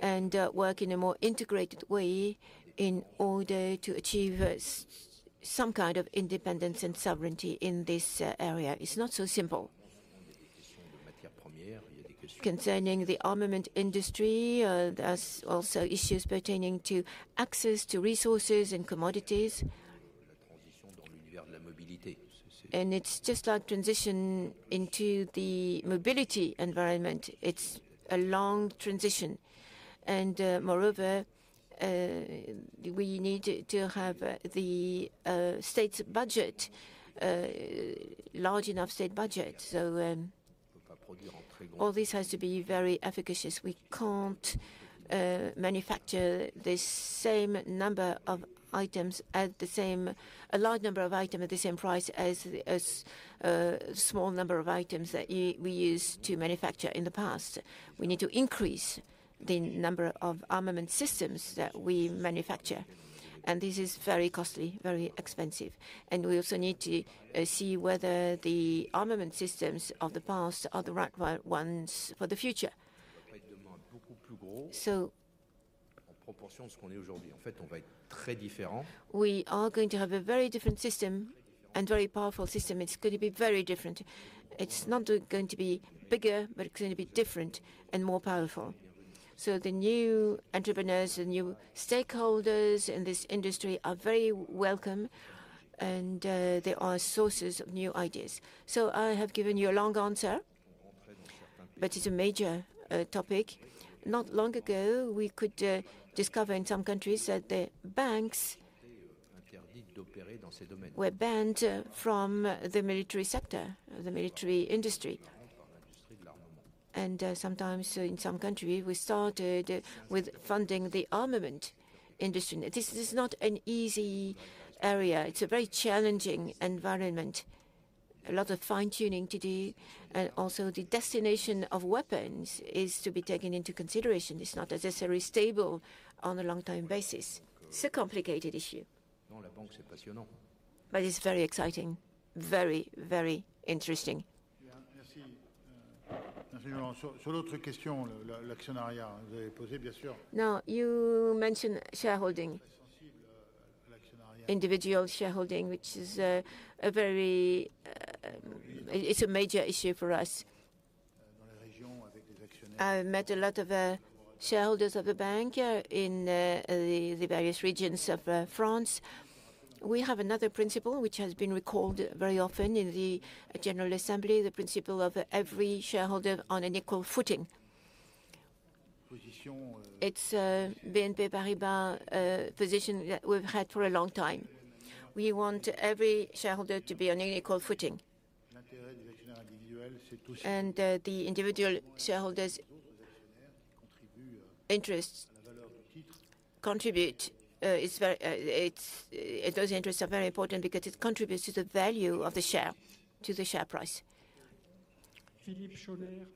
and work in a more integrated way in order to achieve some kind of independence and sovereignty in this area. It's not so simple. Concerning the armament industry, there are also issues pertaining to access to resources and commodities. It's just like transition into the mobility environment. It's a long transition. Moreover, we need to have the state budget, large enough state budget. All this has to be very efficacious. We can't manufacture the same number of items at the same price as a small number of items that we used to manufacture in the past. We need to increase the number of armament systems that we manufacture, and this is very costly, very expensive. We also need to see whether the armament systems of the past are the right ones for the future. We are going to have a very different system and a very powerful system. It is going to be very different. It is not going to be bigger, but it is going to be different and more powerful. The new entrepreneurs, the new stakeholders in this industry are very welcome, and they are sources of new ideas. I have given you a long answer, but it is a major topic. Not long ago, we could discover in some countries that the banks were banned from the military sector, the military industry. Sometimes, in some countries, we started with funding the armament industry. This is not an easy area. It is a very challenging environment, a lot of fine-tuning to do, and also the destination of weapons is to be taken into consideration. It's not necessarily stable on a long-term basis. It's a complicated issue. But it's very exciting, very, very interesting. Now, you mentioned shareholding, individual shareholding. It's a major issue for us. I met a lot of shareholders of the bank in the various regions of France. We have another principle which has been recalled very often in the General Assembly, the principle of every shareholder on an equal footing. It's BNP Paribas' position that we've had for a long time. We want every shareholder to be on an equal footing. And the individual shareholders' interests contribute. It's very important because it contributes to the value of the share, to the share price.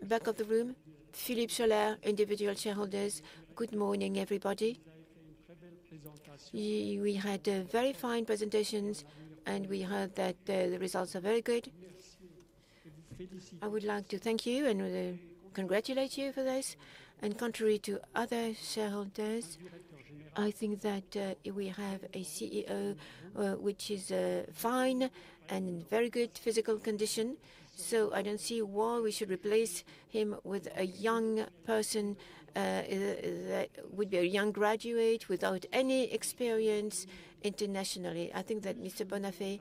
Back of the room. [Philippe Schiller], individual shareholders. Good morning, everybody. We had very fine presentations, and we heard that the results are very good. I would like to thank you and congratulate you for this. Contrary to other shareholders, I think that we have a CEO which is fine and in very good physical condition. I do not see why we should replace him with a young person that would be a young graduate without any experience internationally. I think that Mr. Bonnafé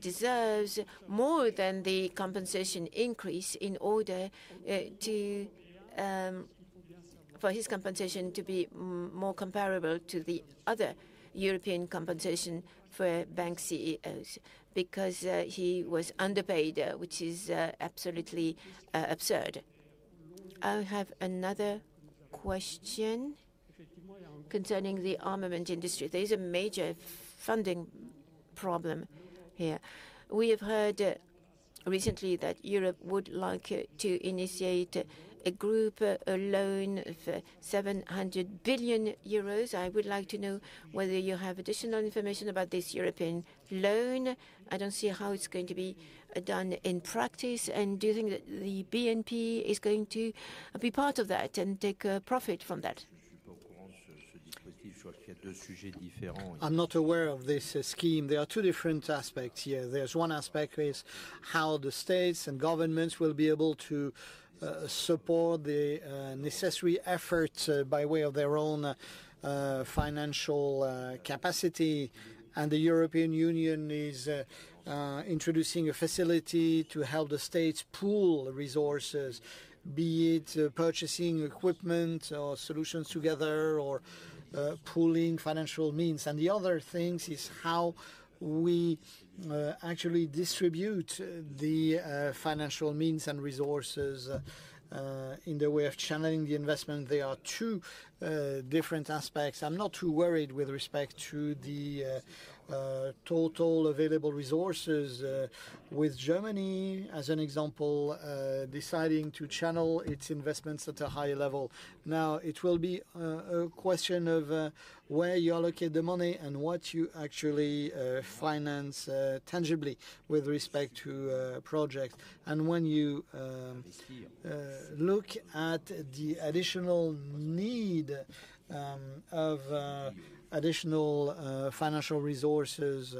deserves more than the compensation increase in order for his compensation to be more comparable to the other European compensation for bank CEOs because he was underpaid, which is absolutely absurd. I have another question concerning the armament industry. There is a major funding problem here. We have heard recently that Europe would like to initiate a group loan for 700 billion euros. I would like to know whether you have additional information about this European loan. I do not see how it is going to be done in practice. Do you think that BNP Paribas is going to be part of that and take profit from that? I'm not aware of this scheme. There are two different aspects here. One aspect is how the states and governments will be able to support the necessary efforts by way of their own financial capacity. The European Union is introducing a facility to help the states pool resources, be it purchasing equipment or solutions together or pooling financial means. The other thing is how we actually distribute the financial means and resources in the way of channeling the investment. There are two different aspects. I'm not too worried with respect to the total available resources with Germany, as an example, deciding to channel its investments at a higher level. Now, it will be a question of where you allocate the money and what you actually finance tangibly with respect to projects. When you look at the additional need of additional financial resources,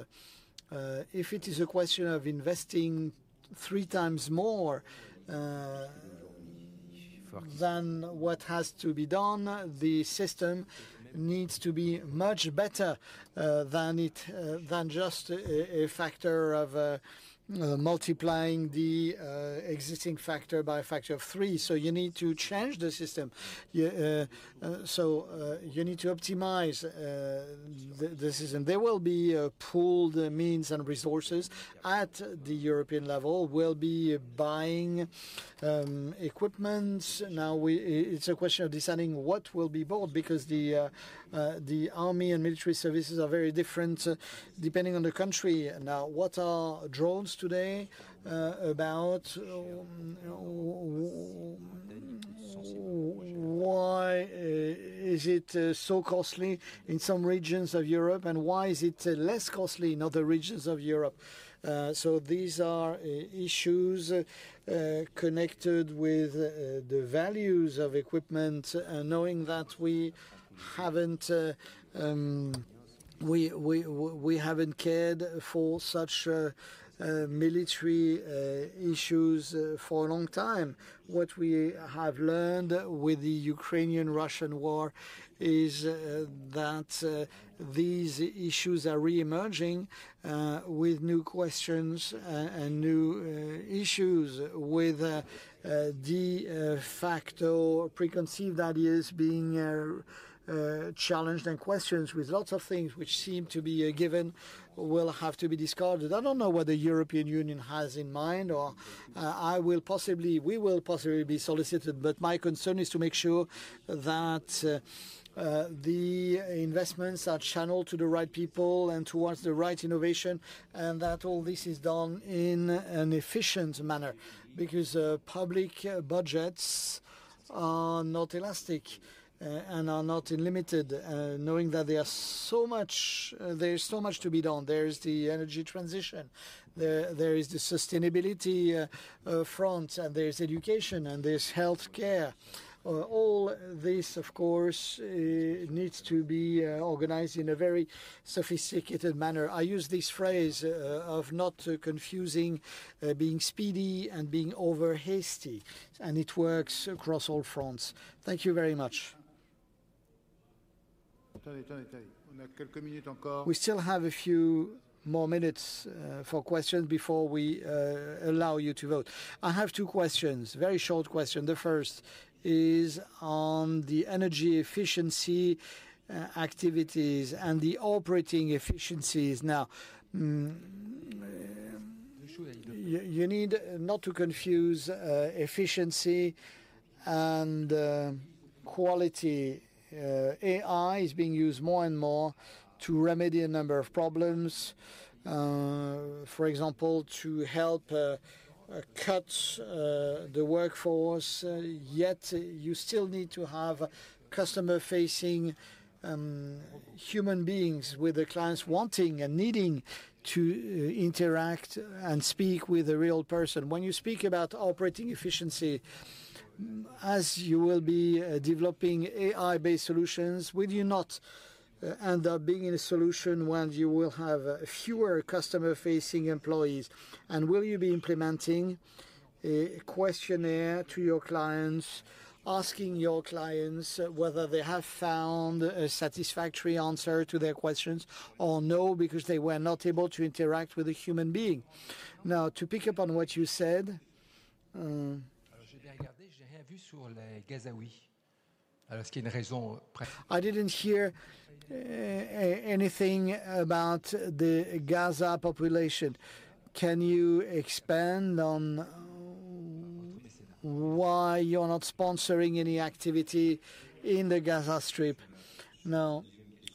if it is a question of investing three times more than what has to be done, the system needs to be much better than just a factor of multiplying the existing factor by a factor of three. You need to change the system. You need to optimize the system. There will be pooled means and resources at the European level. We'll be buying equipment. Now, it's a question of deciding what will be bought because the army and military services are very different depending on the country. What are drones today about? Why is it so costly in some regions of Europe, and why is it less costly in other regions of Europe? These are issues connected with the values of equipment, knowing that we haven't cared for such military issues for a long time. What we have learned with the Ukrainian-Russian war is that these issues are reemerging with new questions and new issues, with de facto preconceived ideas being challenged and questions with lots of things which seem to be given will have to be discarded. I don't know what the European Union has in mind, or we will possibly be solicited, but my concern is to make sure that the investments are channeled to the right people and towards the right innovation, and that all this is done in an efficient manner because public budgets are not elastic and are not unlimited, knowing that there is so much to be done. There is the energy transition, there is the sustainability front, and there is education, and there is healthcare. All this, of course, needs to be organized in a very sophisticated manner. I use this phrase of not confusing being speedy and being overhasty, and it works across all fronts. Thank you very much. We still have a few more minutes for questions before we allow you to vote. I have two questions, very short questions. The first is on the energy efficiency activities and the operating efficiencies. Now, you need not to confuse efficiency and quality. AI is being used more and more to remedy a number of problems, for example, to help cut the workforce, yet you still need to have customer-facing human beings with the clients wanting and needing to interact and speak with a real person. When you speak about operating efficiency, as you will be developing AI-based solutions, will you not end up being in a solution when you will have fewer customer-facing employees? Will you be implementing a questionnaire to your clients, asking your clients whether they have found a satisfactory answer to their questions or not because they were not able to interact with a human being? Now, to pick up on what you said. I did not hear anything about the Gaza population. Can you expand on why you are not sponsoring any activity in the Gaza Strip? Now,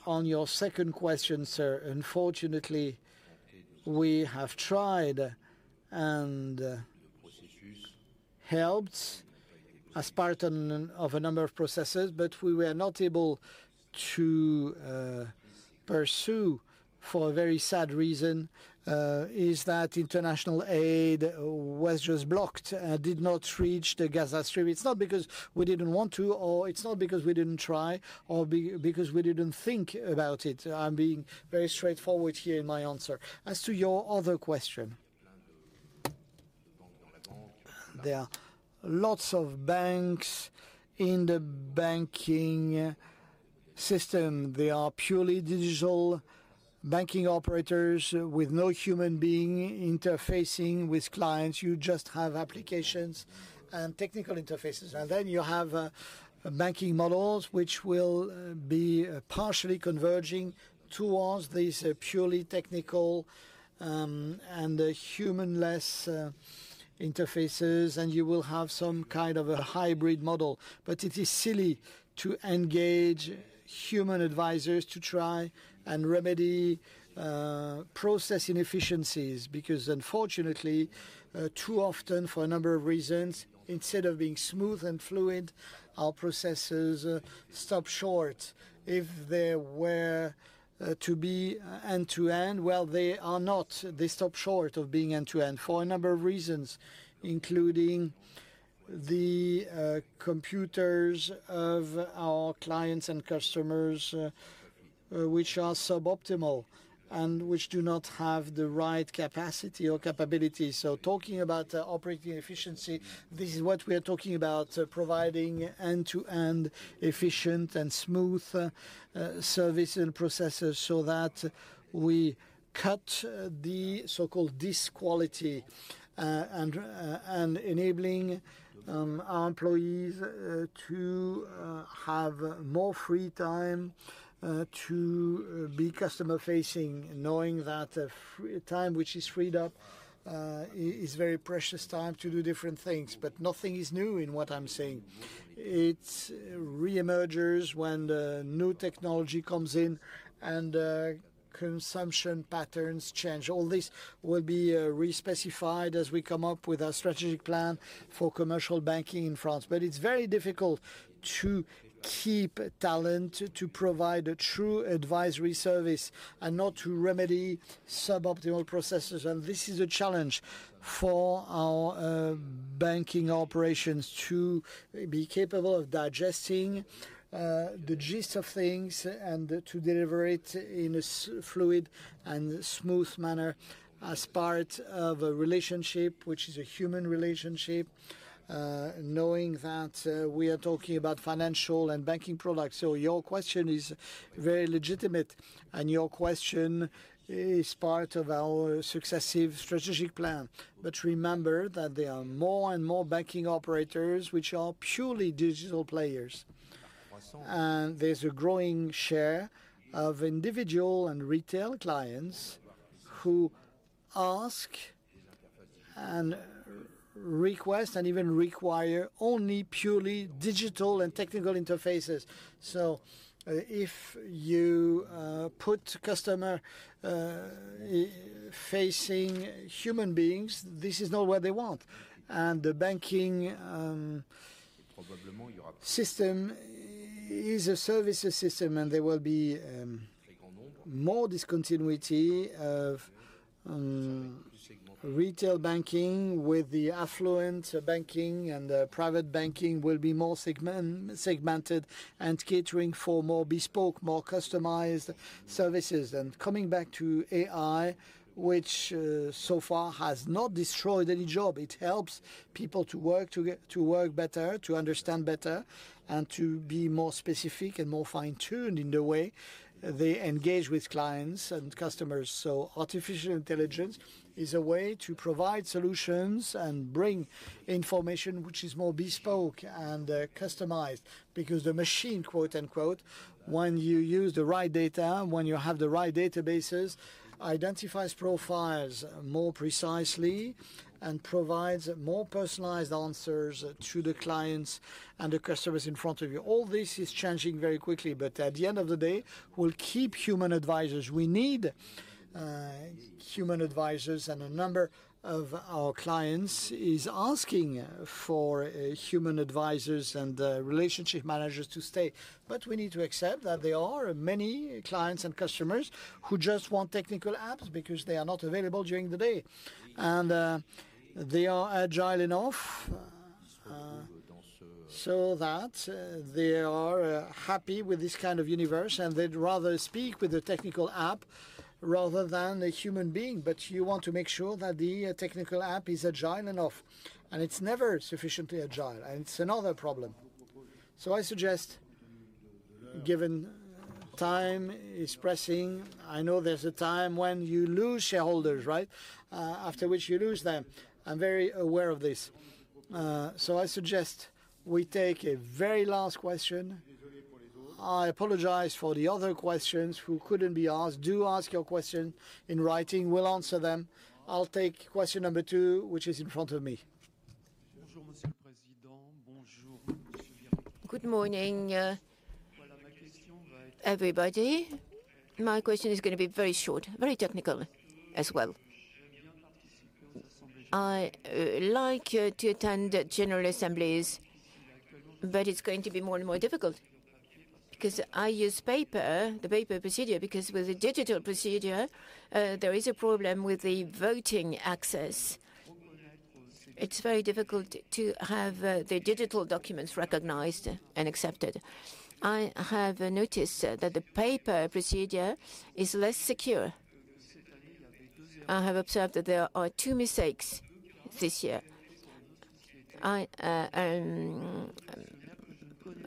on your second question, sir, unfortunately, we have tried and helped as part of a number of processes, but we were not able to pursue for a very sad reason, is that international aid was just blocked and did not reach the Gaza Strip. It is not because we did not want to, or it is not because we did not try, or because we did not think about it. I am being very straightforward here in my answer. As to your other question. There are lots of banks in the banking system. They are purely digital banking operators with no human being interfacing with clients. You just have applications and technical interfaces. You have banking models which will be partially converging towards these purely technical and human-less interfaces, and you will have some kind of a hybrid model. It is silly to engage human advisors to try and remedy process inefficiencies because, unfortunately, too often, for a number of reasons, instead of being smooth and fluent, our processes stop short. If they were to be end-to-end, they are not. They stop short of being end-to-end for a number of reasons, including the computers of our clients and customers, which are suboptimal and which do not have the right capacity or capability. Talking about operating efficiency, this is what we are talking about, providing end-to-end efficient and smooth service and processes so that we cut the so-called disquality and enabling our employees to have more free time to be customer-facing, knowing that time which is freed up is very precious time to do different things. Nothing is new in what I'm saying. It reemerges when the new technology comes in and consumption patterns change. All this will be re-specified as we come up with our strategic plan for commercial banking in France. It is very difficult to keep talent to provide a true advisory service and not to remedy suboptimal processes. This is a challenge for our banking operations to be capable of digesting the gist of things and to deliver it in a fluid and smooth manner as part of a relationship which is a human relationship, knowing that we are talking about financial and banking products. Your question is very legitimate, and your question is part of our successive strategic plan. Remember that there are more and more banking operators which are purely digital players. There is a growing share of individual and retail clients who ask and request and even require only purely digital and technical interfaces. If you put customer-facing human beings, this is not what they want. The banking system is a services system, and there will be more discontinuity of retail banking with the affluent banking and private banking will be more segmented and catering for more bespoke, more customized services. Coming back to AI, which so far has not destroyed any job, it helps people to work better, to understand better, and to be more specific and more fine-tuned in the way they engage with clients and customers. Artificial intelligence is a way to provide solutions and bring information which is more bespoke and customized because the machine, quote unquote, when you use the right data, when you have the right databases, identifies profiles more precisely and provides more personalized answers to the clients and the customers in front of you. All this is changing very quickly, but at the end of the day, we'll keep human advisors. We need human advisors, and a number of our clients are asking for human advisors and relationship managers to stay. We need to accept that there are many clients and customers who just want technical apps because they are not available during the day. They are agile enough so that they are happy with this kind of universe, and they'd rather speak with a technical app rather than a human being. You want to make sure that the technical app is agile enough. It is never sufficiently agile, and it is another problem. I suggest, given time is pressing, I know there is a time when you lose shareholders, right, after which you lose them. I am very aware of this. I suggest we take a very last question. I apologize for the other questions that could not be asked. Do ask your question in writing. We will answer them. I'll take question number two, which is in front of me. Good morning, everybody. My question is going to be very short, very technical as well. I like to attend general assemblies, but it's going to be more and more difficult because I use paper, the paper procedure, because with the digital procedure, there is a problem with the voting access. It's very difficult to have the digital documents recognized and accepted. I have noticed that the paper procedure is less secure. I have observed that there are two mistakes this year.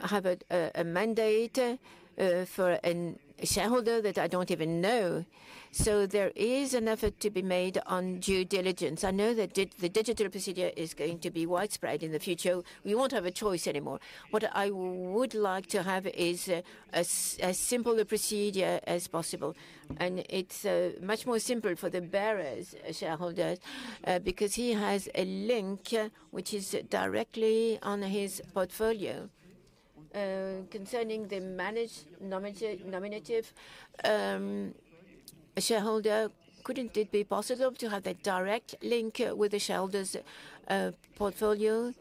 I have a mandate for a shareholder that I don't even know, so there is an effort to be made on due diligence. I know that the digital procedure is going to be widespread in the future. We won't have a choice anymore. What I would like to have is as simple a procedure as possible. It is much more simple for the bearers, shareholders, because he has a link which is directly on his portfolio. Concerning the managed nominative shareholder, could it not be possible to have a direct link with the shareholders' portfolio?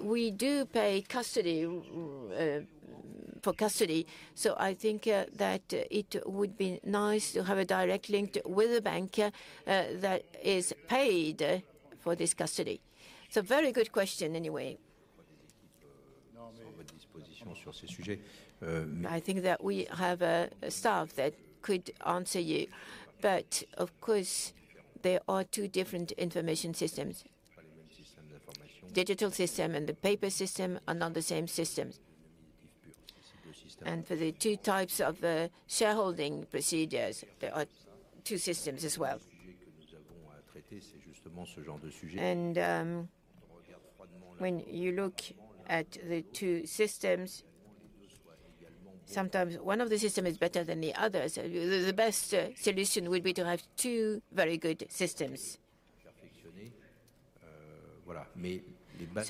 We do pay custody for custody, so I think that it would be nice to have a direct link with a banker that is paid for this custody. It is a very good question anyway. I think that we have a staff that could answer you, but of course, there are two different information systems. Digital system and the paper system are not the same system. For the two types of shareholding procedures, there are two systems as well. When you look at the two systems, sometimes one of the systems is better than the others. The best solution would be to have two very good systems.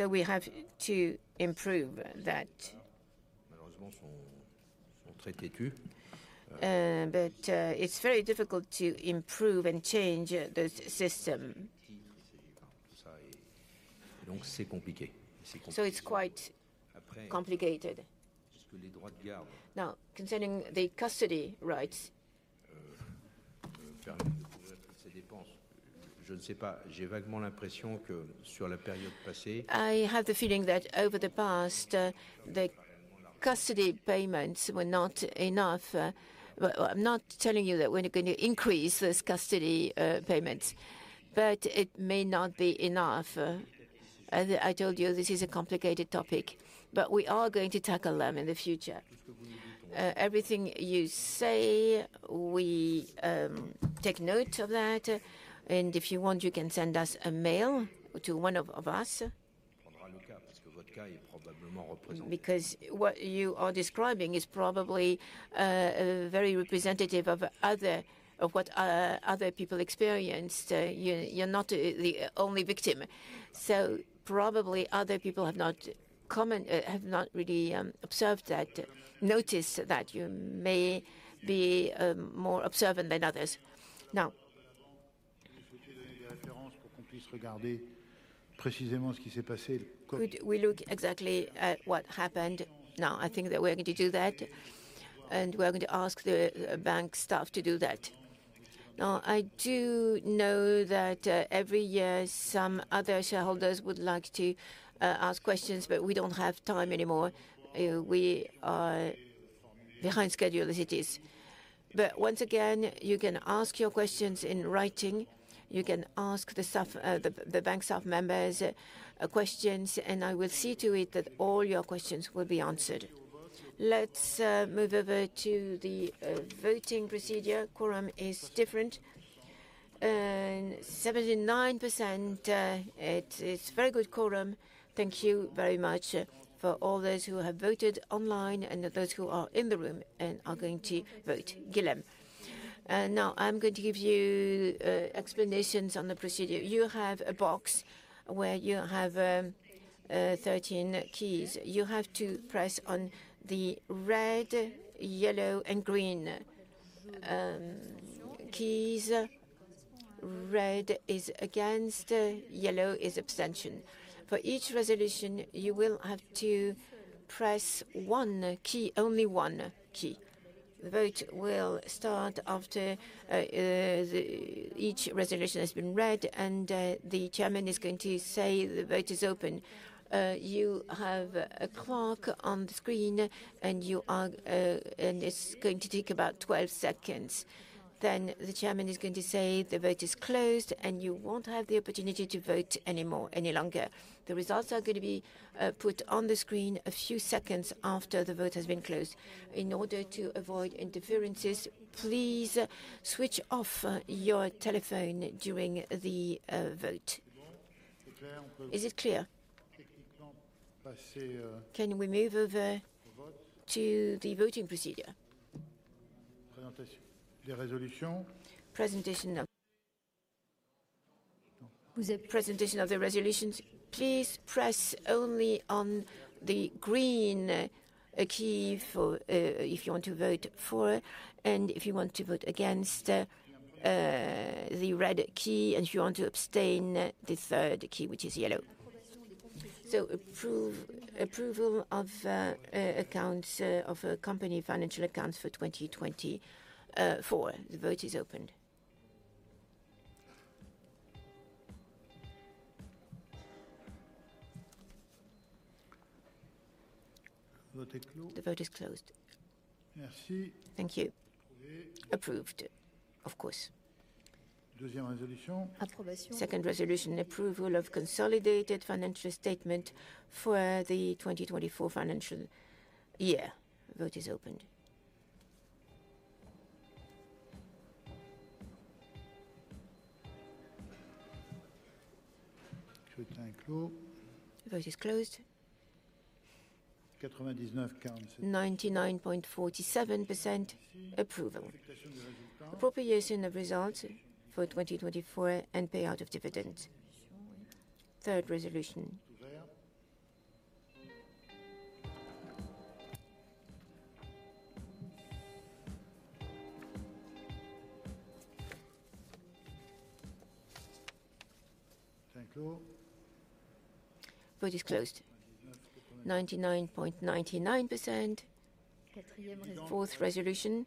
We have to improve that. It is very difficult to improve and change the system. It is quite complicated. No, concerning the custody rights. Je ne sais pas, j'ai vaguement l'impression que sur la période passée. I have the feeling that over the past, the custody payments were not enough. I'm not telling you that we're going to increase those custody payments, but it may not be enough. I told you this is a complicated topic, but we are going to tackle them in the future. Everything you say, we take note of that, and if you want, you can send us a mail to one of us. What you are describing is probably very representative of what other people experienced. You're not the only victim. So probably other people have not really observed that, noticed that you may be more observant than others. Now, could you give me a reference? We look exactly at what happened. Now, I think that we're going to do that, and we're going to ask the bank staff to do that. Now, I do know that every year some other shareholders would like to ask questions, but we don't have time anymore. We are behind schedule as it is. Once again, you can ask your questions in writing. You can ask the bank staff members questions, and I will see to it that all your questions will be answered. Let's move over to the voting procedure. Quorum is different. 79%. It's a very good quorum. Thank you very much for all those who have voted online and those who are in the room and are going to vote. Guillen? Now, I'm going to give you explanations on the procedure. You have a box where you have 13 keys. You have to press on the red, yellow, and green keys. Red is against, yellow is abstention. For each resolution, you will have to press one key, only one key. The vote will start after each resolution has been read, and the chairman is going to say the vote is open. You have a clock on the screen, and it's going to take about 12 seconds. The chairman is going to say the vote is closed, and you won't have the opportunity to vote any longer. The results are going to be put on the screen a few seconds after the vote has been closed. In order to avoid interferences, please switch off your telephone during the vote. Is it clear? Can we move over to the voting procedure? Presentation of the resolutions. Please press only on the green key if you want to vote for, and if you want to vote against, the red key, and if you want to abstain, the third key, which is yellow. Approval of accounts of a company financial accounts for 2024. The vote is opened. The vote is closed. Thank you. Approved, of course. Second resolution, approval of consolidated financial statement for the 2024 financial year. Vote is opened. Vote is closed. 99.47% approval. Appropriation of results for 2024 and payout of dividends. Third resolution. Vote is closed. 99.99%. Fourth resolution.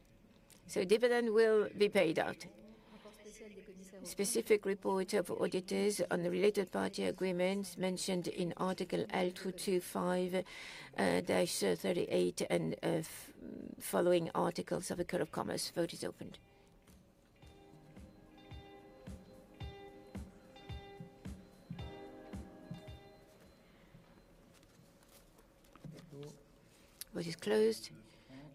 Dividend will be paid out. Specific report of auditors on the related party agreements mentioned in Article L225-38 and following Articles of the Code of Commerce. Vote is opened. Vote is closed.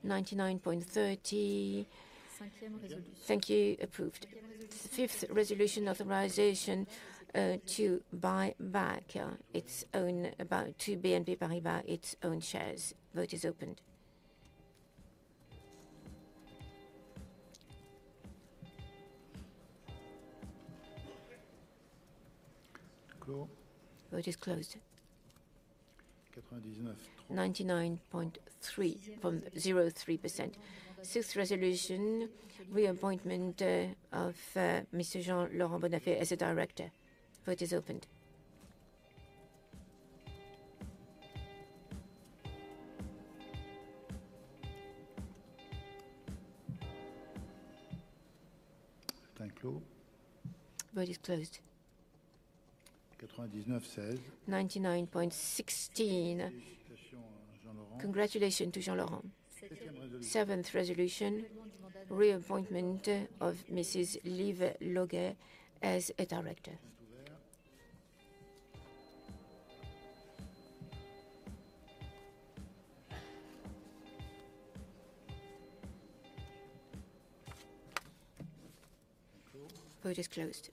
99.30%. Thank you. Approved. Fifth resolution, authorization to buy back its own BNP Paribas, its own shares. Vote is opened. Vote is closed. 99.3%. Sixth resolution, reappointment of Mr. Jean-Laurent Bonnafé as a director. Vote is opened. Vote is closed. 99.16%. Congratulations to Jean-Laurent. Seventh resolution, reappointment of Ms. Lieve Logghe as a director. Vote is closed.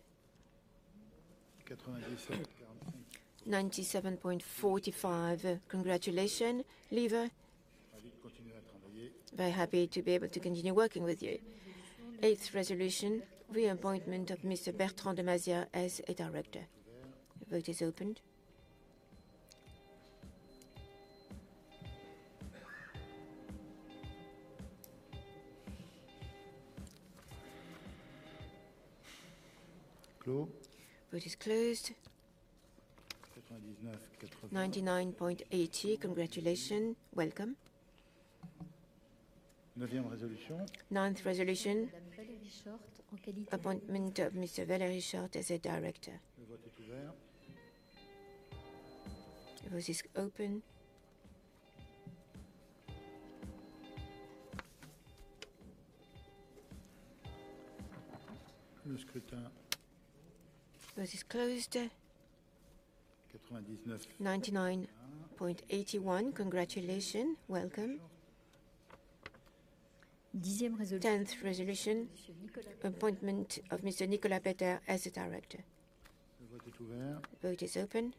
97.45%. Congratulations, Lieve. Very happy to be able to continue working with you. Eighth resolution, reappointment of Mr. Bertrand de Mazières as a director. Vote is opened. Vote is closed. 99.80%. Congratulations. Welcome. Ninth resolution, appointment of Ms. Valérie Chort as a director. Vote is opened. Vote is closed. 99.81%. Congratulations. Welcome. Tenth resolution, appointment of Mr. Nicolas Peter as a director. Vote is opened.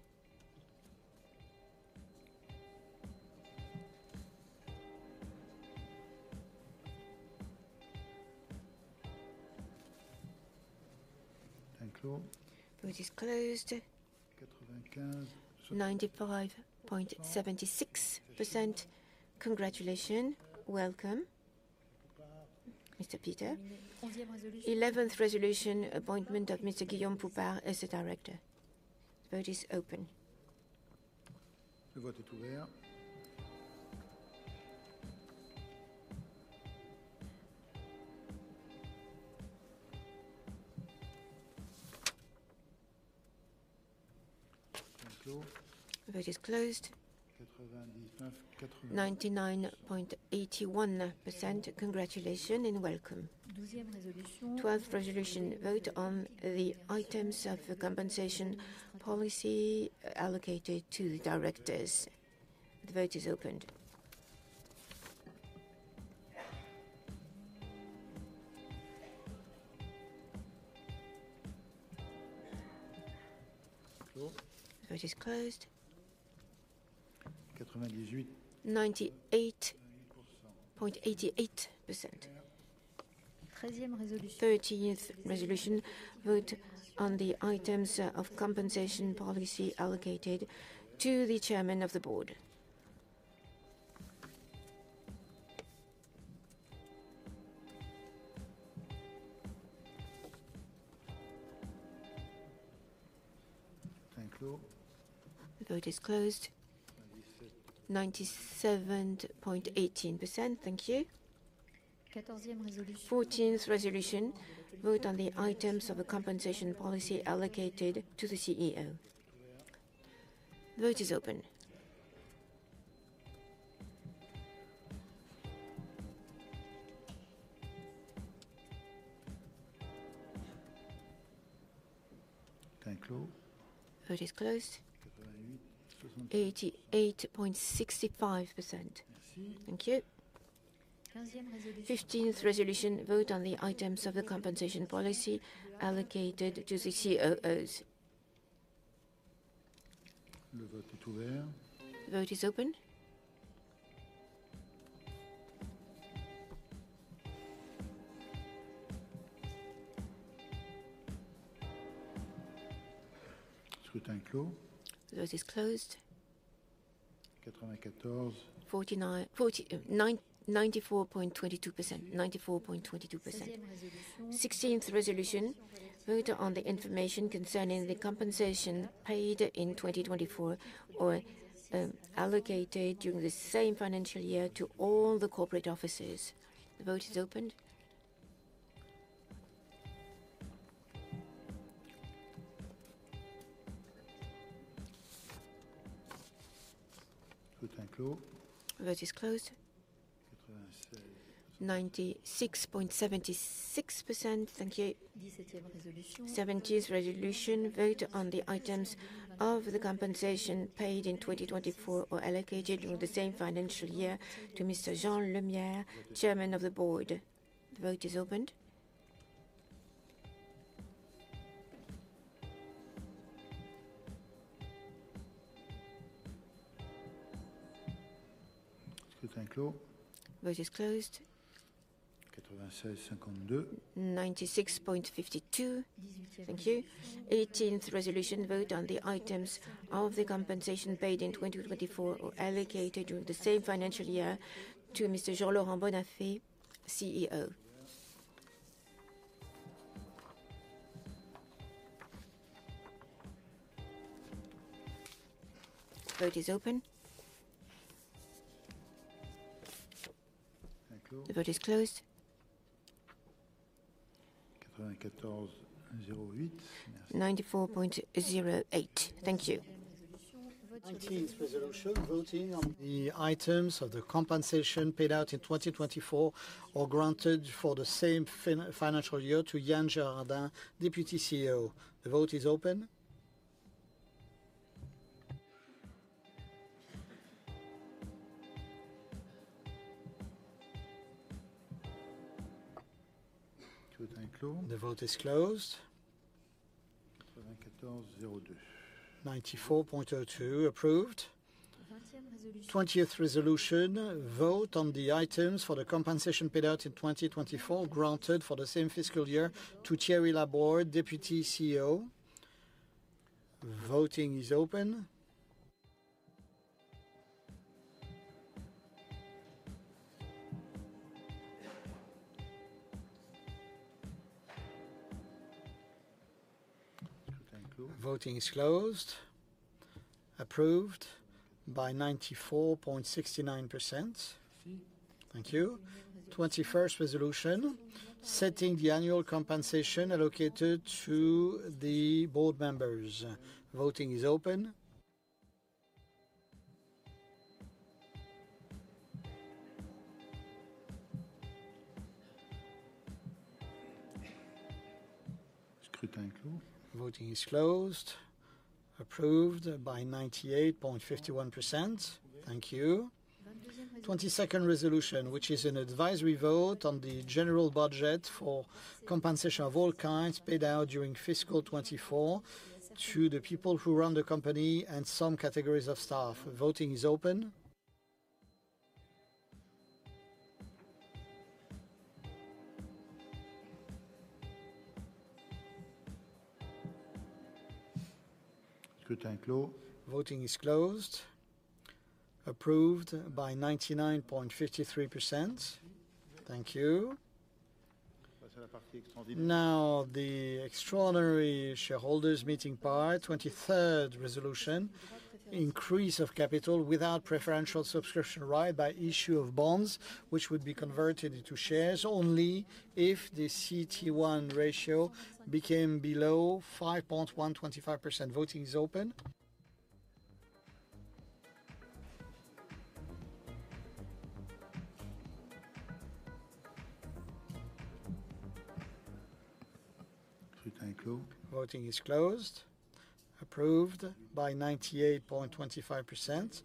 Vote is closed. 95.76%. Congratulations. Welcome, Mr. Peter. Eleventh resolution, appointment of Mr. Guillaume Poupard as a director. Vote is opened. Vote is closed. 99.81%. Congratulations and welcome. Twelfth resolution, vote on the items of compensation policy allocated to the directors. The vote is opened. Vote is closed. 98.88%. Thirteenth resolution, vote on the items of compensation policy allocated to the chairman of the board. Vote is closed. 97.18%. Thank you. Fourteenth resolution, vote on the items of compensation policy allocated to the CEO. Vote is opened. Vote is closed. 88.65%. Thank you. Fifteenth resolution, vote on the items of compensation policy allocated to the COOs. Vote is opened. Vote is closed. 94.22%. Sixteenth resolution, vote on the information concerning the compensation paid in 2024 or allocated during the same financial year to all the corporate officers. The vote is opened. Vote is closed. 96.76%. Thank you. Seventeenth resolution, vote on the items of compensation paid in 2024 or allocated during the same financial year to Mr. Jean Lemierre, Chairman of the Board. The vote is opened. Vote is closed. 96.52%. Thank you. Eighteenth resolution, vote on the items of compensation paid in 2024 or allocated during the same financial year to Mr. Jean-Laurent Bonnafé, CEO. Vote is opened. The vote is closed. 94.08%. Thank you. Nineteenth resolution, voting on the items of compensation paid out in 2024 or granted for the same financial year to Yann Gérardin, Deputy CEO. The vote is opened. The vote is closed. 94.02%. Approved. Twentieth resolution, vote on the items for compensation paid out in 2024 or granted for the same fiscal year to Thierry Laborde, Deputy CEO. Voting is opened. Voting is closed. Approved by 94.69%. Thank you. Twenty-first resolution, setting the annual compensation allocated to the board members. Voting is opened. Voting is closed. Approved by 98.51%. Thank you. Twenty-second resolution, which is an advisory vote on the general budget for compensation of all kinds paid out during fiscal 2024 to the people who run the company and some categories of staff. Voting is opened. Voting is closed. Approved by 99.53%. Thank you. Now, the extraordinary shareholders' meeting part, twenty-third resolution, increase of capital without preferential subscription right by issue of bonds, which would be converted into shares only if the CET1 ratio became below 5.125%. Voting is opened. Voting is closed. Approved by 98.25%.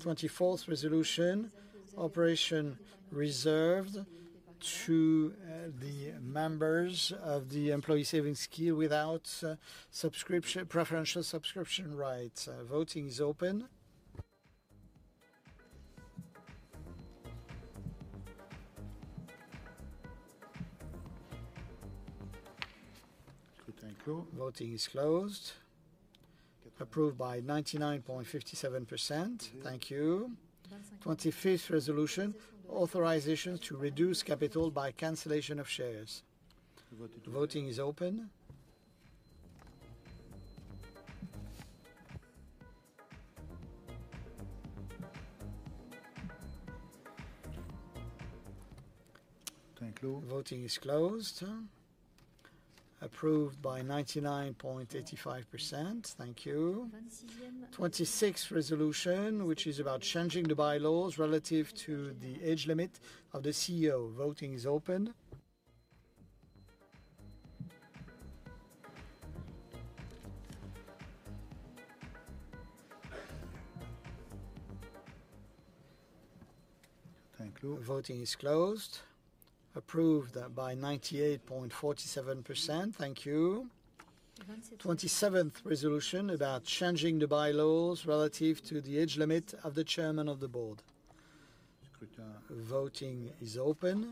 Twenty-fourth resolution, operation reserved to the members of the employee savings scheme without preferential subscription rights. Voting is opened. Voting is closed. Approved by 99.57%. Thank you. Twenty-fifth resolution, authorization to reduce capital by cancellation of shares. Voting is opened. Voting is closed. Approved by 99.85%. Thank you. Twenty-sixth resolution, which is about changing the bylaws relative to the age limit of the CEO. Voting is opened. Voting is closed. Approved by 98.47%. Thank you. Twenty-seventh resolution, about changing the bylaws relative to the age limit of the chairman of the board. Voting is opened.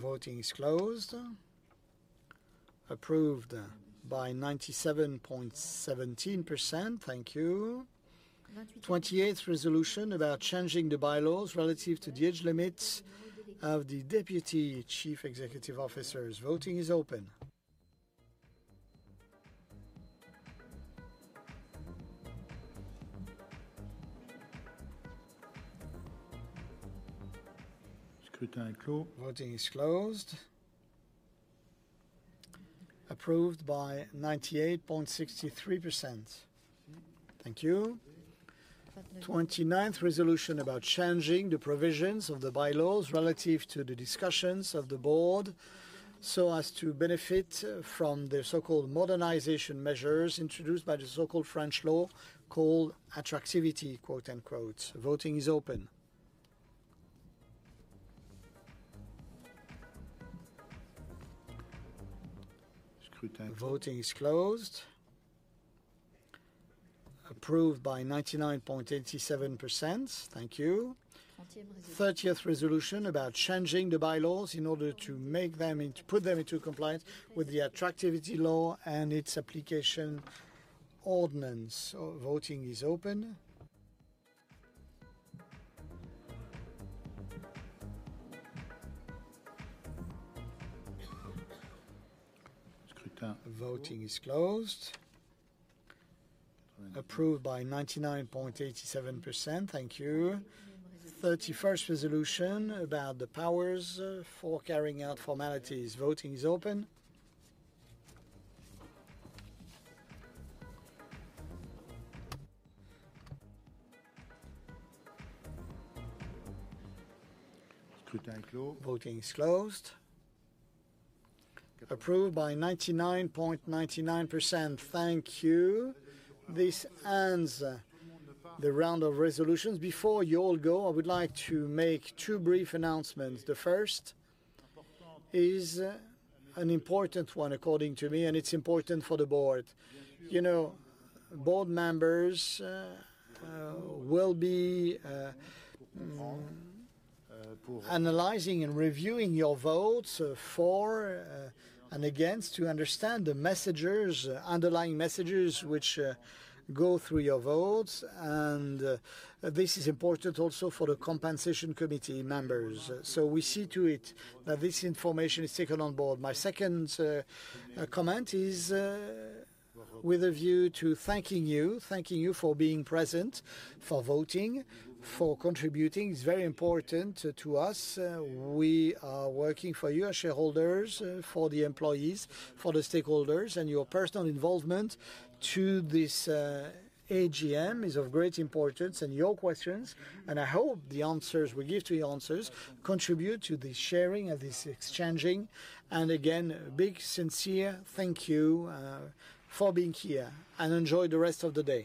Voting is closed. Approved by 97.17%. Thank you. Twenty-eighth resolution, about changing the bylaws relative to the age limit of the Deputy Chief Executive Officers. Voting is opened. Voting is closed. Approved by 98.63%. Thank you. Twenty-ninth resolution, about changing the provisions of the bylaws relative to the discussions of the board so as to benefit from the so-called modernization measures introduced by the so-called French law called attractivity. Voting is opened. Voting is closed. Approved by 99.87%. Thank you. Thirtieth resolution, about changing the bylaws in order to put them into compliance with the attractivity law and its application ordinance. Voting is opened. Voting is closed. Approved by 99.87%. Thank you. Thirty-first resolution, about the powers for carrying out formalities. Voting is opened. Voting is closed. Approved by 99.99%. Thank you. This ends the round of resolutions. Before you all go, I would like to make two brief announcements. The first is an important one, according to me, and it is important for the board. Board members will be analyzing and reviewing your votes for and against to understand the underlying messages which go through your votes. This is important also for the compensation committee members. We see to it that this information is taken on board. My second comment is with a view to thanking you, thanking you for being present, for voting, for contributing. It is very important to us. We are working for you, our shareholders, for the employees, for the stakeholders, and your personal involvement to this AGM is of great importance. Your questions, and I hope the answers we give to your answers contribute to the sharing and this exchanging. Again, a big, sincere thank you for being here. Enjoy the rest of the day.